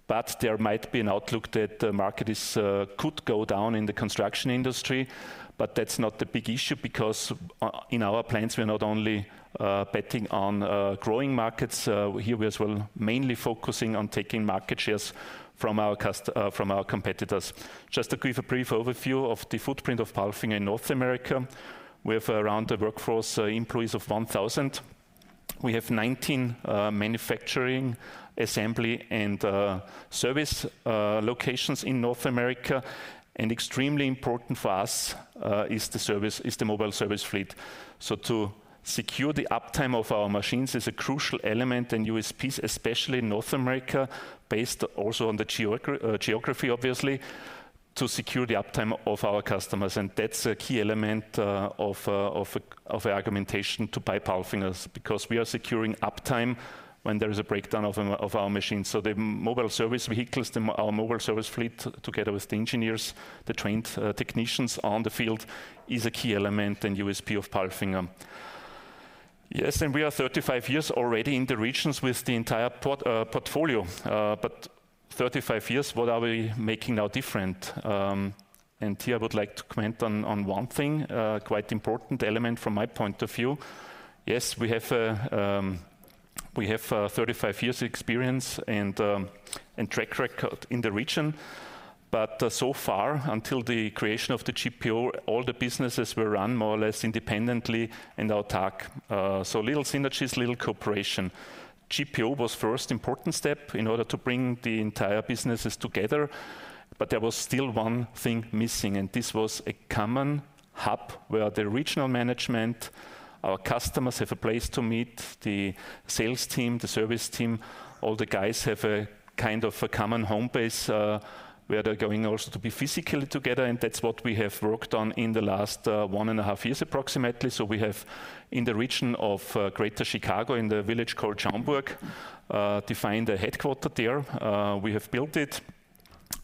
but there might be an outlook that the market could go down in the construction industry, but that's not the big issue, because in our plans, we're not only betting on growing markets. Here we as well mainly focusing on taking market shares from our competitors. Just to give a brief overview of the footprint of PALFINGER in North America, we have around 1,000 employees. We have 19 manufacturing, assembly, and service locations in North America, and extremely important for us is the mobile service fleet. So to secure the uptime of our machines is a crucial element and USP, especially in North America, based also on the geography, obviously, to secure the uptime of our customers. And that's a key element of our argumentation to buy PALFINGER's, because we are securing uptime when there is a breakdown of our machines. So the mobile service vehicles, our mobile service fleet, together with the engineers, the trained technicians on the field, is a key element and USP of PALFINGER. Yes, and we are 35 years already in the regions with the entire portfolio. But 35 years, what are we making now different? And here I would like to comment on one thing, a quite important element from my point of view. Yes, we have 35 years experience and track record in the region, but so far, until the creation of the GPO, all the businesses were run more or less independently and autark. So little synergies, little cooperation. GPO was first important step in order to bring the entire businesses together, but there was still one thing missing, and this was a common hub, where the regional management, our customers have a place to meet, the sales team, the service team, all the guys have a kind of a common home base, where they're going also to be physically together, and that's what we have worked on in the last 1.5 years, approximately. So we have, in the region of Greater Chicago, in the village called Schaumburg, defined a headquarters there. We have built it,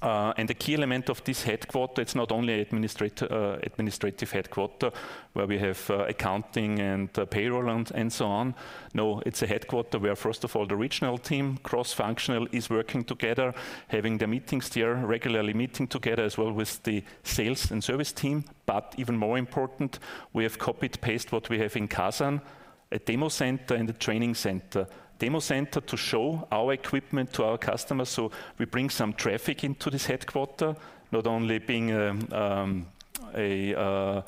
and the key element of this headquarters, it's not only administrative headquarters, where we have accounting and payroll and so on. No, it's a headquarters where, first of all, the regional team, cross-functional, is working together, having their meetings there, regularly meeting together, as well with the sales and service team. But even more important, we have copy and paste what we have in Kasern, a demo center and a training center. Demo center to show our equipment to our customers, so we bring some traffic into this headquarters, not only being a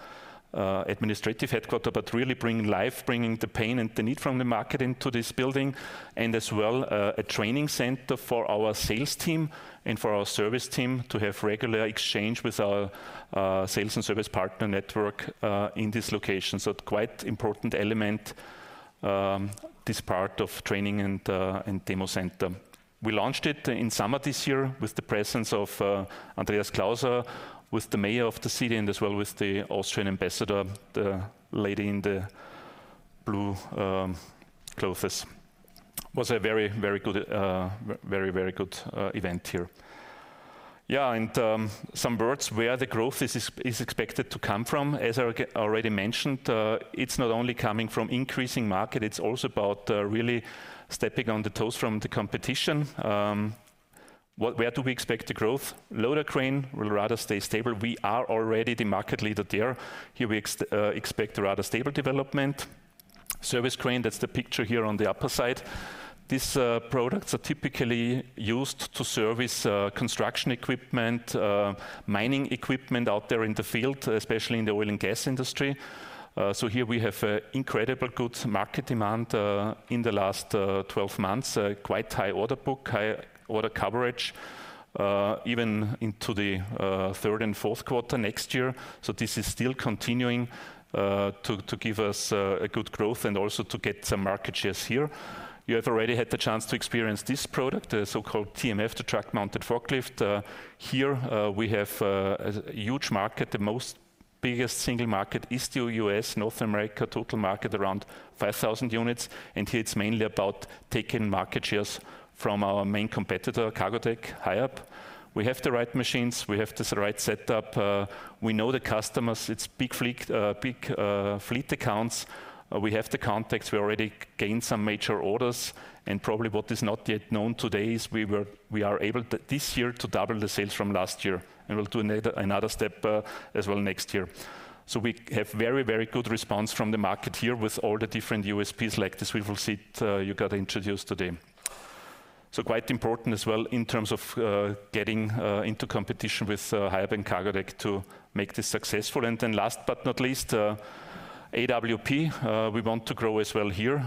administrative headquarters, but really bringing life, bringing the pain and the need from the market into this building. As well, a training center for our sales team and for our service team to have regular exchange with our sales and service partner network in this location. So quite important element, this part of training and demo center. We launched it in summer this year with the presence of Andreas Klauser, with the mayor of the city, and as well with the Austrian ambassador, the lady in the blue clothes. Was a very, very good event here. Yeah, and some words where the growth is expected to come from. As I already mentioned, it's not only coming from increasing market, it's also about really stepping on the toes from the competition. Where do we expect the growth? Loader Crane will rather stay stable. We are already the market leader there. Here, we expect a rather stable development. Service Crane, that's the picture here on the upper side. These products are typically used to service construction equipment, mining equipment out there in the field, especially in the oil and gas industry. So here we have a incredible good market demand in the last 12 months, a quite high order book, high order coverage, even into the third and fourth quarter next year. So this is still continuing to give us a good growth and also to get some market shares here. You have already had the chance to experience this product, the so-called TMF, the Truck Mounted Forklift. Here we have a huge market. The most biggest single market is still U.S., North America, total market around 5,000 units, and here it's mainly about taking market shares from our main competitor, Cargotec, Hiab. We have the right machines, we have the right setup, we know the customers. It's big fleet accounts. We have the contacts. We already gained some major orders, and probably what is not yet known today is we are able to this year to double the sales from last year, and we'll do another step as well next year. So we have very, very good response from the market here with all the different USPs like this we will see you got introduced today. So quite important as well in terms of getting into competition with Hiab and Cargotec to make this successful. And then last but not least, AWP, we want to grow as well here.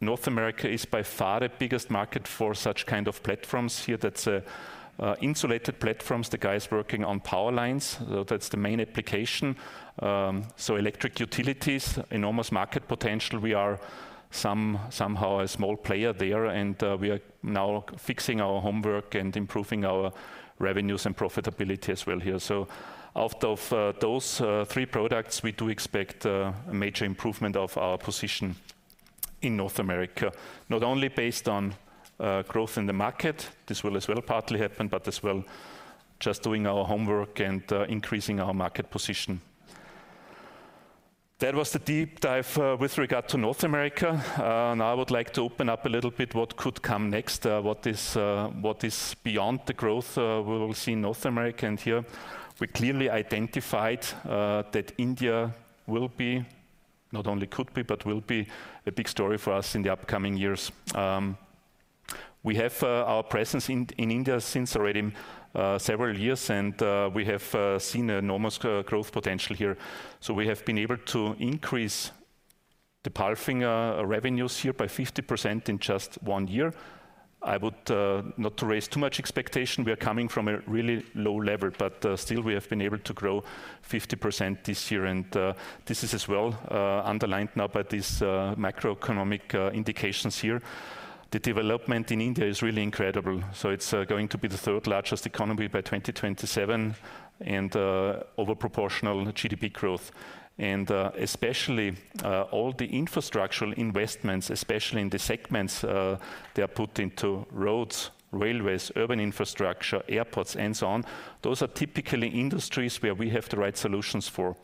North America is by far the biggest market for such kind of platforms. Here, that's insulated platforms, the guys working on power lines. That's the main application. So electric utilities, enormous market potential. We are somehow a small player there, and we are now fixing our homework and improving our revenues and profitability as well here. So out of those three products, we do expect a major improvement of our position in North America. Not only based on growth in the market, this will as well partly happen, but as well, just doing our homework and increasing our market position. That was the deep dive with regard to North America. Now I would like to open up a little bit what could come next, what is, what is beyond the growth we will see in North America. And here, we clearly identified that India will be, not only could be, but will be a big story for us in the upcoming years. We have our presence in India since already several years, and we have seen enormous growth potential here. So we have been able to increase the PALFINGER revenues here by 50% in just one year. I would not to raise too much expectation, we are coming from a really low level, but still we have been able to grow 50% this year, and this is as well underlined now by these macroeconomic indications here. The development in India is really incredible. So it's going to be the third largest economy by 2027, and over proportional GDP growth. Especially, all the infrastructural investments, especially in the segments, they are put into roads, railways, urban infrastructure, airports, and so on, those are typically industries where we have the right solutions for.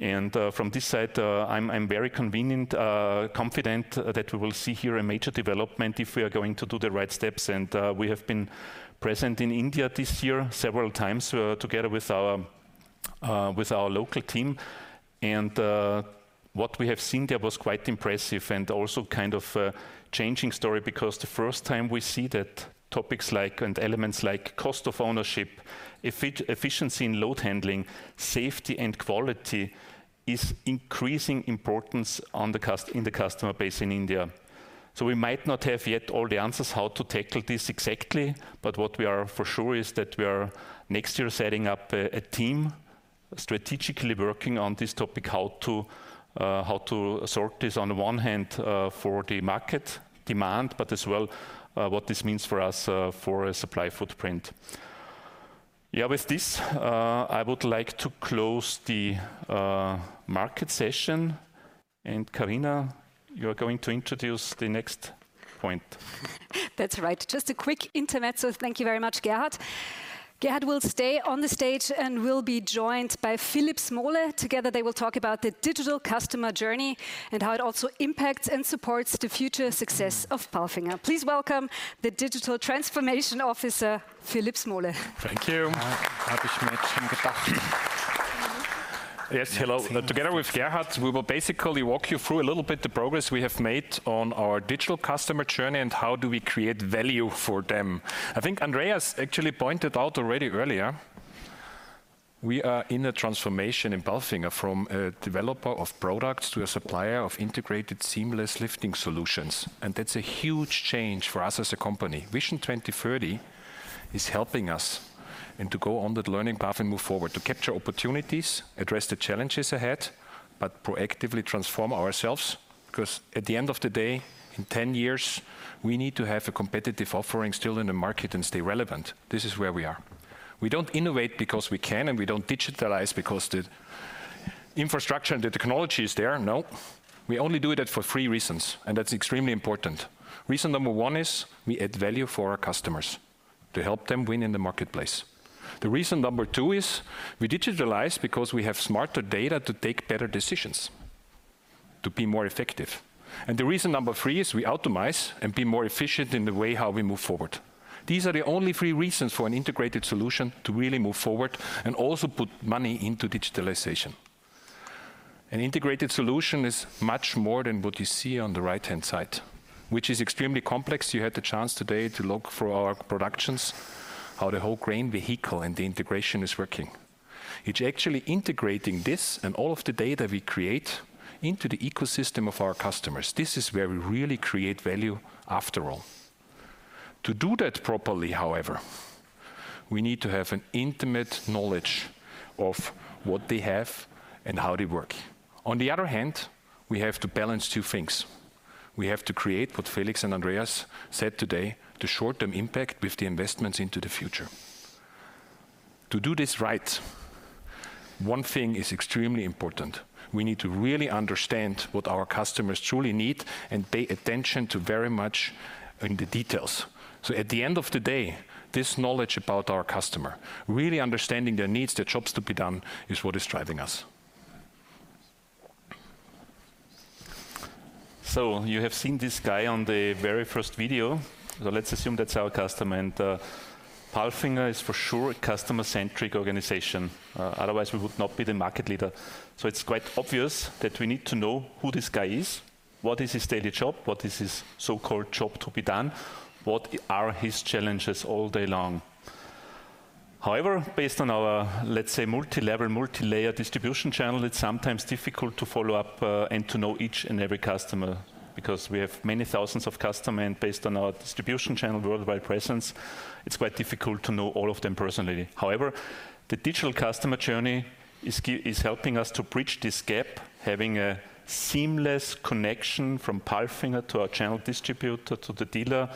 From this side, I'm very convenient, confident, that we will see here a major development if we are going to do the right steps. We have been present in India this year several times, together with our local team, and what we have seen there was quite impressive and also kind of a changing story, because the first time we see that topics like, and elements like cost of ownership, efficiency in load handling, safety, and quality is increasing importance in the customer base in India. So we might not have yet all the answers how to tackle this exactly, but what we are for sure is that we are, next year, setting up a team strategically working on this topic, how to sort this on the one hand, for the market demand, but as well, what this means for us, for a supply footprint. Yeah, with this, I would like to close the market session. And Karina, you are going to introduce the next point. That's right. Just a quick intermezzo. Thank you very much, Gerhard. Gerhard will stay on the stage and will be joined by Philipp Smole. Together, they will talk about the digital customer journey and how it also impacts and supports the future success of PALFINGER. Please welcome the digital transformation officer, Philipp Smole. Thank you. Yes, hello. Now, together with Gerhard, we will basically walk you through a little bit the progress we have made on our digital customer journey and how do we create value for them. I think Andreas actually pointed out already earlier, we are in a transformation in PALFINGER from a developer of products to a supplier of integrated, seamless lifting solutions, and that's a huge change for us as a company. Vision 2030 is helping us and to go on that learning path and move forward, to capture opportunities, address the challenges ahead, but proactively transform ourselves, 'cause at the end of the day, in 10 years, we need to have a competitive offering still in the market and stay relevant. This is where we are. We don't innovate because we can, and we don't digitalize because the infrastructure and the technology is there. No. We only do that for three reasons, and that's extremely important. Reason number one is, we add value for our customers to help them win in the marketplace. The reason number two is, we digitalize because we have smarter data to take better decisions, to be more effective. And the reason number three is, we automize and be more efficient in the way how we move forward. These are the only three reasons for an integrated solution to really move forward and also put money into digitalization. An integrated solution is much more than what you see on the right-hand side, which is extremely complex. You had the chance today to look through our productions, how the whole crane vehicle and the integration is working. It's actually integrating this and all of the data we create into the ecosystem of our customers. This is where we really create value after all. To do that properly, however, we need to have an intimate knowledge of what they have and how they work. On the other hand, we have to balance two things. We have to create what Felix and Andreas said today, the short-term impact with the investments into the future. To do this right, one thing is extremely important: we need to really understand what our customers truly need and pay attention to very much in the details. At the end of the day, this knowledge about our customer, really understanding their needs, their jobs to be done, is what is driving us. So you have seen this guy on the very first video. So let's assume that's our customer, and, PALFINGER is for sure a customer-centric organization, otherwise, we would not be the market leader. So it's quite obvious that we need to know who this guy is, what is his daily job, what is his so-called job to be done, what are his challenges all day long? However, based on our, let's say, multi-level, multi-layer distribution channel, it's sometimes difficult to follow up, and to know each and every customer, because we have many thousands of customer, and based on our distribution channel worldwide presence, it's quite difficult to know all of them personally. However, the digital customer journey is helping us to bridge this gap, having a seamless connection from PALFINGER to our channel distributor, to the dealer,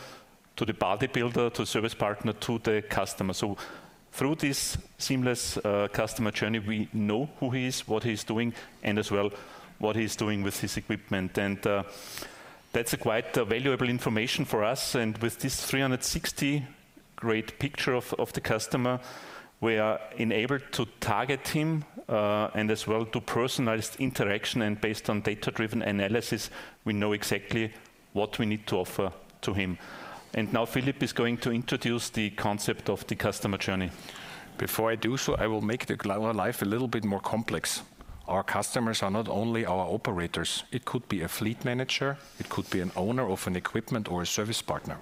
to the body builder, to service partner, to the customer. So through this seamless customer journey, we know who he is, what he's doing, and as well, what he's doing with his equipment. And that's a quite valuable information for us, and with this 360-degree picture of the customer, we are enabled to target him, and as well, to personalize interaction, and based on data-driven analysis, we know exactly what we need to offer to him. And now Philipp is going to introduce the concept of the customer journey. Before I do so, I will make our life a little bit more complex. Our customers are not only our operators. It could be a fleet manager, it could be an owner of an equipment or a service partner,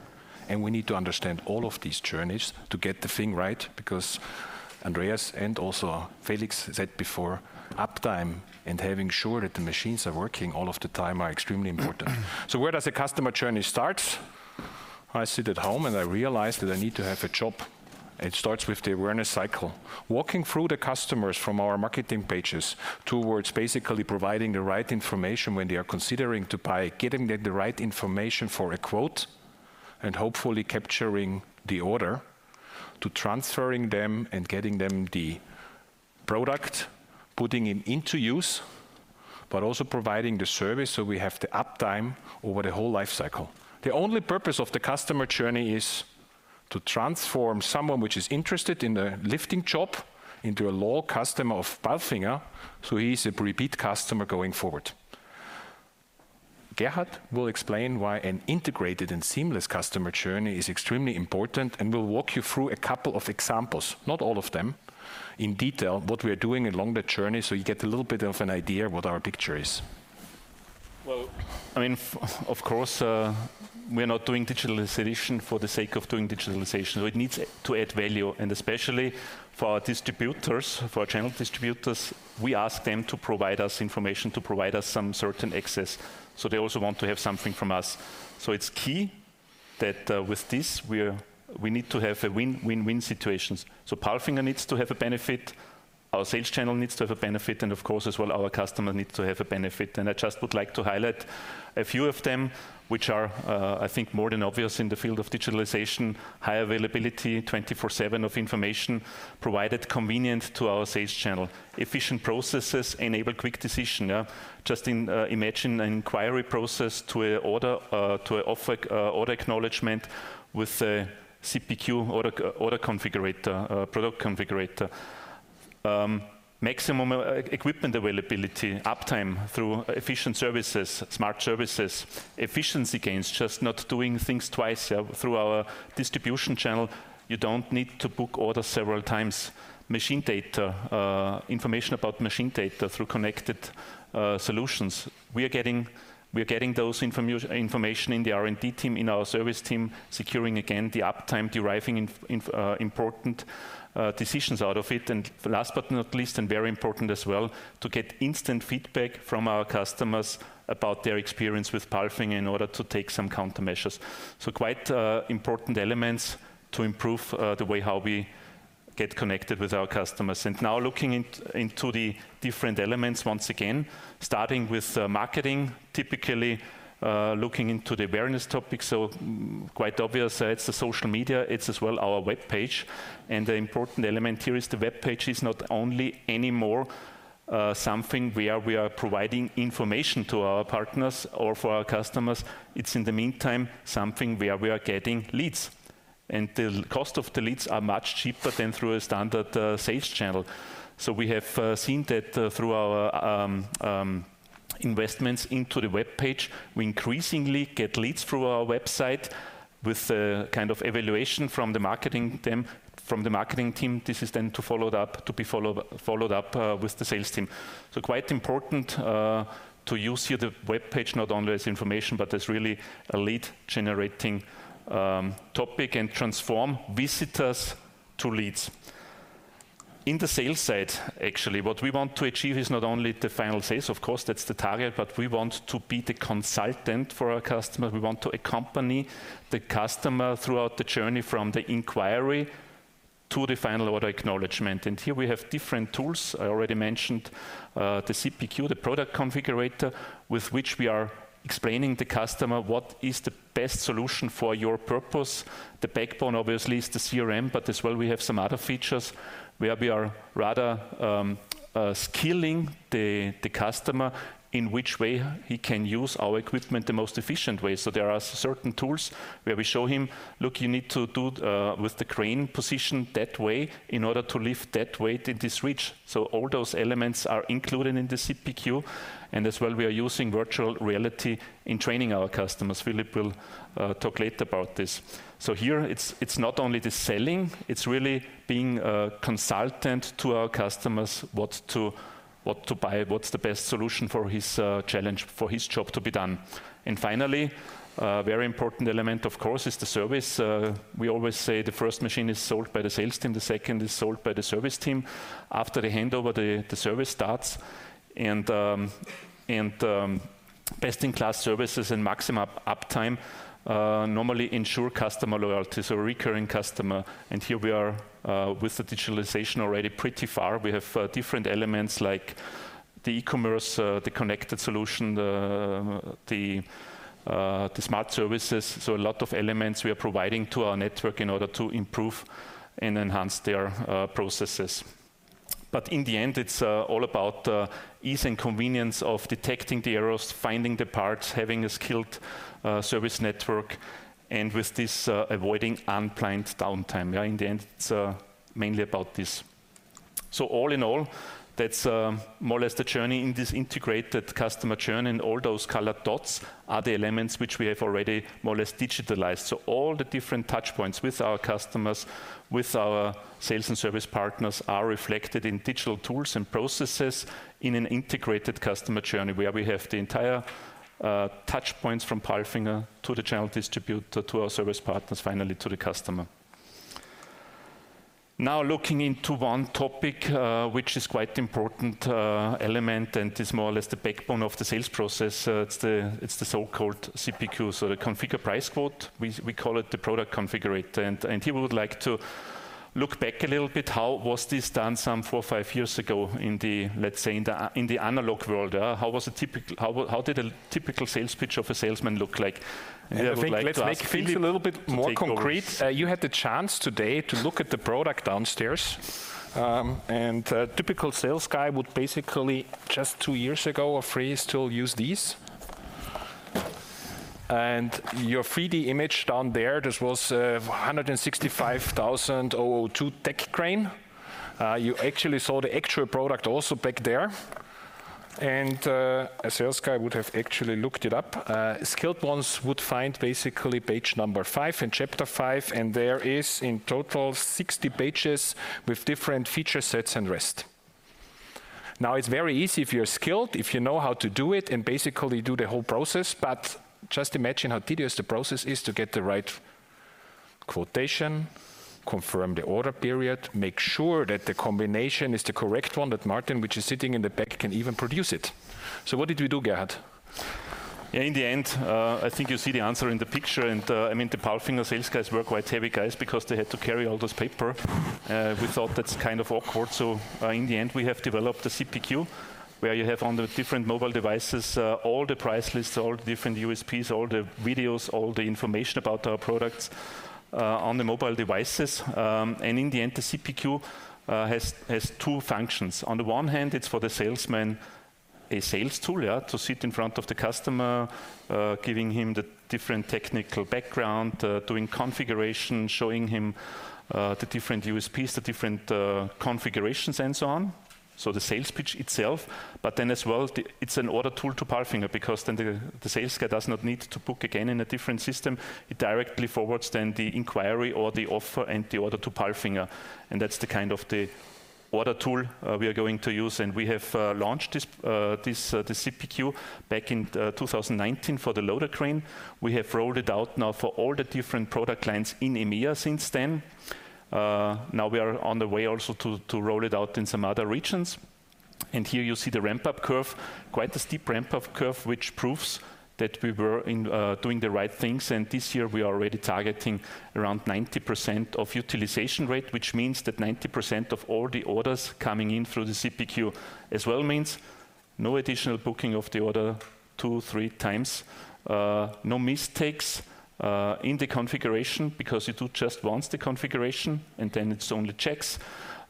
and we need to understand all of these journeys to get the thing right, because Andreas and also Felix said before, uptime and having sure that the machines are working all of the time are extremely important. So where does the customer journey start? I sit at home, and I realize that I need to have a job. It starts with the awareness cycle. Walking through the customers from our marketing pages towards basically providing the right information when they are considering to buy, getting them the right information for a quote, and hopefully capturing the order, to transferring them and getting them the product, putting it into use, but also providing the service, so we have the uptime over the whole life cycle. The only purpose of the customer journey is to transform someone which is interested in the lifting job into a loyal customer of PALFINGER, so he's a repeat customer going forward. Gerhard will explain why an integrated and seamless customer journey is extremely important, and we'll walk you through a couple of examples, not all of them, in detail, what we are doing along that journey, so you get a little bit of an idea what our picture is. Well, I mean, of course, we're not doing digitalization for the sake of doing digitalization, so it needs to add value, and especially for our distributors, for our channel distributors, we ask them to provide us information, to provide us some certain access, so they also want to have something from us. So it's key that with this, we need to have a win-win-win situations. So PALFINGER needs to have a benefit, our sales channel needs to have a benefit, and of course, as well, our customer needs to have a benefit. And I just would like to highlight a few of them, which are, I think more than obvious in the field of digitalization, high availability, 24/7 of information provided, convenient to our sales channel. Efficient processes enable quick decision, yeah. Just imagine an inquiry process to an order, to an offer, order acknowledgement with a CPQ order configurator, product configurator. Maximum equipment availability, uptime through efficient services, smart services, efficiency gains, just not doing things twice. Through our distribution channel, you don't need to book orders several times. Machine data, information about machine data through connected solutions. We are getting, we are getting those information in the R&D team, in our service team, securing again, the uptime, deriving important decisions out of it. And last but not least, and very important as well, to get instant feedback from our customers about their experience with PALFINGER in order to take some countermeasures. So quite important elements to improve the way how we get connected with our customers. Now, looking into the different elements once again, starting with marketing, typically looking into the awareness topic, so quite obvious, it's the social media, it's as well our webpage. And the important element here is the webpage is not only anymore something where we are providing information to our partners or for our customers, it's in the meantime something where we are getting leads, and the cost of the leads are much cheaper than through a standard sales channel. So we have seen that through our investments into the webpage. We increasingly get leads through our website with a kind of evaluation from the marketing team, from the marketing team. This is then followed up with the sales team. So quite important to use here the webpage, not only as information, but as really a lead-generating topic, and transform visitors to leads. In the sales side, actually, what we want to achieve is not only the final sales, of course, that's the target, but we want to be the consultant for our customers. We want to accompany the customer throughout the journey, from the inquiry to the final order acknowledgement. Here we have different tools. I already mentioned the CPQ, the product configurator, with which we are explaining to the customer what is the best solution for your purpose. The backbone obviously is the CRM, but as well we have some other features where we are rather skilling the customer in which way he can use our equipment the most efficient way. So there are certain tools where we show him, "Look, you need to do with the crane positioned that way in order to lift that weight in this reach." So all those elements are included in the CPQ, and as well, we are using virtual reality in training our customers. Philipp will talk later about this. So here, it's not only the selling, it's really being a consultant to our customers, what to buy, what's the best solution for his challenge, for his job to be done. And finally, a very important element, of course, is the service. We always say the first machine is sold by the sales team, the second is sold by the service team. After the handover, the service starts, and best-in-class services and maximum uptime normally ensure customer loyalty, so recurring customer. And here we are, with the digitalization already pretty far. We have, different elements like the e-commerce, the connected solution, the smart services. So a lot of elements we are providing to our network in order to improve and enhance their, processes. But in the end, it's, all about, ease and convenience of detecting the errors, finding the parts, having a skilled, service network, and with this, avoiding unplanned downtime. Yeah, in the end, it's, mainly about this. So all in all, that's, more or less the journey in this integrated customer journey, and all those colored dots are the elements which we have already more or less digitalized. So all the different touch points with our customers, with our sales and service partners, are reflected in digital tools and processes in an integrated customer journey, where we have the entire, touch points from PALFINGER to the channel distributor, to our service partners, finally to the customer. Now, looking into one topic, which is quite important, element and is more or less the backbone of the sales process, it's the, it's the so-called CPQ, so the Configure Price Quote. We call it the product configurator. And here we would like to look back a little bit, how was this done some four, five years ago in the, let's say, in the analog world? How did a typical sales pitch of a salesman look like? I think let's make things a little bit more concrete. You had the chance today to look at the product downstairs. And a typical sales guy would basically, just two years ago or three, still use these. And your 3D image down there, this was a 165.002 TEC crane. You actually saw the actual product also back there. And a sales guy would have actually looked it up. Skilled ones would find basically page number five and chapter five, and there is in total 60 pages with different feature sets and rest. Now, it's very easy if you're skilled, if you know how to do it, and basically do the whole process, but just imagine how tedious the process is to get the right quotation, confirm the order period, make sure that the combination is the correct one, that Martin, which is sitting in the back, can even produce it. So what did we do, Gerhard? Yeah, in the end, I think you see the answer in the picture. And, I mean, the PALFINGER sales guys were quite heavy guys because they had to carry all this paper. We thought that's kind of awkward. So, in the end, we have developed a CPQ, where you have on the different mobile devices all the price lists, all the different USPs, all the videos, all the information about our products on the mobile devices. And in the end, the CPQ has two functions. On the one hand, it's for the salesman, a sales tool, yeah, to sit in front of the customer, giving him the different technical background, doing configuration, showing him the different USPs, the different configurations, and so on. So the sales pitch itself, but then as well, the... It's an order tool to PALFINGER, because then the sales guy does not need to book again in a different system. It directly forwards then the inquiry or the offer and the order to PALFINGER, and that's the kind of the order tool we are going to use. And we have launched this, the CPQ back in 2019 for the Loader Crane. We have rolled it out now for all the different product lines in EMEA since then. Now we are on the way also to roll it out in some other regions. And here you see the ramp-up curve, quite a steep ramp-up curve, which proves that we were in doing the right things. This year, we are already targeting around 90% utilization rate, which means that 90% of all the orders coming in through the CPQ, as well means no additional booking of the order two, three times, no mistakes, in the configuration, because you do just once the configuration, and then it's only checks.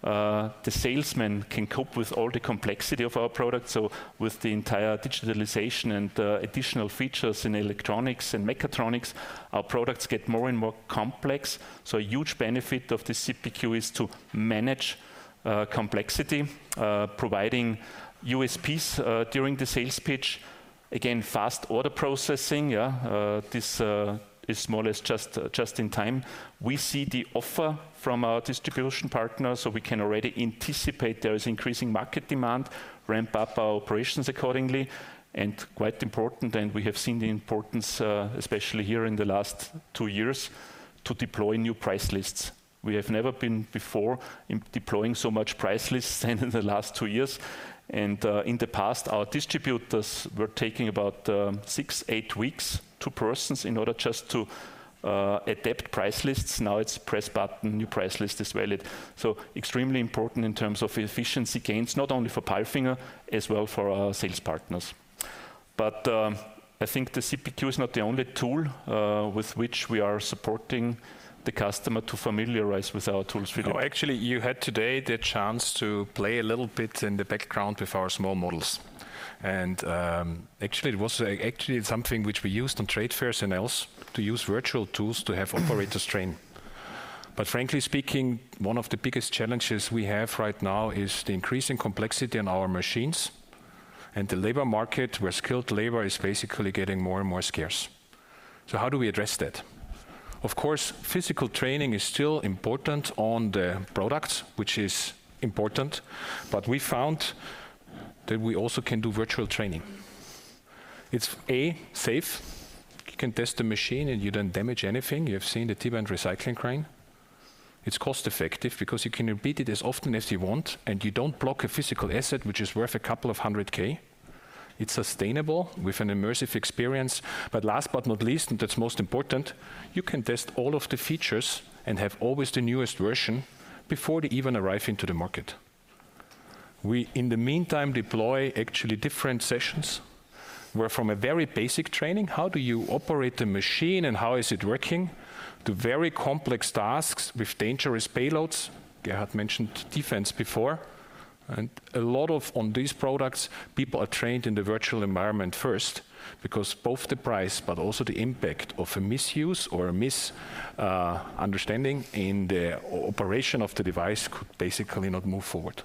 The salesman can cope with all the complexity of our product, so with the entire digitalization and, additional features in electronics and mechatronics, our products get more and more complex. So a huge benefit of the CPQ is to manage, complexity, providing USPs, during the sales pitch. Again, fast order processing, yeah. This, is more or less just, just in time. We see the offer from our distribution partners, so we can already anticipate there is increasing market demand, ramp up our operations accordingly, and quite important, and we have seen the importance, especially here in the last two years, to deploy new price lists. We have never been before in deploying so much price lists than in the last two years, and, in the past, our distributors were taking about six to eight weeks to process in order just to adapt price lists. Now it's press button, new price list is valid. So extremely important in terms of efficiency gains, not only for PALFINGER, as well for our sales partners. But, I think the CPQ is not the only tool with which we are supporting the customer to familiarize with our tools. No, actually, you had today the chance to play a little bit in the background with our small models. And, actually, it was, actually something which we used on trade fairs and else, to use virtual tools to have operators train. But frankly speaking, one of the biggest challenges we have right now is the increasing complexity in our machines and the labor market, where skilled labor is basically getting more and more scarce. So how do we address that? Of course, physical training is still important on the products, which is important, but we found that we also can do virtual training. It's a safe. You can test the machine, and you don't damage anything. You have seen the timber and recycling crane. It's cost-effective because you can repeat it as often as you want, and you don't block a physical asset which is worth 200,000. It's sustainable with an immersive experience, but last but not least, and that's most important, you can test all of the features and have always the newest version before they even arrive into the market. We, in the meantime, deploy actually different sessions, where from a very basic training, how do you operate the machine and how is it working, to very complex tasks with dangerous payloads. Gerhard mentioned defense before, and a lot of these products, people are trained in the virtual environment first, because both the price, but also the impact of a misuse or a misunderstanding in the operation of the device could basically not move forward.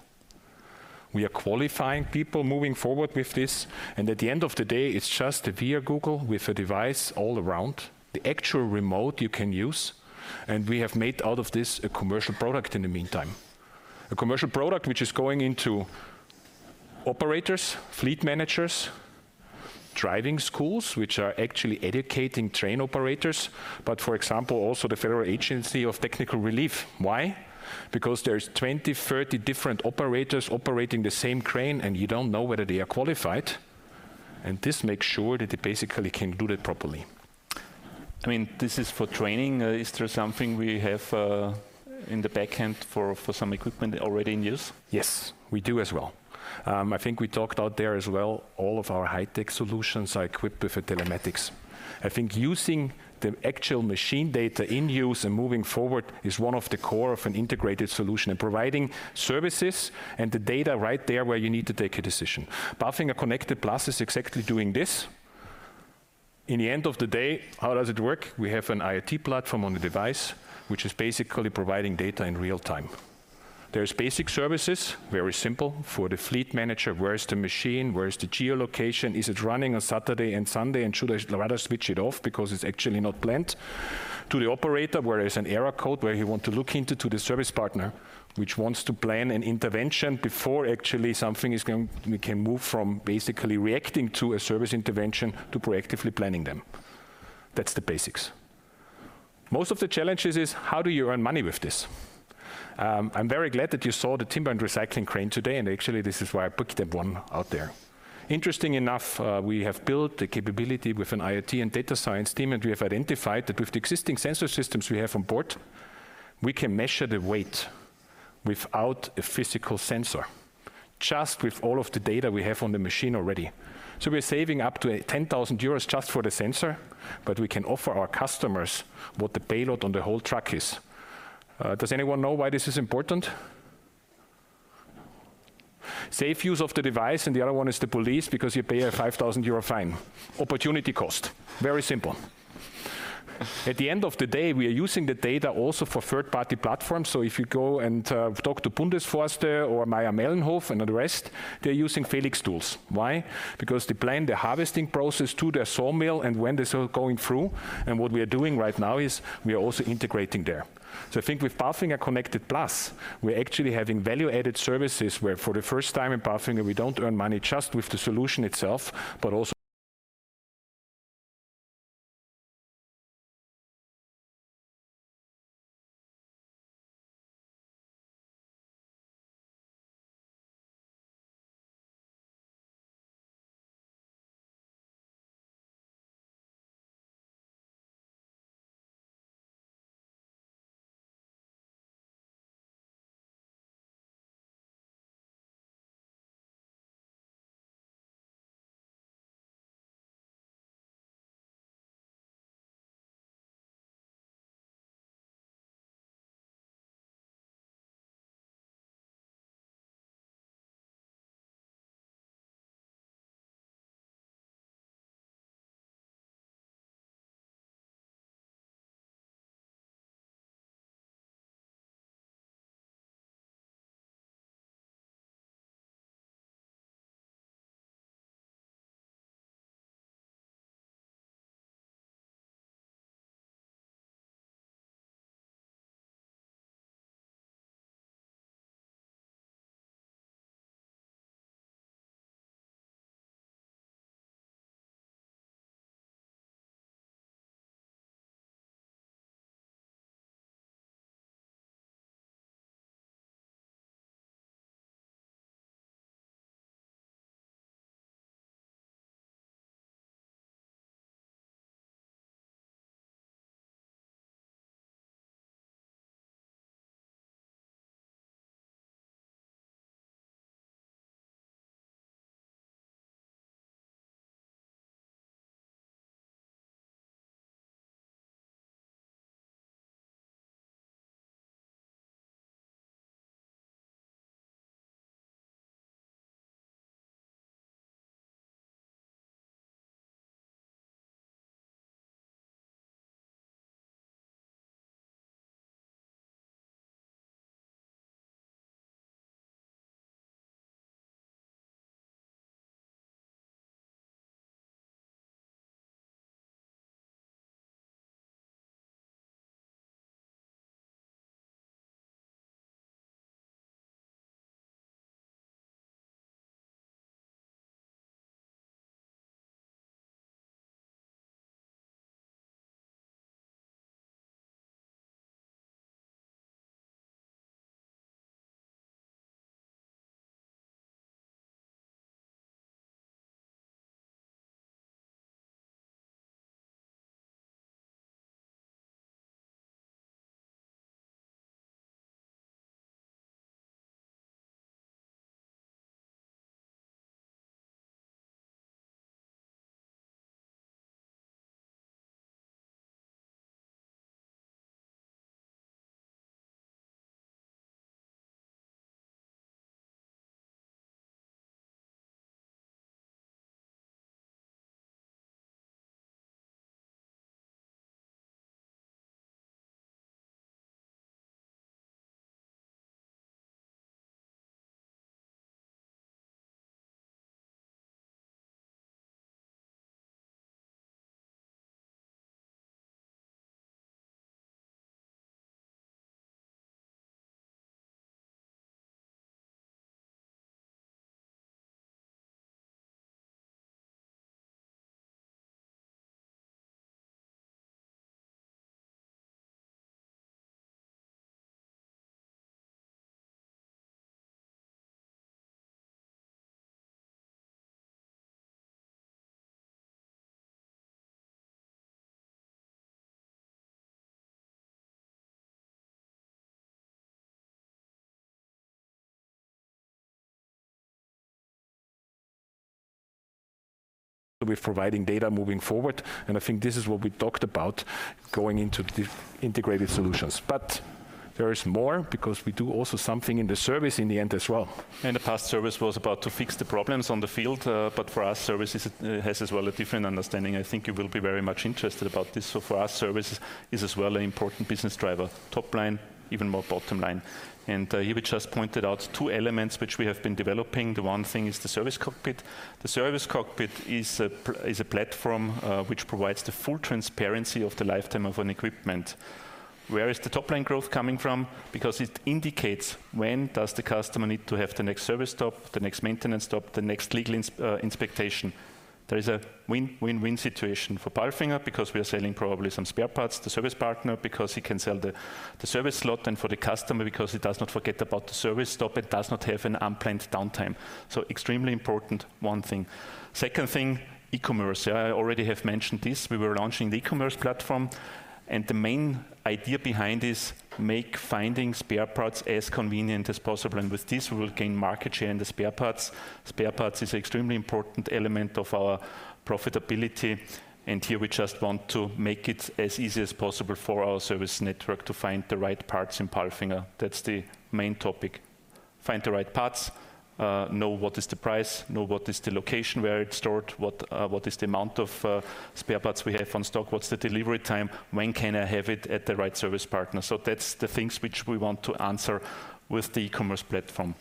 We are qualifying people moving forward with this, and at the end of the day, it's just a via Google with a device all around, the actual remote you can use, and we have made out of this a commercial product in the meantime. A commercial product which is going into operators, fleet managers, driving schools, which are actually educating train operators, but for example, also the Federal Agency of Technical Relief. Why? Because there's 20, 30 different operators operating the same crane, and you don't know whether they are qualified, and this makes sure that they basically can do that properly. I mean, this is for training. Is there something we have in the back end for some equipment already in use? Yes, we do as well. I think we talked out there as well, all of our high-tech solutions are equipped with a telematics. I think using the actual machine data in use and moving forward is one of the core of an integrated solution, and providing services and the data right there where you need to take a decision. PALFINGER Connected Plus is exactly doing this. In the end of the day, how does it work? We have an IoT platform on the device, which is basically providing data in real time. There's basic services, very simple, for the fleet manager, where is the machine? Where is the geolocation? Is it running on Saturday and Sunday, and should I rather switch it off because it's actually not planned? To the operator, where is an error code, where he want to look into to the service partner, which wants to plan an intervention before actually something is going—we can move from basically reacting to a service intervention to proactively planning them. That's the basics. Most of the challenges is, how do you earn money with this? I'm very glad that you saw the timber and recycling crane today, and actually, this is why I booked that one out there. Interesting enough, we have built the capability with an IoT and data science team, and we have identified that with the existing sensor systems we have on board, we can measure the weight without a physical sensor, just with all of the data we have on the machine already. So we're saving up to 10,000 euros just for the sensor, but we can offer our customers what the payload on the whole truck is. Does anyone know why this is important? Safe use of the device, and the other one is the police, because you pay a 5,000 euro fine. Opportunity cost, very simple. At the end of the day, we are using the data also for third-party platforms. So if you go and talk to Bundesforste or Mayr-Melnhof and the rest, they're using Felix tools. Why? Because they plan their harvesting process to their sawmill and when this is all going through, and what we are doing right now is we are also integrating there. I think with PALFINGER Connected Plus, we're actually having value-added services where, for the first time in PALFINGER, we don't earn money just with the solution itself, but also. We're providing data moving forward, and I think this is what we talked about, going into the integrated solutions. But there is more, because we do also something in the service in the end as well. In the past, service was about to fix the problems on the field, but for us, service is, has as well a different understanding. I think you will be very much interested about this. So for us, service is as well an important business driver, top line, even more bottom line. And, here we just pointed out two elements which we have been developing. The one thing is the service cockpit. The service cockpit is a platform, which provides the full transparency of the lifetime of an equipment. Where is the top line growth coming from? Because it indicates when does the customer need to have the next service stop, the next maintenance stop, the next legal inspection. There is a win-win-win situation for PALFINGER, because we are selling probably some spare parts, the service partner, because he can sell the service slot, and for the customer, because he does not forget about the service stop and does not have an unplanned downtime. So extremely important, one thing. Second thing, e-commerce. I already have mentioned this. We were launching the e-commerce platform, and the main idea behind is make finding spare parts as convenient as possible, and with this, we will gain market share in the spare parts. Spare parts is extremely important element of our profitability, and here we just want to make it as easy as possible for our service network to find the right parts in PALFINGER. That's the main topic: find the right parts, know what is the price, know what is the location, where it's stored, what, what is the amount of spare parts we have on stock, what's the delivery time, when can I have it at the right service partner? So that's the things which we want to answer with the e-commerce platform.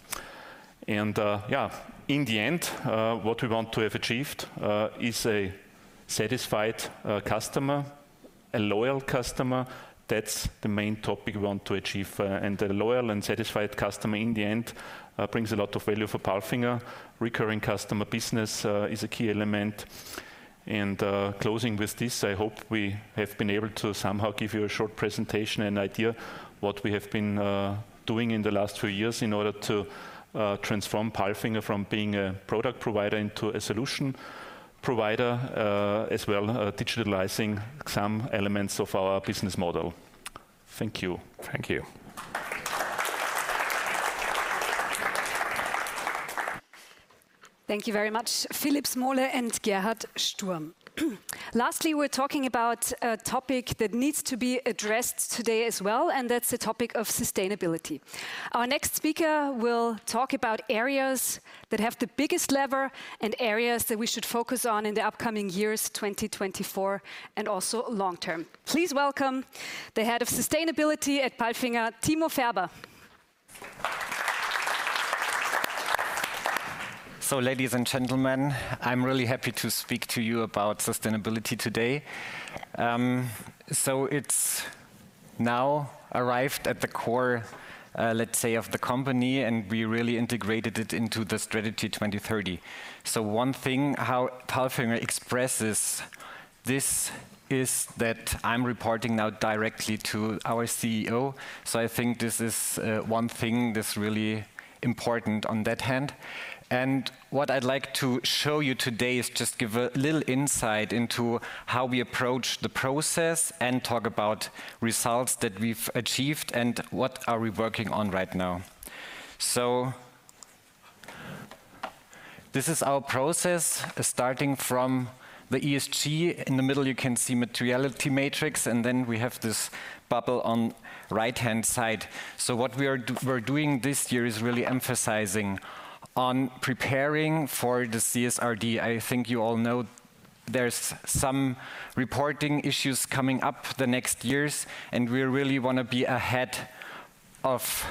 Yeah, in the end, what we want to have achieved is a satisfied customer, a loyal customer. That's the main topic we want to achieve, and the loyal and satisfied customer, in the end, brings a lot of value for PALFINGER. Recurring customer business is a key element. Closing with this, I hope we have been able to somehow give you a short presentation and idea what we have been doing in the last few years in order to transform PALFINGER from being a product provider into a solution provider, as well, digitalizing some elements of our business model. Thank you. Thank you. Thank you very much, Philipp Smole and Gerhard Sturm. Lastly, we're talking about a topic that needs to be addressed today as well, and that's the topic of sustainability. Our next speaker will talk about areas that have the biggest lever and areas that we should focus on in the upcoming years, 2024, and also long-term. Please welcome the Head of Sustainability at PALFINGER, Thiemo Färber. So ladies and gentlemen, I'm really happy to speak to you about sustainability today. So it's now arrived at the core, let's say, of the company, and we really integrated it into the strategy 2030. So one thing, how PALFINGER expresses this is that I'm reporting now directly to our CEO, so I think this is one thing that's really important on that hand. And what I'd like to show you today is just give a little insight into how we approach the process, and talk about results that we've achieved, and what are we working on right now. So, this is our process, starting from the ESG. In the middle, you can see materiality matrix, and then we have this bubble on right-hand side. So, we're doing this year is really emphasizing on preparing for the CSRD. I think you all know there's some reporting issues coming up the next years, and we really wanna be ahead of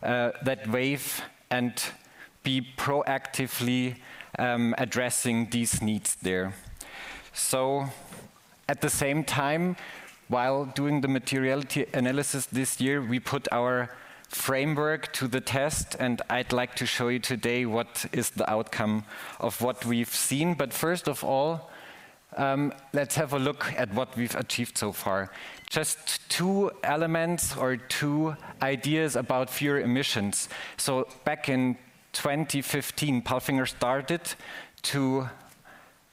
that wave and be proactively addressing these needs there. So at the same time, while doing the materiality analysis this year, we put our framework to the test, and I'd like to show you today what is the outcome of what we've seen. But first of all, let's have a look at what we've achieved so far. Just two elements or two ideas about fewer emissions. So back in 2015, PALFINGER started to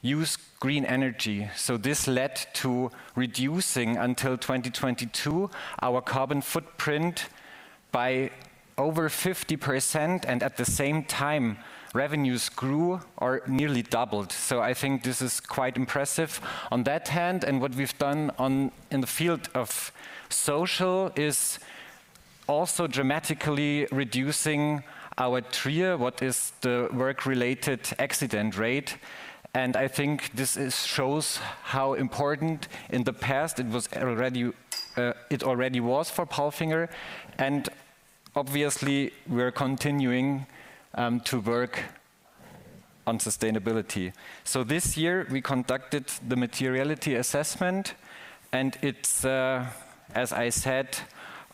use green energy, so this led to reducing, until 2022, our carbon footprint by over 50%, and at the same time, revenues grew or nearly doubled. So I think this is quite impressive on that hand, and what we've done in the field of social is also dramatically reducing our TRIR, what is the work-related accident rate, and I think this is shows how important in the past it was already, it already was for PALFINGER, and obviously, we're continuing to work on sustainability. So this year, we conducted the materiality assessment, and it's, as I said,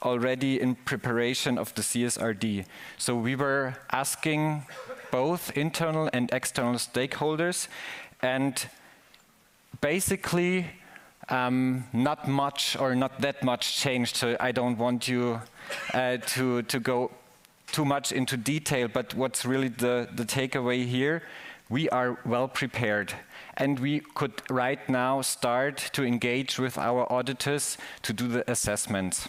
already in preparation of the CSRD. So we were asking both internal and external stakeholders, and basically, not much or not that much changed, so I don't want you to go too much into detail. But what's really the takeaway here, we are well prepared, and we could right now start to engage with our auditors to do the assessments.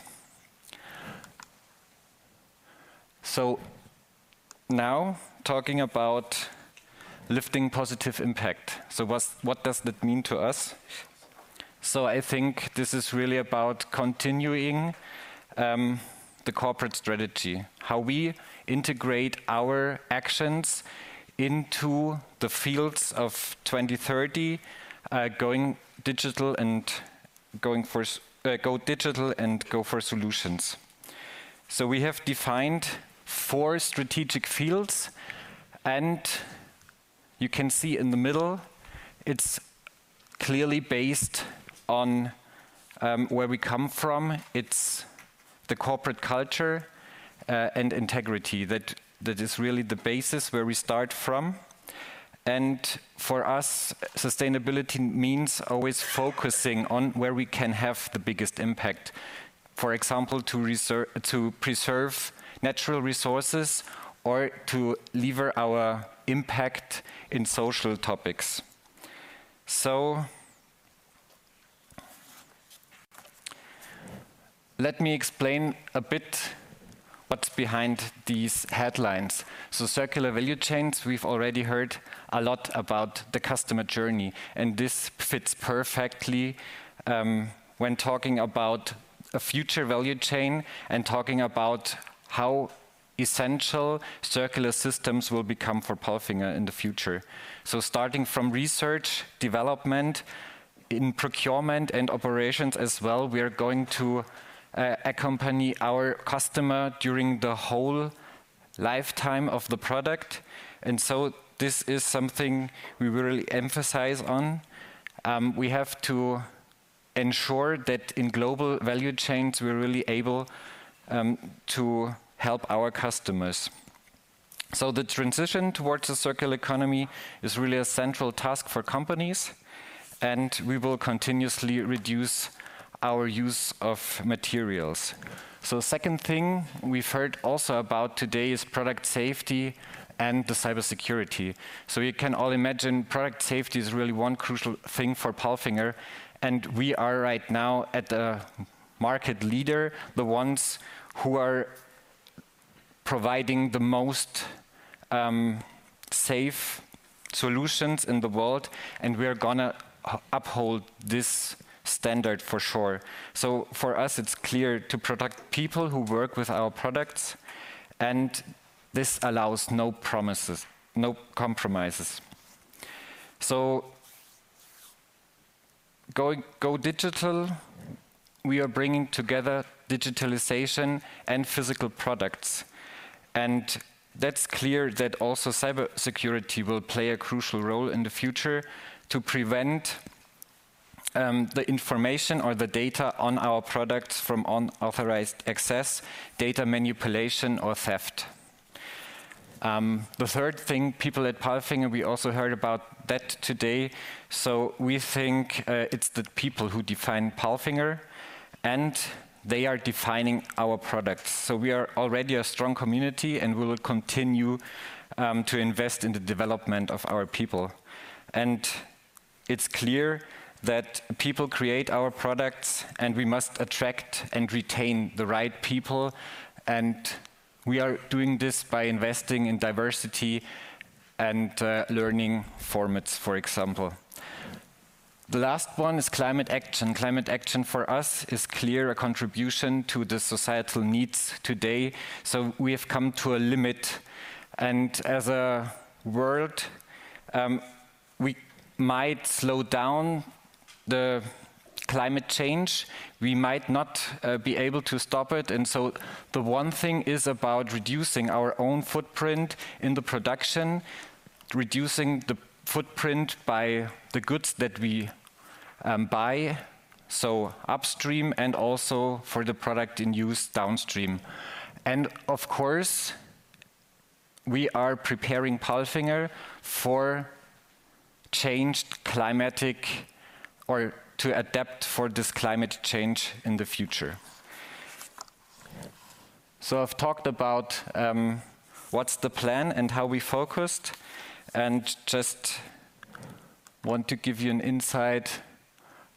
So now, talking about lifting positive impact. So what does that mean to us? I think this is really about continuing the corporate strategy, how we integrate our actions into the fields of 2030, Go Digital and Go for Solution. We have defined four strategic fields, and you can see in the middle, it's clearly based on where we come from. It's the corporate culture and integrity that is really the basis where we start from. For us, sustainability means always focusing on where we can have the biggest impact. For example, to preserve natural resources or to leverage our impact in social topics. Let me explain a bit what's behind these headlines. So circular value chains, we've already heard a lot about the customer journey, and this fits perfectly when talking about a future value chain and talking about how essential circular systems will become for PALFINGER in the future. So starting from research, development, in procurement and operations as well, we are going to accompany our customer during the whole lifetime of the product, and so this is something we really emphasize on. We have to ensure that in global value chains, we're really able to help our customers. So the transition towards the circular economy is really a central task for companies, and we will continuously reduce our use of materials. So second thing we've heard also about today is product safety and the cybersecurity. So you can all imagine, product safety is really one crucial thing for PALFINGER, and we are right now at the market leader, the ones who are providing the most safe solutions in the world, and we are gonna uphold this standard for sure. So for us, it's clear to protect people who work with our products, and this allows no compromises. So going digital, we are bringing together digitalization and physical products. And that's clear that also cybersecurity will play a crucial role in the future to prevent the information or the data on our products from unauthorized access, data manipulation, or theft. The third thing, people at PALFINGER, we also heard about that today, so we think it's the people who define PALFINGER, and they are defining our products. So we are already a strong community, and we will continue to invest in the development of our people. It's clear that people create our products, and we must attract and retain the right people, and we are doing this by investing in diversity and learning formats, for example. The last one is climate action. Climate action for us is clear a contribution to the societal needs today, so we have come to a limit. As a world, we might slow down the climate change. We might not be able to stop it, and so the one thing is about reducing our own footprint in the production, reducing the footprint by the goods that we buy, so upstream and also for the product in use downstream. Of course, we are preparing PALFINGER for changed climatic or to adapt for this climate change in the future. So I've talked about what's the plan and how we focused, and just want to give you an insight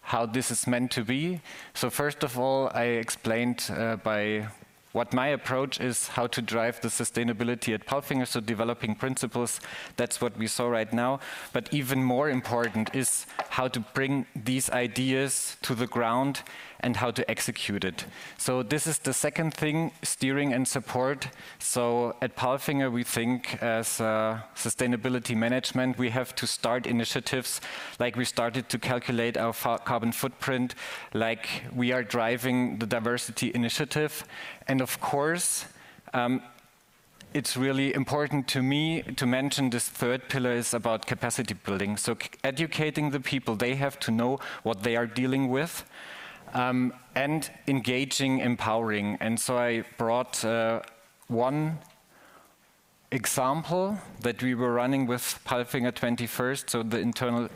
how this is meant to be. So first of all, I explained by what my approach is, how to drive the sustainability at PALFINGER, so developing principles, that's what we saw right now. But even more important is how to bring these ideas to the ground and how to execute it. So this is the second thing, steering and support. So at PALFINGER, we think as a sustainability management, we have to start initiatives, like we started to calculate our carbon footprint, like we are driving the diversity initiative. And of course, it's really important to me to mention this third pillar is about capacity building. Educating the people, they have to know what they are dealing with, and engaging, empowering. So I brought one example that we were running with PALFINGER 21st, so the internal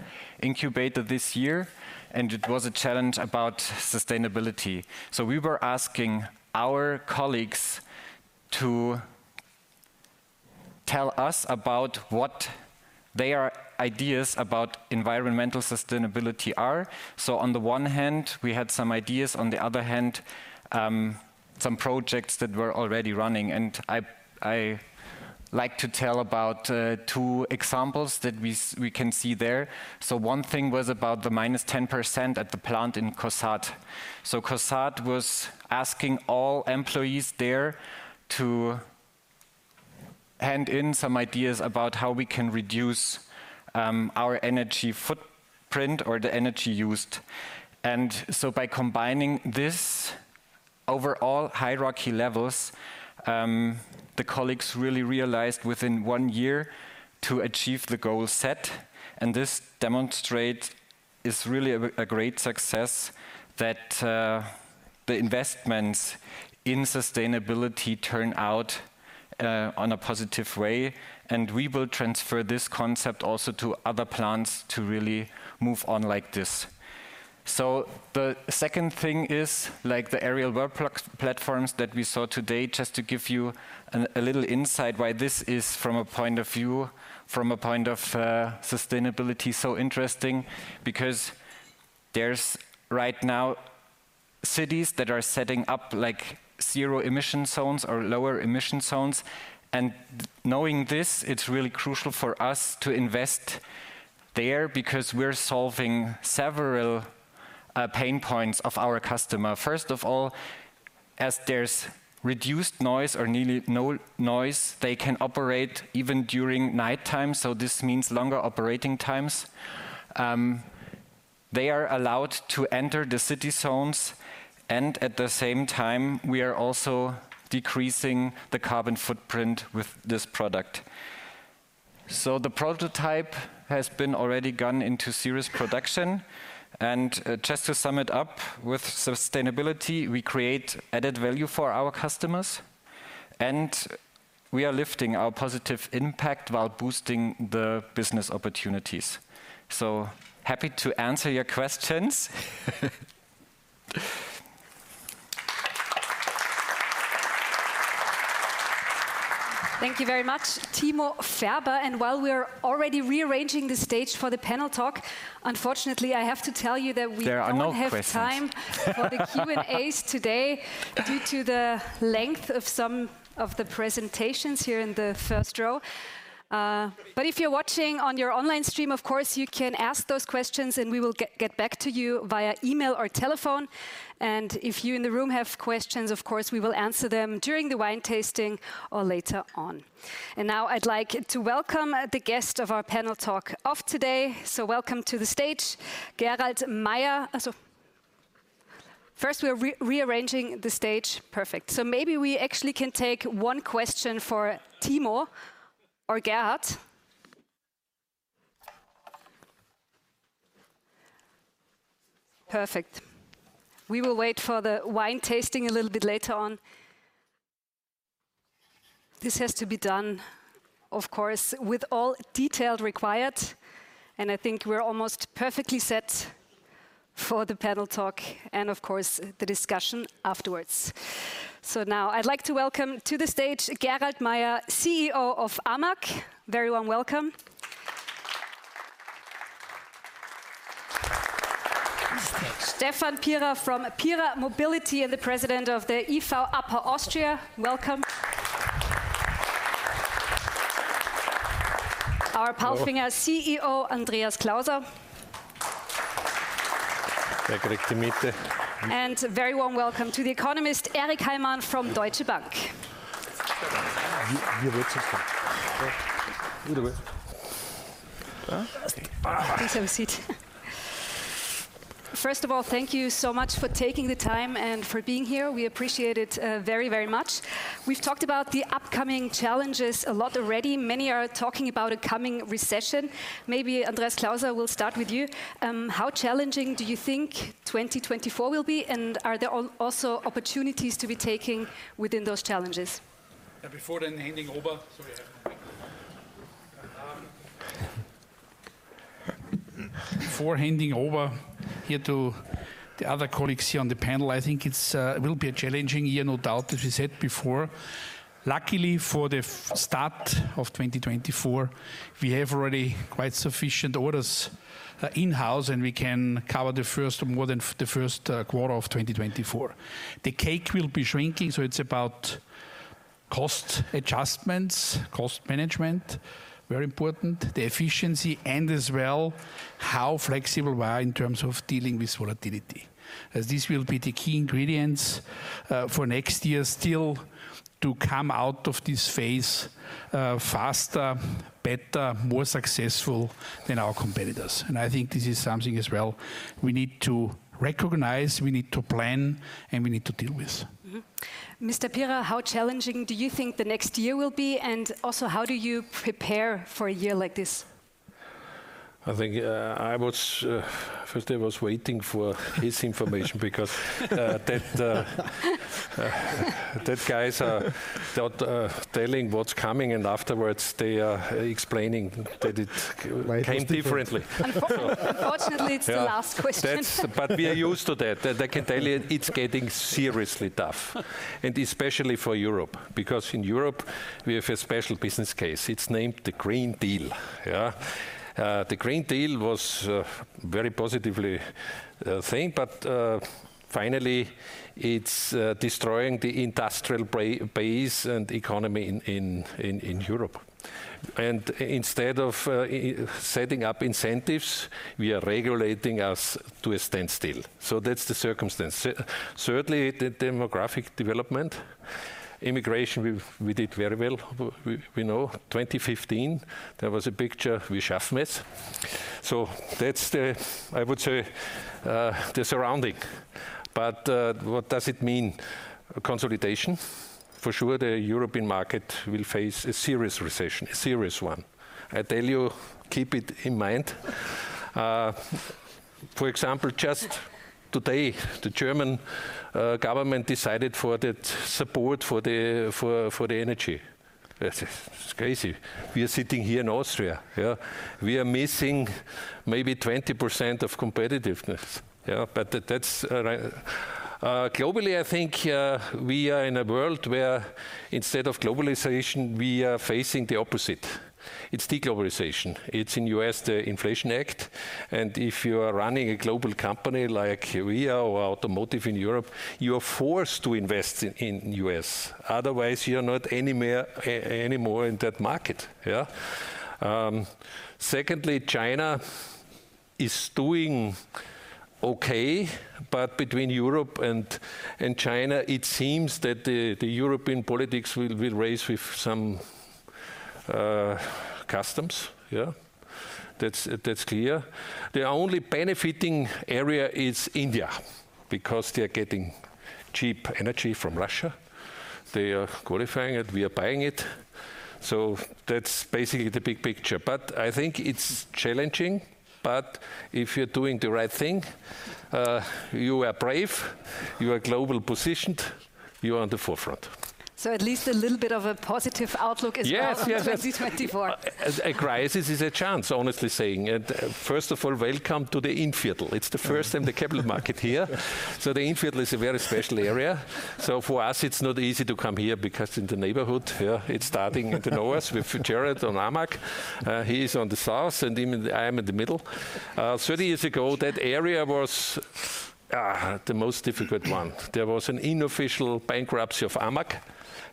incubator this year, and it was a challenge about sustainability. So we were asking our colleagues to tell us about what their ideas about environmental sustainability are. So on the one hand, we had some ideas, on the other hand, some projects that were already running, and I like to tell about two examples that we can see there. So one thing was about the minus 10% at the plant in Kosrat. So Kosrat was asking all employees there to hand in some ideas about how we can reduce our energy footprint or the energy used. By combining this over all hierarchy levels, the colleagues really realized within one year to achieve the goal set, and this demonstrates really a great success that the investments in sustainability turn out on a positive way, and we will transfer this concept also to other plants to really move on like this. So the second thing is, like the aerial work platforms that we saw today, just to give you a little insight why this is from a point of view, from a point of sustainability, so interesting, because there's right now cities that are setting up, like, zero-emission zones or lower-emission zones. And knowing this, it's really crucial for us to invest there because we're solving several pain points of our customer. First of all, as there's reduced noise or nearly no noise, they can operate even during nighttime, so this means longer operating times. They are allowed to enter the city zones, and at the same time, we are also decreasing the carbon footprint with this product. So the prototype has been already gone into serious production. And, just to sum it up, with sustainability, we create added value for our customers, and we are lifting our positive impact while boosting the business opportunities. So happy to answer your questions. Thank you very much, Thiemo Färber. While we are already rearranging the stage for the panel talk, unfortunately, I have to tell you that we. There are no questions. I don't have time for the Q&As today, due to the length of some of the presentations here in the first row. But if you're watching on your online stream, of course, you can ask those questions, and we will get back to you via email or telephone. And if you in the room have questions, of course, we will answer them during the wine tasting or later on. And now I'd like to welcome the guest of our panel talk of today. So welcome to the stage, Gerald Mayer. First, we are rearranging the stage. Perfect. So maybe we actually can take one question for Thiemo or Gerhard. Perfect. We will wait for the wine tasting a little bit later on. This has to be done, of course, with all detail required, and I think we're almost perfectly set for the panel talk and, of course, the discussion afterwards. So now I'd like to welcome to the stage, Gerald Mayer, CEO of AMAG. Very warm welcome. Stefan Pierer from Pierer Mobility, and the President of the IV Upper Austria. Welcome. Hello. PALFINGER CEO, Andreas Klauser. A very warm welcome to the economist, Eric Heymann, from Deutsche Bank. Here, here, where to sit? Please have a seat. First of all, thank you so much for taking the time and for being here. We appreciate it very, very much. We've talked about the upcoming challenges a lot already. Many are talking about a coming recession. Maybe Andreas Klauser, we'll start with you. How challenging do you think 2024 will be, and are there also opportunities to be taken within those challenges? Before then handing over. Sorry. Before handing over here to the other colleagues here on the panel, I think it's will be a challenging year, no doubt, as we said before. Luckily, for the start of 2024, we have already quite sufficient orders in-house, and we can cover the first, more than the first, quarter of 2024. The cake will be shrinking, so it's about cost adjustments, cost management, very important, the efficiency, and as well, how flexible we are in terms of dealing with volatility. As these will be the key ingredients for next year, still to come out of this phase faster, better, more successful than our competitors. And I think this is something as well we need to recognize, we need to plan, and we need to deal with. Mr. Pierer, how challenging do you think the next year will be? And also, how do you prepare for a year like this? I think, first, I was waiting for his information because that guys are not telling what's coming, and afterwards they are explaining that it came differently. Unfortunately, it's the last question. But we are used to that. I can tell you, it's getting seriously tough, and especially for Europe, because in Europe, we have a special business case. It's named the Green Deal. Yeah. The Green Deal was very positively thing, but finally, it's destroying the industrial base and economy in Europe. And instead of setting up incentives, we are regulating us to a standstill. So that's the circumstance. Certainly, the demographic development, immigration, we did very well. We know, 2015, there was a picture with Schaffner. So that's the, I would say, the surrounding. But what does it mean? Consolidation. For sure, the European market will face a serious recession, a serious one. I tell you, keep it in mind. For example, just today, the German government decided for that support for the energy. It's crazy. We are sitting here in Austria. Yeah. We are missing maybe 20% of competitiveness. Yeah, but that's. Globally, I think, we are in a world where instead of globalization, we are facing the opposite. It's de-globalization. It's in the U.S., the Inflation Act, and if you are running a global company like we are or automotive in Europe, you are forced to invest in the U.S. Otherwise, you are not anywhere, anymore in that market. Yeah. Secondly, China is doing okay, but between Europe and China, it seems that the European politics will be raised with some customs. Yeah. That's clear. The only benefiting area is India, because they are getting cheap energy from Russia. They are qualifying it, we are buying it. So that's basically the big picture, but I think it's challenging, but if you're doing the right thing, you are brave, you are global positioned, you are on the forefront. At least a little bit of a positive outlook as well. Yes, yes In 2024. A crisis is a chance, honestly saying. First of all, welcome to the Innviertel. It's the first time the capital market here. The Innviertel is a very special area. For us, it's not easy to come here because in the neighborhood, it's starting in the north with Gerald on AMAG. He is on the south, and him, I am in the middle. 30 years ago, that area was the most difficult one. There was an unofficial bankruptcy of AMAG.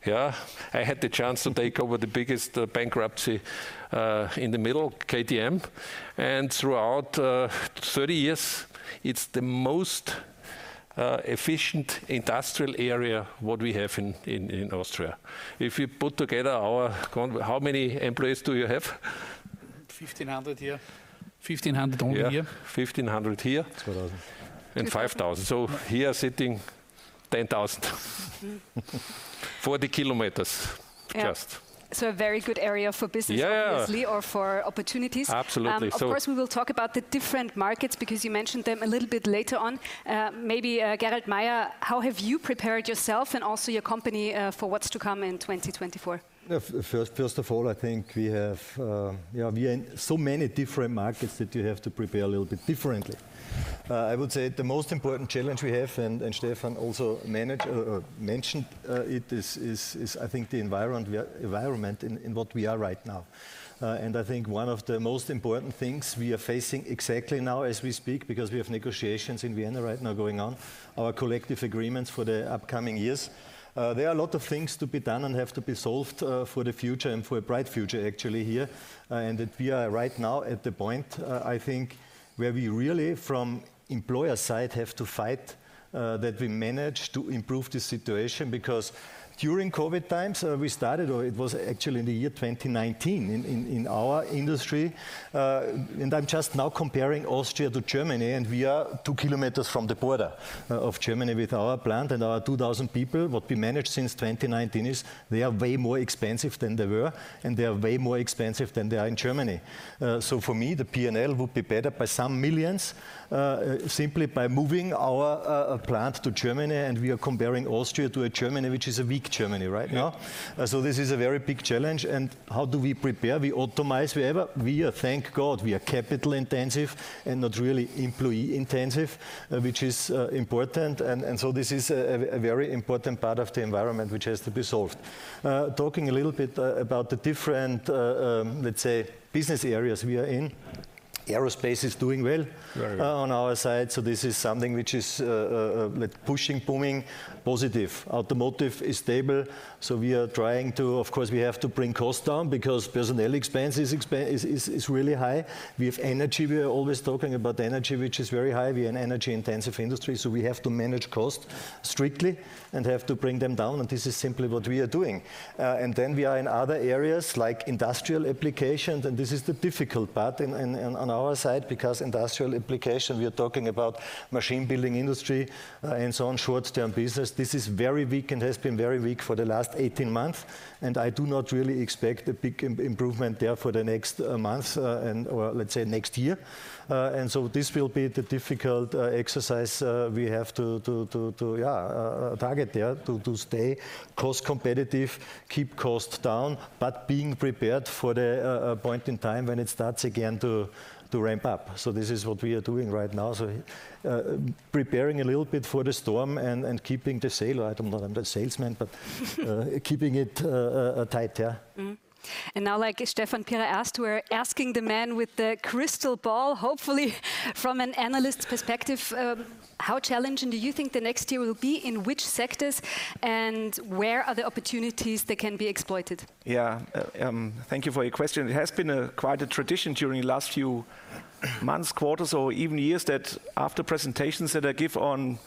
Yeah. I had the chance to take over the biggest bankruptcy in the middle, KTM, and throughout 30 years, it's the most efficient industrial area what we have in Austria. If you put together our. How many employees do you have? 1,500 here. 1,500 only here? Yeah, 1,500 here. Two thousand. 5,000. So here sitting 10,000. 40 km, just. Yeah. So a very good area for business obviously, or for opportunities. Absolutely. Of course, we will talk about the different markets, because you mentioned them, a little bit later on. Maybe, Gerald Mayer, how have you prepared yourself and also your company, for what's to come in 2024? First of all, I think we have, we are in so many different markets that you have to prepare a little bit differently. I would say the most important challenge we have, and Stefan also mentioned it, is I think the environment in what we are right now. And I think one of the most important things we are facing exactly now as we speak, because we have negotiations in Vienna right now going on, our collective agreements for the upcoming years. There are a lot of things to be done and have to be solved for the future and for a bright future, actually, here. And that we are right now at the point, I think, where we really, from employer side, have to fight, that we manage to improve the situation. Because during COVID times, we started, or it was actually in the year 2019, in our industry. And I'm just now comparing Austria to Germany, and we are two kilometers from the border of Germany with our plant and our 2,000 people. What we managed since 2019 is they are way more expensive than they were, and they are way more expensive than they are in Germany. So for me, the P&L would be better by some millions, simply by moving our plant to Germany, and we are comparing Austria to a Germany, which is a weak Germany right now. So this is a very big challenge, and how do we prepare? We automate wherever. We are, thank God, we are capital intensive and not really employee intensive, which is important. And so this is a very important part of the environment which has to be solved. Talking a little bit about the different, let's say, business areas we are in, aerospace is doing well. Very well On our side, so this is something which is, like, pushing, booming, positive. Automotive is stable, so we are trying to. Of course, we have to bring costs down because personnel expense is really high. We have energy. We are always talking about the energy, which is very high. We are an energy-intensive industry, so we have to manage costs strictly and have to bring them down, and this is simply what we are doing. And then we are in other areas, like industrial applications, and this is the difficult part on our side because industrial application, we are talking about machine building industry, and so on, short-term business. This is very weak and has been very weak for the last 18 months, and I do not really expect a big improvement there for the next months, and/or let's say next year. And so this will be the difficult exercise we have to target there, to stay cost competitive, keep costs down, but being prepared for the point in time when it starts again to ramp up. So this is what we are doing right now, so, preparing a little bit for the storm and keeping the sail. I don't know, I'm not a salesman, but keeping it tight. Yeah. Now, like Stefan Pierer asked, we're asking the man with the crystal ball, hopefully, from an analyst's perspective, how challenging do you think the next year will be, in which sectors, and where are the opportunities that can be exploited? Yeah. Thank you for your question. It has been quite a tradition during the last few months, quarters, or even years, that after presentations that I give on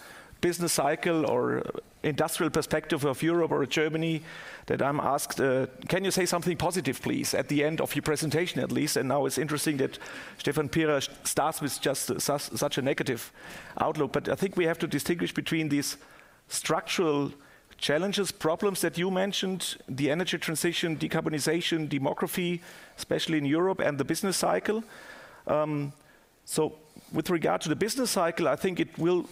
business cycle or industrial perspective of Europe or Germany, that I'm asked, "Can you say something positive, please, at the end of your presentation, at least?" And now it's interesting that Stefan Pierer starts with just such a negative outlook. But I think we have to distinguish between these structural challenges, problems that you mentioned, the energy transition, decarbonization, demography, especially in Europe, and the business cycle. So with regard to the business cycle, I think it will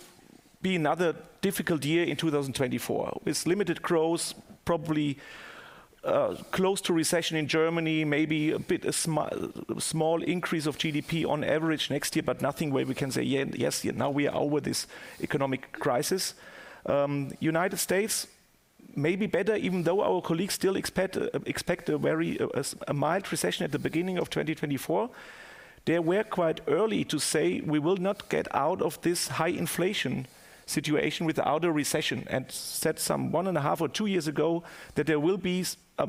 be another difficult year in 2024, with limited growth, probably close to recession in Germany, maybe a bit small increase of GDP on average next year, but nothing where we can say, "Yeah, yes, yeah, now we are over this economic crisis." United States, maybe better, even though our colleagues still expect a very mild recession at the beginning of 2024. They were quite early to say we will not get out of this high inflation situation without a recession, and said some one and a half or two years ago that there will be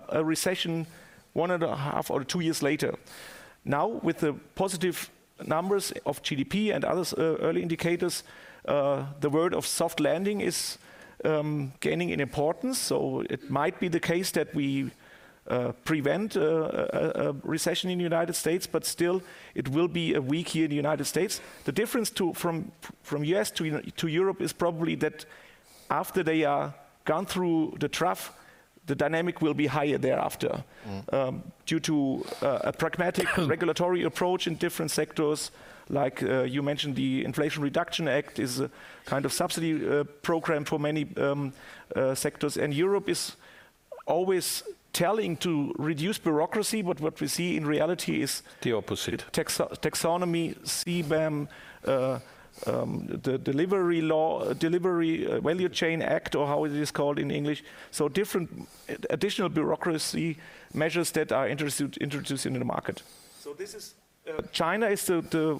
a recession one and a half or two years later. Now, with the positive numbers of GDP and other early indicators, the word of soft landing is gaining in importance. So it might be the case that we prevent a recession in the United States, but still, it will be a weak year in the United States. The difference from U.S. to Europe is probably that after they are gone through the trough, the dynamic will be higher thereafter. Due to a pragmatic regulatory approach in different sectors. Like, you mentioned the Inflation Reduction Act is a kind of subsidy program for many sectors. And Europe is always telling to reduce bureaucracy, but what we see in reality is. The opposite Taxonomy, CBAM, the due diligence law, supply chain act, or how it is called in English. So different additional bureaucracy measures that are introduced in the market. So this is, China is the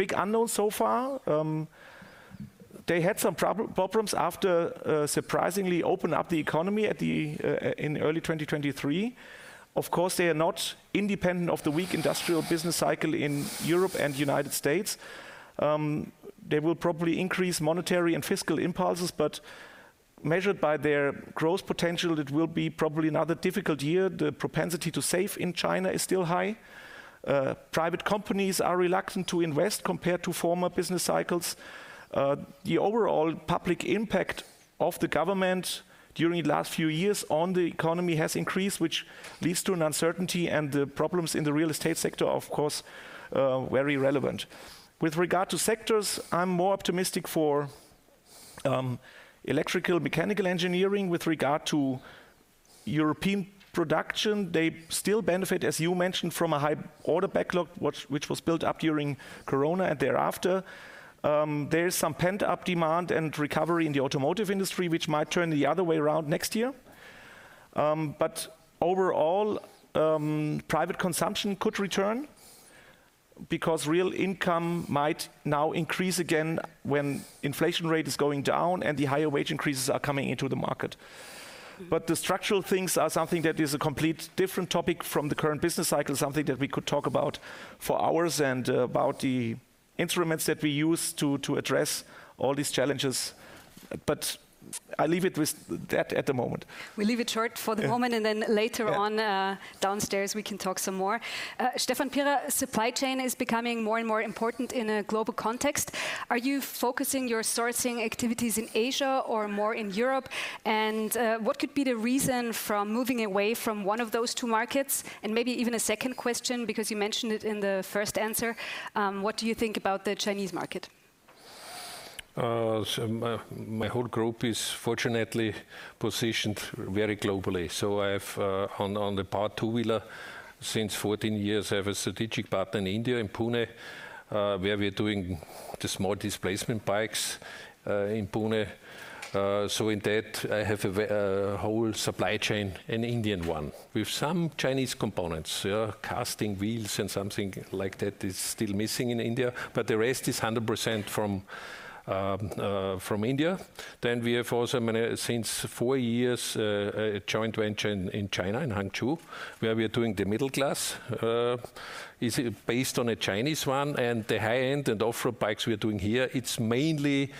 big unknown so far. They had some problems after surprisingly opening up the economy in early 2023. Of course, they are not independent of the weak industrial business cycle in Europe and United States. They will probably increase monetary and fiscal impulses. Measured by their growth potential, it will be probably another difficult year. The propensity to save in China is still high. Private companies are reluctant to invest compared to former business cycles. The overall public impact of the government during the last few years on the economy has increased, which leads to an uncertainty, and the problems in the real estate sector are, of course, very relevant. With regard to sectors, I'm more optimistic for electrical, mechanical engineering. With regard to European production, they still benefit, as you mentioned, from a high order backlog, which was built up during Corona and thereafter. There is some pent-up demand and recovery in the automotive industry, which might turn the other way around next year. But overall, private consumption could return because real income might now increase again when inflation rate is going down and the higher wage increases are coming into the market. But the structural things are something that is a complete different topic from the current business cycle, something that we could talk about for hours, and about the instruments that we use to address all these challenges. But I leave it with that at the moment. We leave it short for the moment and then later on downstairs, we can talk some more. Stefan Pierer, supply chain is becoming more and more important in a global context. Are you focusing your sourcing activities in Asia or more in Europe? And, what could be the reason from moving away from one of those two markets? And maybe even a second question, because you mentioned it in the first answer: what do you think about the Chinese market? So my whole group is fortunately positioned very globally. So I've on the part two-wheeler, since 14 years, I have a strategic partner in India, in Pune, where we're doing the small displacement bikes, in Pune. So in that, I have a whole supply chain, an Indian one, with some Chinese components. Yeah, casting wheels and something like that is still missing in India, but the rest is 100% from India. Then we have also, since four years, a joint venture in China, in Hangzhou, where we are doing the middle class. It's based on a Chinese one, and the high-end and off-road bikes we're doing here, it's mainly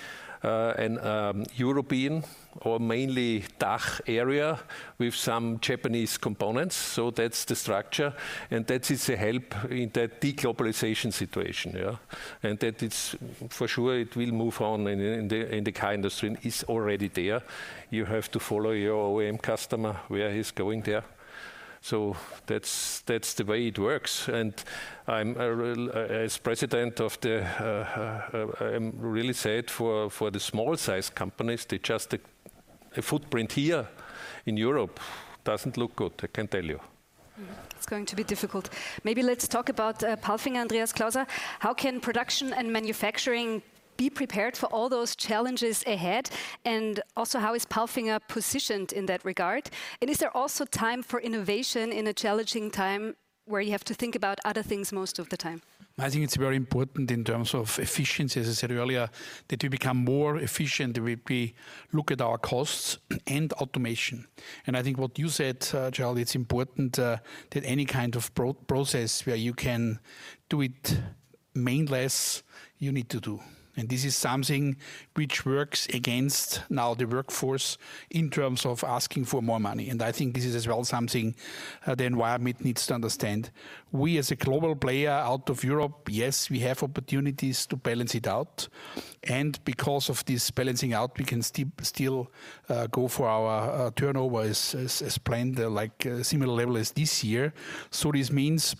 an European or mainly DACH area with some Japanese components. So that's the structure, and that is a help in that de-globalization situation, yeah? And that it's for sure, it will move on in the car industry, and is already there. You have to follow your OEM customer, where he's going there. So that's, that's the way it works. And I'm a real- as president of the... I'm really sad for the small size companies. They just a footprint here in Europe doesn't look good, I can tell you. Mm-hmm. It's going to be difficult. Maybe let's talk about PALFINGER, Andreas Klauser. How can production and manufacturing be prepared for all those challenges ahead? And also, how is PALFINGER positioned in that regard? And is there also time for innovation in a challenging time, where you have to think about other things most of the time? I think it's very important in terms of efficiency, as I said earlier, that we become more efficient. We look at our costs and automation. And I think what you said, Gerald, it's important that any kind of process where you can do it mainless, you need to do. And this is something which works against now the workforce in terms of asking for more money. And I think this is as well something the environment needs to understand. We, as a global player out of Europe, yes, we have opportunities to balance it out. And because of this balancing out, we can still go for our turnover as planned, like a similar level as this year. So this means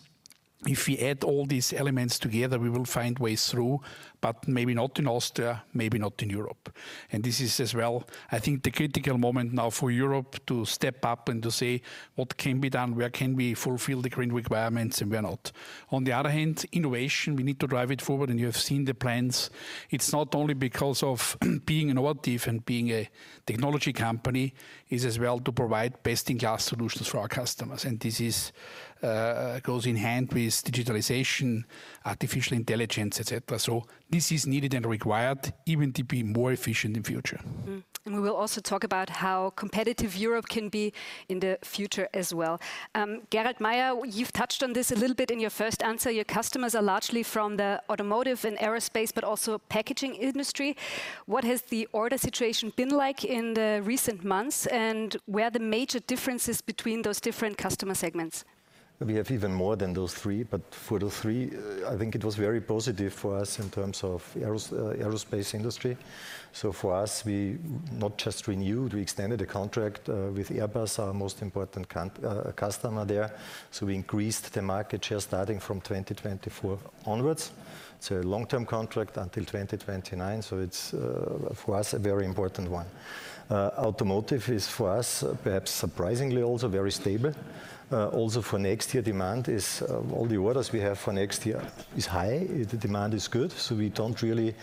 if we add all these elements together, we will find ways through, but maybe not in Austria, maybe not in Europe. And this is as well, I think, the critical moment now for Europe to step up and to say, "What can be done? Where can we fulfill the green requirements, and where not?" On the other hand, innovation, we need to drive it forward, and you have seen the plans. It's not only because of being innovative and being a technology company, is as well to provide best-in-class solutions for our customers. And this is, goes in hand with digitalization, artificial intelligence, et cetera. So this is needed and required even to be more efficient in future. Mm-hmm. We will also talk about how competitive Europe can be in the future as well. Gerald Mayer, you've touched on this a little bit in your first answer. Your customers are largely from the automotive and aerospace, but also packaging industry. What has the order situation been like in the recent months, and where are the major differences between those different customer segments? We have even more than those three, but for the three, I think it was very positive for us in terms of aerospace industry. So for us, we not just renewed, we extended a contract with Airbus, our most important customer there. So we increased the market share starting from 2024 onwards. It's a long-term contract, until 2029, so it's for us, a very important one. Automotive is, for us, perhaps surprisingly, also very stable. Also for next year, demand is all the orders we have for next year is high. The demand is good, so we don't really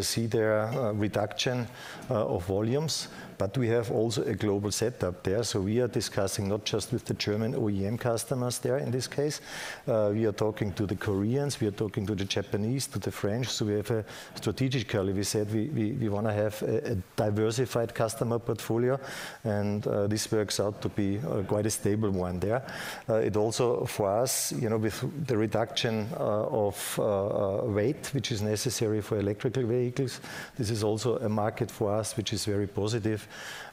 see the reduction of volumes. But we have also a global setup there, so we are discussing not just with the German OEM customers there, in this case, we are talking to the Koreans, we are talking to the Japanese, to the French. So we have a strategically, we said we wanna have a diversified customer portfolio, and this works out to be quite a stable one there. It also, for us, you know, with the reduction of weight, which is necessary for electrical vehicles, this is also a market for us, which is very positive.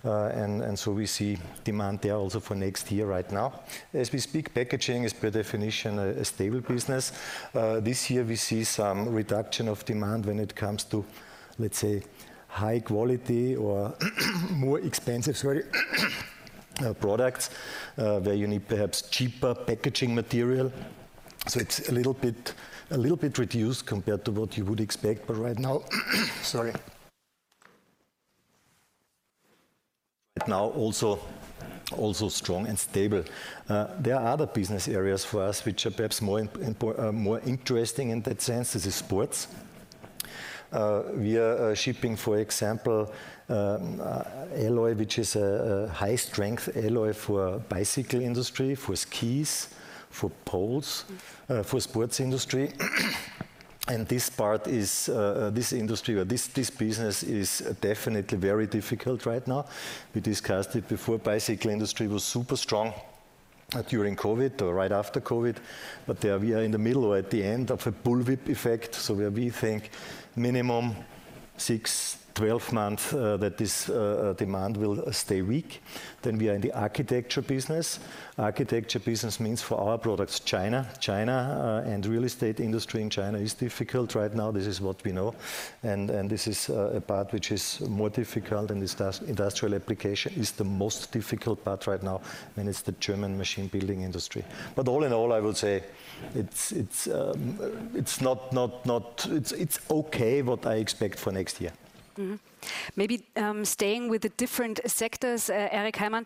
And so we see demand there also for next year right now. As we speak, packaging is, per definition, a stable business. This year, we see some reduction of demand when it comes to, let's say, high quality or more expensive products, where you need perhaps cheaper packaging material. So it's a little bit reduced compared to what you would expect, but right now, sorry. Right now, also strong and stable. There are other business areas for us which are perhaps more interesting in that sense, this is sports. We are shipping, for example, alloy, which is a high-strength alloy for bicycle industry, for skis, for poles, for sports industry. And this part is, this industry or this business is definitely very difficult right now. We discussed it before. Bicycle industry was super strong during COVID or right after COVID, but there we are in the middle or at the end of a bullwhip effect, so where we think minimum six, 12 months that this demand will stay weak. Then we are in the architecture business. Architecture business means for our products, China. China and real estate industry in China is difficult right now. This is what we know, and this is a part which is more difficult, and this industrial application is the most difficult part right now, and it's the German machine building industry. But all in all, I would say it's okay, what I expect for next year. Maybe, staying with the different sectors, Eric Heymann,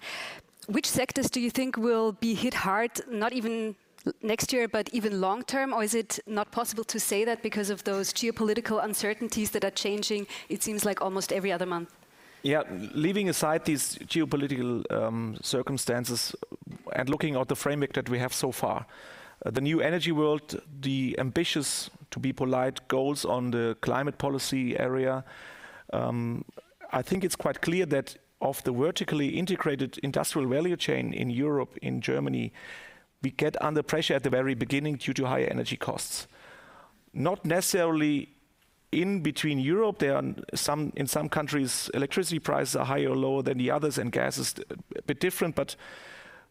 which sectors do you think will be hit hard, not even next year, but even long term? Or is it not possible to say that because of those geopolitical uncertainties that are changing, it seems like almost every other month? Yeah. Leaving aside these geopolitical, circumstances and looking at the framework that we have so far, the new energy world, the ambitious, to be polite, goals on the climate policy area, I think it's quite clear that of the vertically integrated industrial value chain in Europe, in Germany, we get under pressure at the very beginning due to higher energy costs. Not necessarily in between Europe, there are some in some countries, electricity prices are higher or lower than the others, and gas is a bit different, but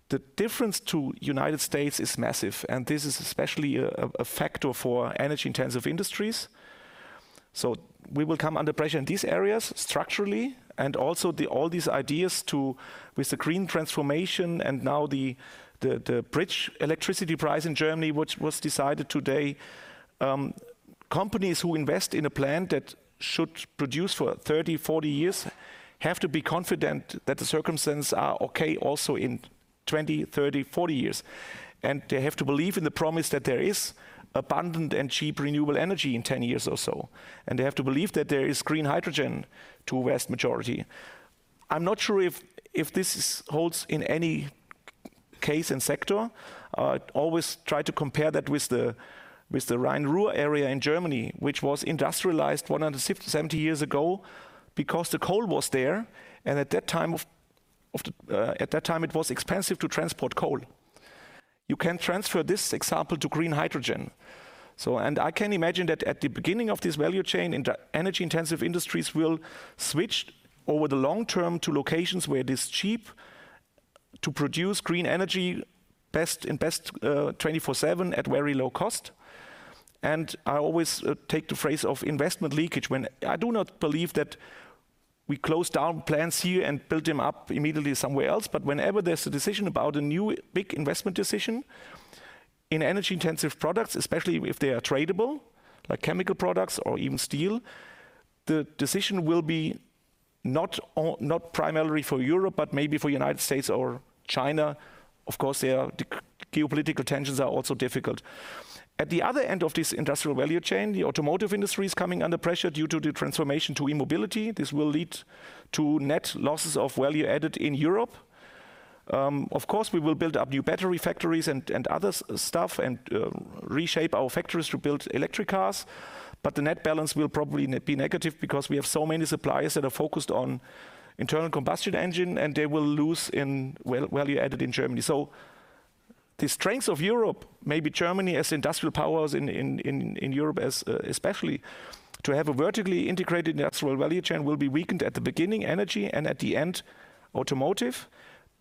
the difference to United States is massive, and this is especially a factor for energy-intensive industries. So we will come under pressure in these areas structurally, and also all these ideas with the green transformation and now the bridge electricity price in Germany, which was decided today. Companies who invest in a plant that should produce for 30, 40 years have to be confident that the circumstances are okay also in 20, 30, 40 years. And they have to believe in the promise that there is abundant and cheap renewable energy in 10 years or so, and they have to believe that there is green hydrogen to a vast majority. I'm not sure if this holds in any case and sector. Always try to compare that with the Rhine-Ruhr area in Germany, which was industrialized 150-170 years ago because the coal was there, and at that time, it was expensive to transport coal. You can transfer this example to green hydrogen. I can imagine that at the beginning of this value chain, energy-intensive industries will switch over the long term to locations where it is cheap to produce green energy, best in best, 24/7 at very low cost. I always take the phrase of investment leakage when I do not believe that we close down plants here and build them up immediately somewhere else, but whenever there's a decision about a new big investment decision in energy-intensive products, especially if they are tradable, like chemical products or even steel, the decision will be not not primarily for Europe, but maybe for United States or China. Of course, there are the geopolitical tensions are also difficult. At the other end of this industrial value chain, the automotive industry is coming under pressure due to the transformation to e-mobility. This will lead to net losses of value added in Europe. Of course, we will build up new battery factories and other stuff, and reshape our factories to build electric cars, but the net balance will probably net be negative because we have so many suppliers that are focused on internal combustion engine, and they will lose, well, value added in Germany. So the strengths of Europe, maybe Germany as industrial powers in Europe, especially to have a vertically integrated natural value chain, will be weakened at the beginning, energy, and at the end, automotive.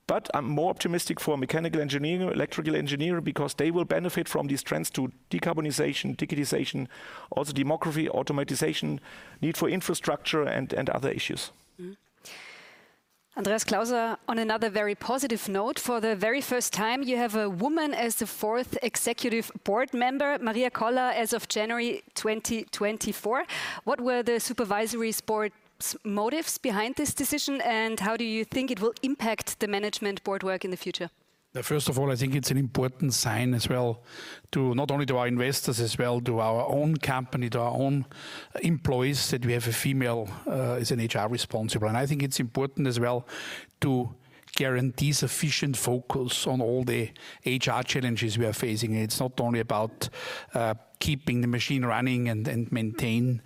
But I'm more optimistic for mechanical engineering, electrical engineering, because they will benefit from these trends to decarbonization, digitization, also demography, automation, need for infrastructure, and other issues. Andreas Klauser, on another very positive note, for the very first time, you have a woman as the fourth executive board member, Maria Koller, as of January 2024. What were the supervisory board's motives behind this decision, and how do you think it will impact the management board work in the future? First of all, I think it's an important sign as well to not only to our investors, as well to our own company, to our own employees, that we have a female as an HR responsible. I think it's important as well to guarantee sufficient focus on all the HR challenges we are facing. It's not only about keeping the machine running and maintain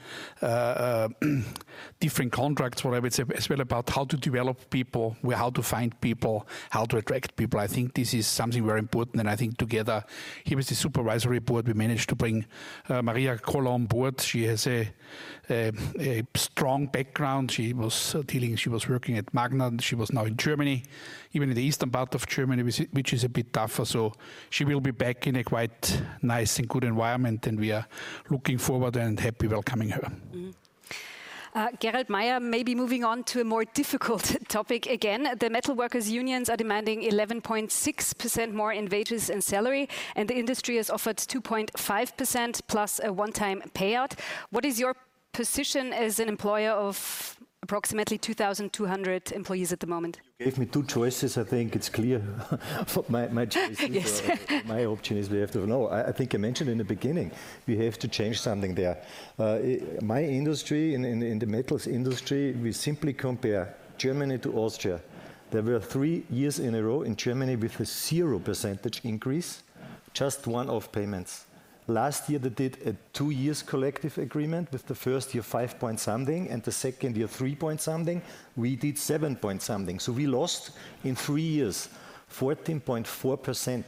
different contracts, whatever, it's as well about how to develop people, where how to find people, how to attract people. I think this is something very important, and I think together with the supervisory board, we managed to bring Maria Koller on board. She has a strong background. She was working at Magna, and she was now in Germany, even in the eastern part of Germany, which is a bit tougher. She will be back in a quite nice and good environment, and we are looking forward and happy welcoming her. Gerald Mayer, maybe moving on to a more difficult topic again. The metalworkers' unions are demanding 11.6% more in wages and salary, and the industry has offered 2.5% plus a one-time payout. What is your position as an employer of approximately 2,200 employees at the moment? You gave me two choices. I think it's clear what my choices are. Yes. My opinion is we have to. No, I think I mentioned in the beginning, we have to change something there. My industry, in the metals industry, we simply compare Germany to Austria. There were three years in a row in Germany with a 0% increase, just one-off payments. Last year, they did a two-year collective agreement, with the first year 5% point something and the second year 3% point something. We did 7% point something. So we lost, in three years, 14.4%,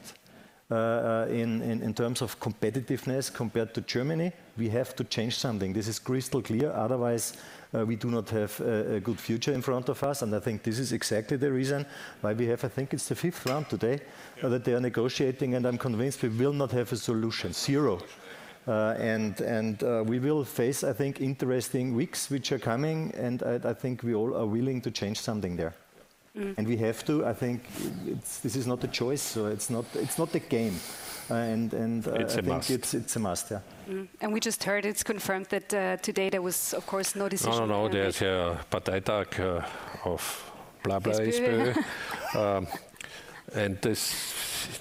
in terms of competitiveness compared to Germany. We have to change something. This is crystal clear, otherwise, we do not have a good future in front of us, and I think this is exactly the reason why we have, I think it's the fifth round today that they are negotiating, and I'm convinced we will not have a solution. Zero. And we will face, I think, interesting weeks which are coming, and I think we all are willing to change something there. We have to. I think it's... this is not a choice, so it's not, it's not a game. It's a must. I think it's a must, yeah. We just heard it's confirmed that today there was, of course, no decision made. No, no, no. There's a party talk of blah blah issue. Issue. This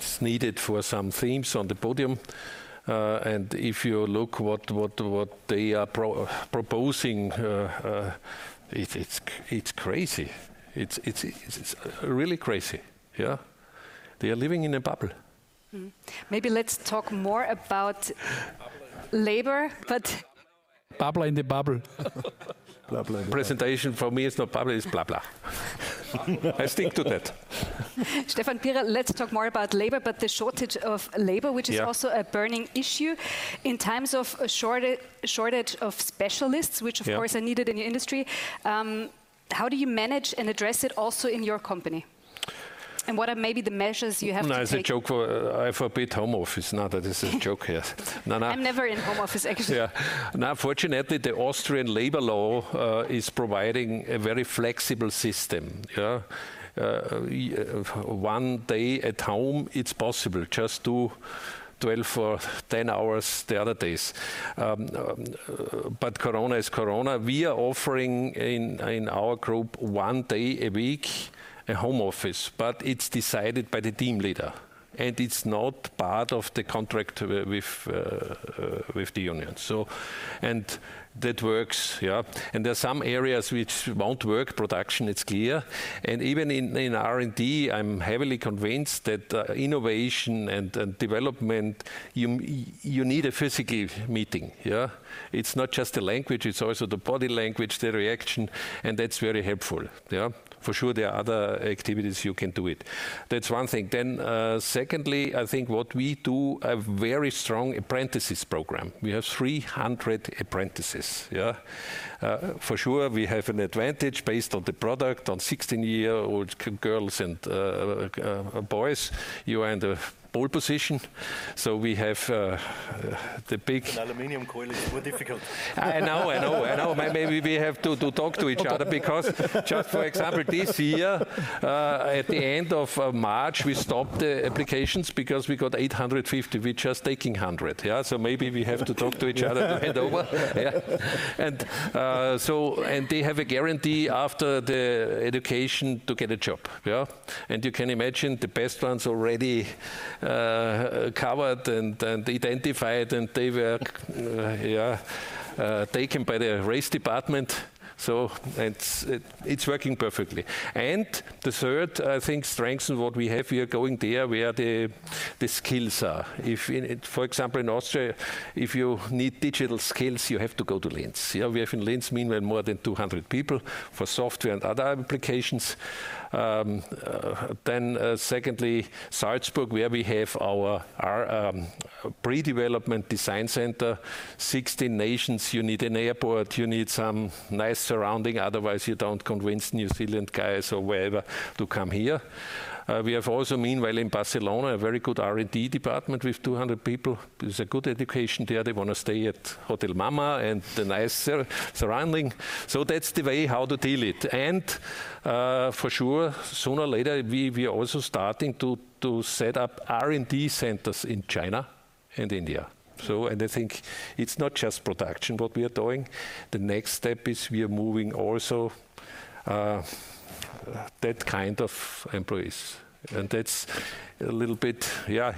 is needed for some themes on the podium. If you look what they are proposing, it's crazy. It's really crazy, yeah? They are living in a bubble. Maybe let's talk more about labor, but- Bubble in the bubble. Bla bla in the bubble. Presentation for me is not bla bla, it's bla bla. I stick to that. Stefan Pierer, let's talk more about labor, but the shortage of labor which is also a burning issue. In times of a shortage of specialists which, of course, are needed in your industry, how do you manage and address it also in your company? And what are maybe the measures you have to take? No, it's a joke for, I forbid home office. No, that is a joke, yes. No, no. I'm never in home office, actually. Yeah. No, fortunately, the Austrian labor law is providing a very flexible system, yeah? One day at home, it's possible. Just do 12 or 10 hours the other days. But Corona is Corona. We are offering in our group, one day a week, a home office, but it's decided by the team leader, and it's not part of the contract with the union. So. And that works, yeah. And there are some areas which won't work. Production, it's clear. And even in R&D, I'm heavily convinced that innovation and development, you need a physical meeting, yeah? It's not just the language, it's also the body language, the reaction, and that's very helpful. Yeah. For sure, there are other activities you can do it. That's one thing. Then, secondly, I think what we do, a very strong apprentices program. We have 300 apprentices, yeah? For sure, we have an advantage based on the product, on 16-year-old girls and boys. You are in the pole position. So we have the big. An aluminum coil is more difficult. I know, I know, I know. Maybe we have to, to talk to each other because just for example, this year, at the end of March, we stopped the applications because we got 850. We're just taking 100, yeah? So maybe we have to talk to each other and over. Yeah. And so. And they have a guarantee after the education to get a job, yeah? And you can imagine, the best ones already covered and identified, and they were, yeah, taken by the race department. So and it, it's working perfectly. And the third, I think, strength in what we have here, going there, where the skills are. If in. For example, in Austria, if you need digital skills, you have to go to Linz. Yeah, we have in Linz, meanwhile, more than 200 people for software and other applications. Secondly, Salzburg, where we have our pre-development design center. 16 nations, you need an airport, you need some nice surrounding, otherwise, you don't convince New Zealand guys or wherever to come here. We have also, meanwhile, in Barcelona, a very good R&D department with 200 people. There's a good education there. They wanna stay at Hotel Mama and the nice surrounding. So that's the way how to deal it. And, for sure, sooner or later, we are also starting to set up R&D centers in China and India. So and I think it's not just production, what we are doing. The next step is we are moving also that kind of employees. And that's a little bit, yeah,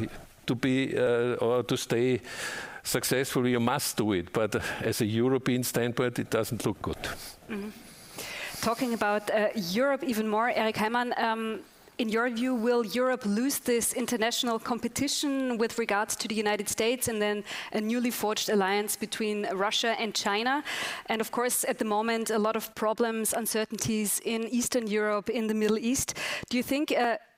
to be or to stay successful, you must do it, but as a European standpoint, it doesn't look good. Mm-hmm. Talking about Europe even more, Eric Heymann, in your view, will Europe lose this international competition with regards to the United States and then a newly forged alliance between Russia and China? And of course, at the moment, a lot of problems, uncertainties in Eastern Europe, in the Middle East. Do you think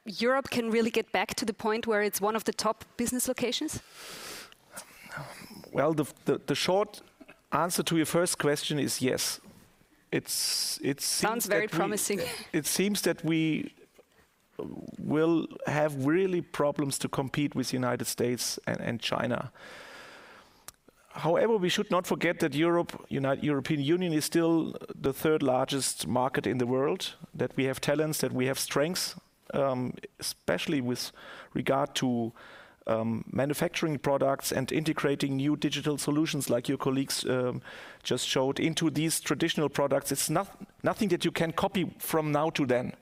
Europe can really get back to the point where it's one of the top business locations? Well, the short answer to your first question is yes. It's, it seems that we. Sounds very promising. It seems that we will have really problems to compete with the United States and China. However, we should not forget that Europe, European Union, is still the third-largest market in the world, that we have talents, that we have strengths, especially with regard to, manufacturing products and integrating new digital solutions, like your colleagues, just showed, into these traditional products. It's nothing that you can copy from now to then.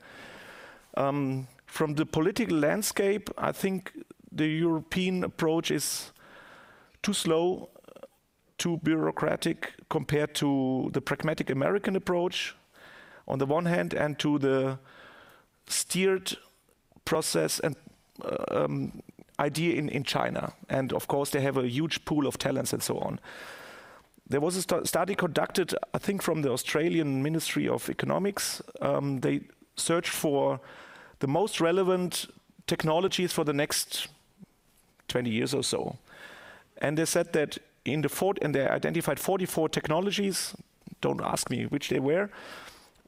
From the political landscape, I think the European approach is too slow, too bureaucratic, compared to the pragmatic American approach on the one hand, and to the steered process and, idea in, China. And of course, they have a huge pool of talents and so on. There was a study conducted, I think from the Australian Ministry of Economics. They searched for the most relevant technologies for the next 20 years or so, and they said that... And they identified 44 technologies, don't ask me which they were,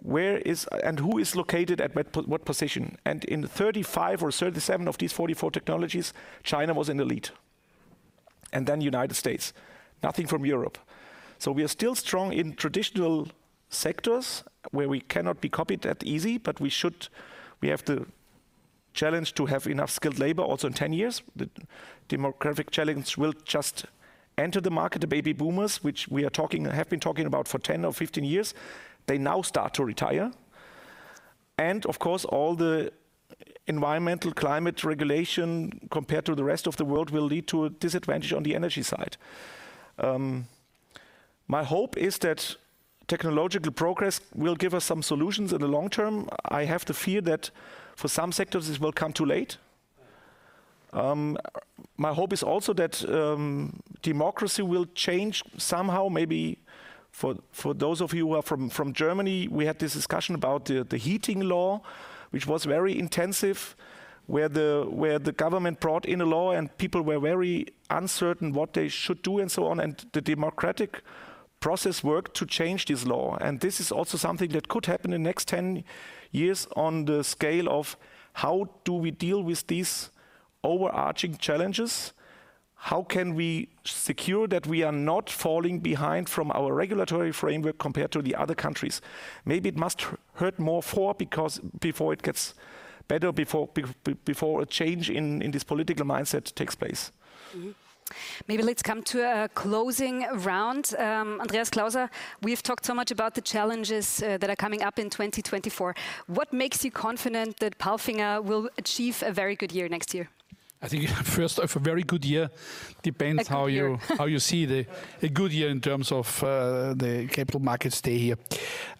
and who is located at what position. And in 35 or 37 of these 44 technologies, China was in the lead, and then United States. Nothing from Europe. So we are still strong in traditional sectors where we cannot be copied that easy, but we should. We have the challenge to have enough skilled labor also in 10 years. The demographic challenge will just enter the market, the baby boomers, which we are talking, have been talking about for 10 or 15 years, they now start to retire. And of course, all the environmental climate regulation compared to the rest of the world, will lead to a disadvantage on the energy side. My hope is that technological progress will give us some solutions in the long term. I have the fear that for some sectors, this will come too late. My hope is also that, democracy will change somehow. Maybe for, for those of you who are from, from Germany, we had this discussion about the, the heating law, which was very intensive, where the, where the government brought in a law and people were very uncertain what they should do, and so on. And the democratic process worked to change this law, and this is also something that could happen in the next 10 years on the scale of: how do we deal with these overarching challenges? How can we secure that we are not falling behind from our regulatory framework compared to the other countries? Maybe it must hurt more, because before it gets better, before a change in this political mindset takes place. Maybe let's come to a closing round. Andreas Klauser, we've talked so much about the challenges that are coming up in 2024. What makes you confident that PALFINGER will achieve a very good year next year? I think first off, a very good year depends. A good year. How you see a good year in terms of the Capital Markets Day here.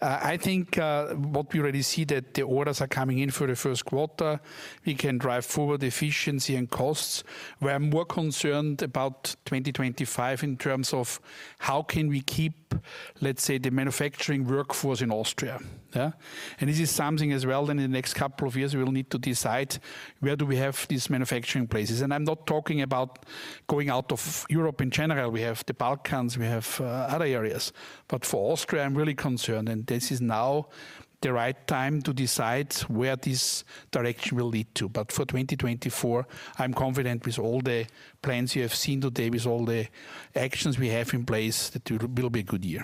I think what we already see that the orders are coming in for the first quarter. We can drive forward efficiency and costs. We are more concerned about 2025 in terms of how can we keep, let's say, the manufacturing workforce in Austria, yeah? And this is something as well, in the next couple of years, we'll need to decide: where do we have these manufacturing places? And I'm not talking about going out of Europe in general. We have the Balkans, we have other areas. But for Austria, I'm really concerned, and this is now the right time to decide where this direction will lead to. But for 2024, I'm confident with all the plans you have seen today, with all the actions we have in place, that it will, it will be a good year.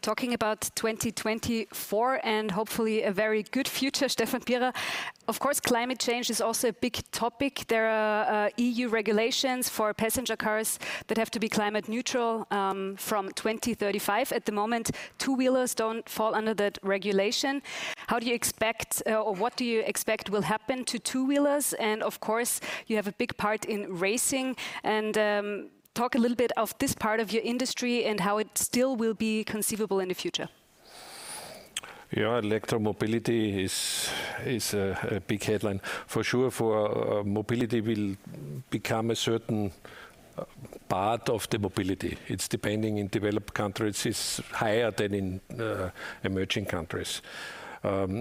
Talking about 2024, and hopefully a very good future, Stefan Pierer, of course, climate change is also a big topic. There are, EU regulations for passenger cars that have to be climate neutral, from 2035. At the moment, two-wheelers don't fall under that regulation. How do you expect, or what do you expect will happen to two-wheelers? And of course, you have a big part in racing and, talk a little bit of this part of your industry and how it still will be conceivable in the future. Yeah, electro mobility is a big headline. For sure, for mobility will become a certain part of the mobility. It's depending, in developed countries, it's higher than in emerging countries.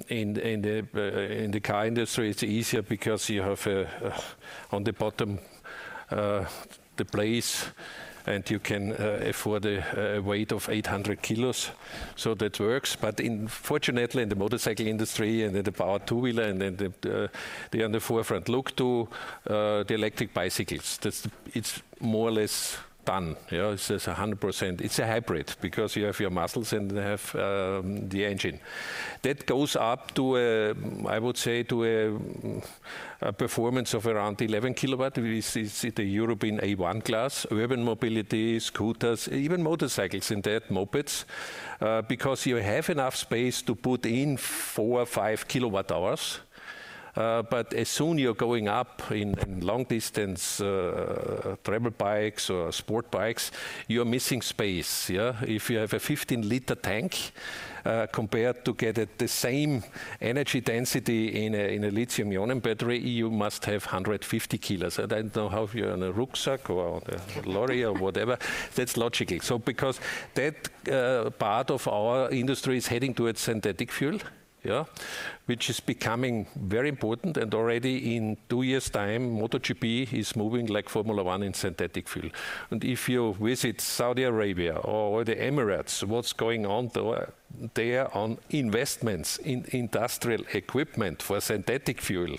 In the car industry, it's easier because you have on the bottom the place, and you can afford a weight of 800 kilos, so that works. But unfortunately, in the motorcycle industry and in the power two-wheeler, and then they are in the forefront. Look to the electric bicycles. That's. It's more or less done. You know, it's 100%. It's a hybrid because you have your muscles and you have the engine. That goes up to a, I would say, to a performance of around 11 kW. We see the European A1 class, urban mobility, scooters, even motorcycles in that, mopeds, because you have enough space to put in 4kWh or 5 kWh. But as soon you're going up in long-distance travel bikes or sport bikes, you're missing space, yeah? If you have a 15-liter tank, compared to get it the same energy density in a lithium-ion battery, you must have 150 kilos. I don't know how, if you're in a rucksack or a lorry or whatever. That's logical. So because that part of our industry is heading towards synthetic fuel, yeah, which is becoming very important. And already in two years' time, MotoGP is moving like Formula 1 in synthetic fuel. And if you visit Saudi Arabia or the Emirates, what's going on there. There on investments in industrial equipment for synthetic fuel,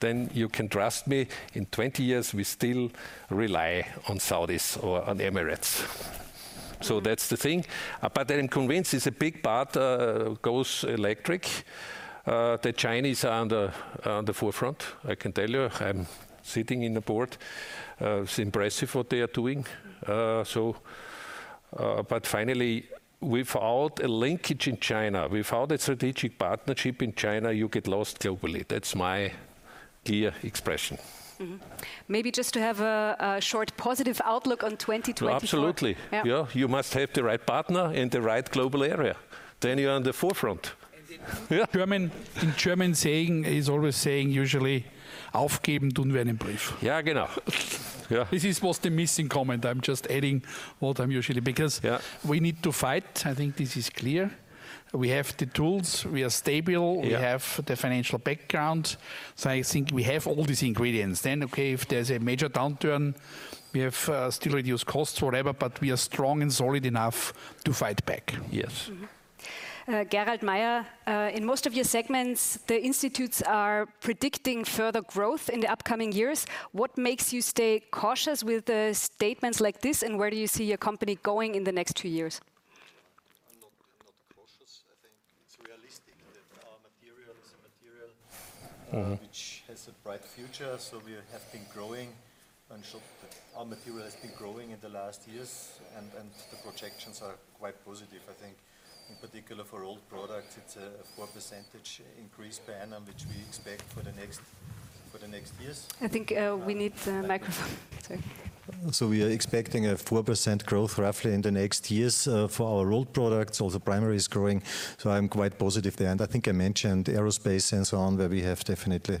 then you can trust me, in 20 years, we still rely on Saudis or on Emirates. So that's the thing. But I am convinced is a big part goes electric. The Chinese are on the forefront. I can tell you, I'm sitting in the board. It's impressive what they are doing. So, but finally, without a linkage in China, without a strategic partnership in China, you get lost globally. That's my clear expression. Maybe just to have a short, positive outlook on 2024. Absolutely. Yeah. Yeah, you must have the right partner in the right global area, then you're on the forefront. Yeah. German, the German saying is always saying, usually, "Aufgeben tun wir nur einen Brief." Yeah, genau. Yeah. This is what's the missing comment. I'm just adding all the time, usually, because we need to fight. I think this is clear. We have the tools, we are stable, we have the financial background, so I think we have all these ingredients. Then, okay, if there's a major downturn, we have still reduce costs, whatever, but we are strong and solid enough to fight back. Yes. Gerald Mayer, in most of your segments, the institutes are predicting further growth in the upcoming years. What makes you stay cautious with the statements like this, and where do you see your company going in the next two years? I'm not, I'm not cautious. I think it's realistic that our materials, the material which has a bright future, so we have been growing. And so our material has been growing in the last years, and the projections are quite positive. I think, in particular for old products, it's a 4% increase per annum, which we expect for the next years. I think we need the microphone. Sorry. So we are expecting a 4% growth, roughly, in the next years, for our rolled products. Also, primary is growing, so I'm quite positive there. And I think I mentioned aerospace and so on, where we have definitely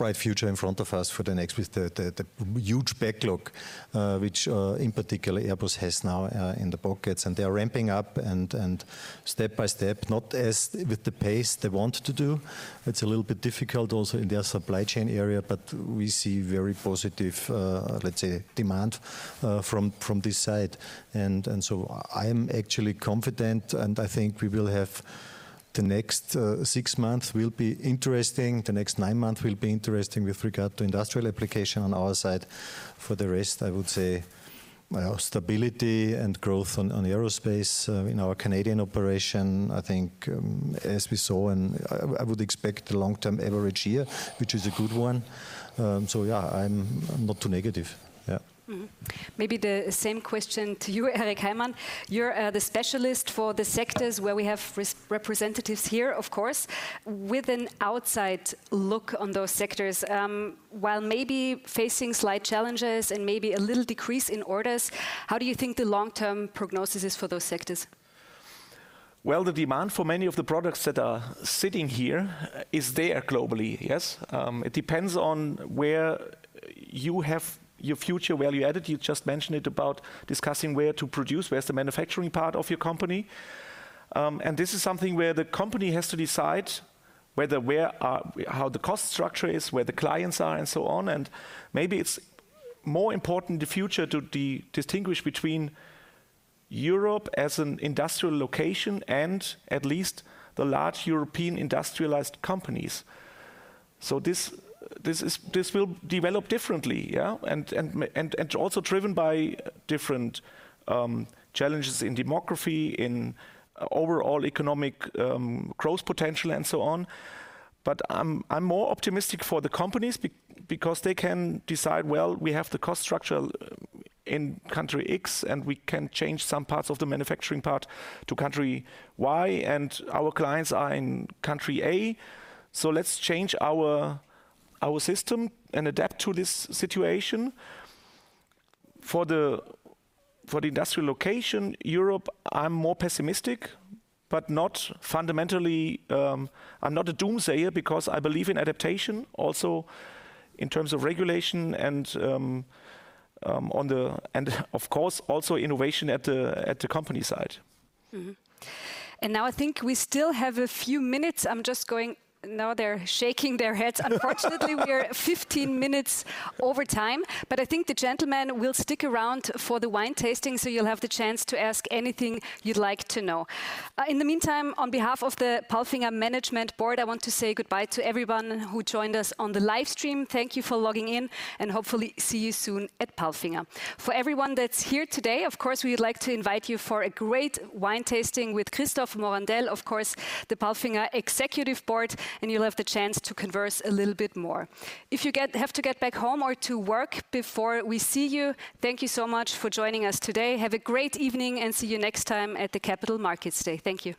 a bright future in front of us for the next. With the huge backlog, which in particular Airbus has now in the pockets. And they are ramping up and step by step, not as with the pace they want to do. It's a little bit difficult also in their supply chain area, but we see very positive, let's say, demand from this side. And so I'm actually confident, and I think we will have the next six months will be interesting. The next nine months will be interesting with regard to industrial application on our side. For the rest, I would say, well, stability and growth on, on aerospace, in our Canadian operation, I think, as we saw, and I, I would expect the long-term average year, which is a good one. So yeah, I'm not too negative. Yeah. Maybe the same question to you, Eric Heymann. You're the specialist for the sectors where we have representatives here, of course, with an outside look on those sectors. While maybe facing slight challenges and maybe a little decrease in orders, how do you think the long-term prognosis is for those sectors? Well, the demand for many of the products that are sitting here is there globally. Yes, it depends on where you have your future value added. You just mentioned it about discussing where to produce, where's the manufacturing part of your company. And this is something where the company has to decide whether where are... how the cost structure is, where the clients are, and so on. And maybe it's more important in the future to distinguish between Europe as an industrial location and at least the large European industrialized companies. So this, this is, this will develop differently, yeah, and, and also driven by different, challenges in demography, in overall economic, growth potential, and so on. But I'm more optimistic for the companies because they can decide, "Well, we have the cost structure in country X, and we can change some parts of the manufacturing part to country Y, and our clients are in country A, so let's change our system and adapt to this situation." For the industrial location, Europe, I'm more pessimistic, but not fundamentally. I'm not a doomsayer because I believe in adaptation, also in terms of regulation and and of course, also innovation at the company side. Now I think we still have a few minutes. No, they're shaking their heads. Unfortunately, we are 15 minutes over time, but I think the gentlemen will stick around for the wine tasting, so you'll have the chance to ask anything you'd like to know. In the meantime, on behalf of the PALFINGER management board, I want to say goodbye to everyone who joined us on the live stream. Thank you for logging in, and hopefully see you soon at PALFINGER. For everyone that's here today, of course, we'd like to invite you for a great wine tasting with Christoph Morandell, of course, the PALFINGER executive board, and you'll have the chance to converse a little bit more. If you have to get back home or to work before we see you, thank you so much for joining us today. Have a great evening, and see you next time at the Capital Markets Day. Thank you.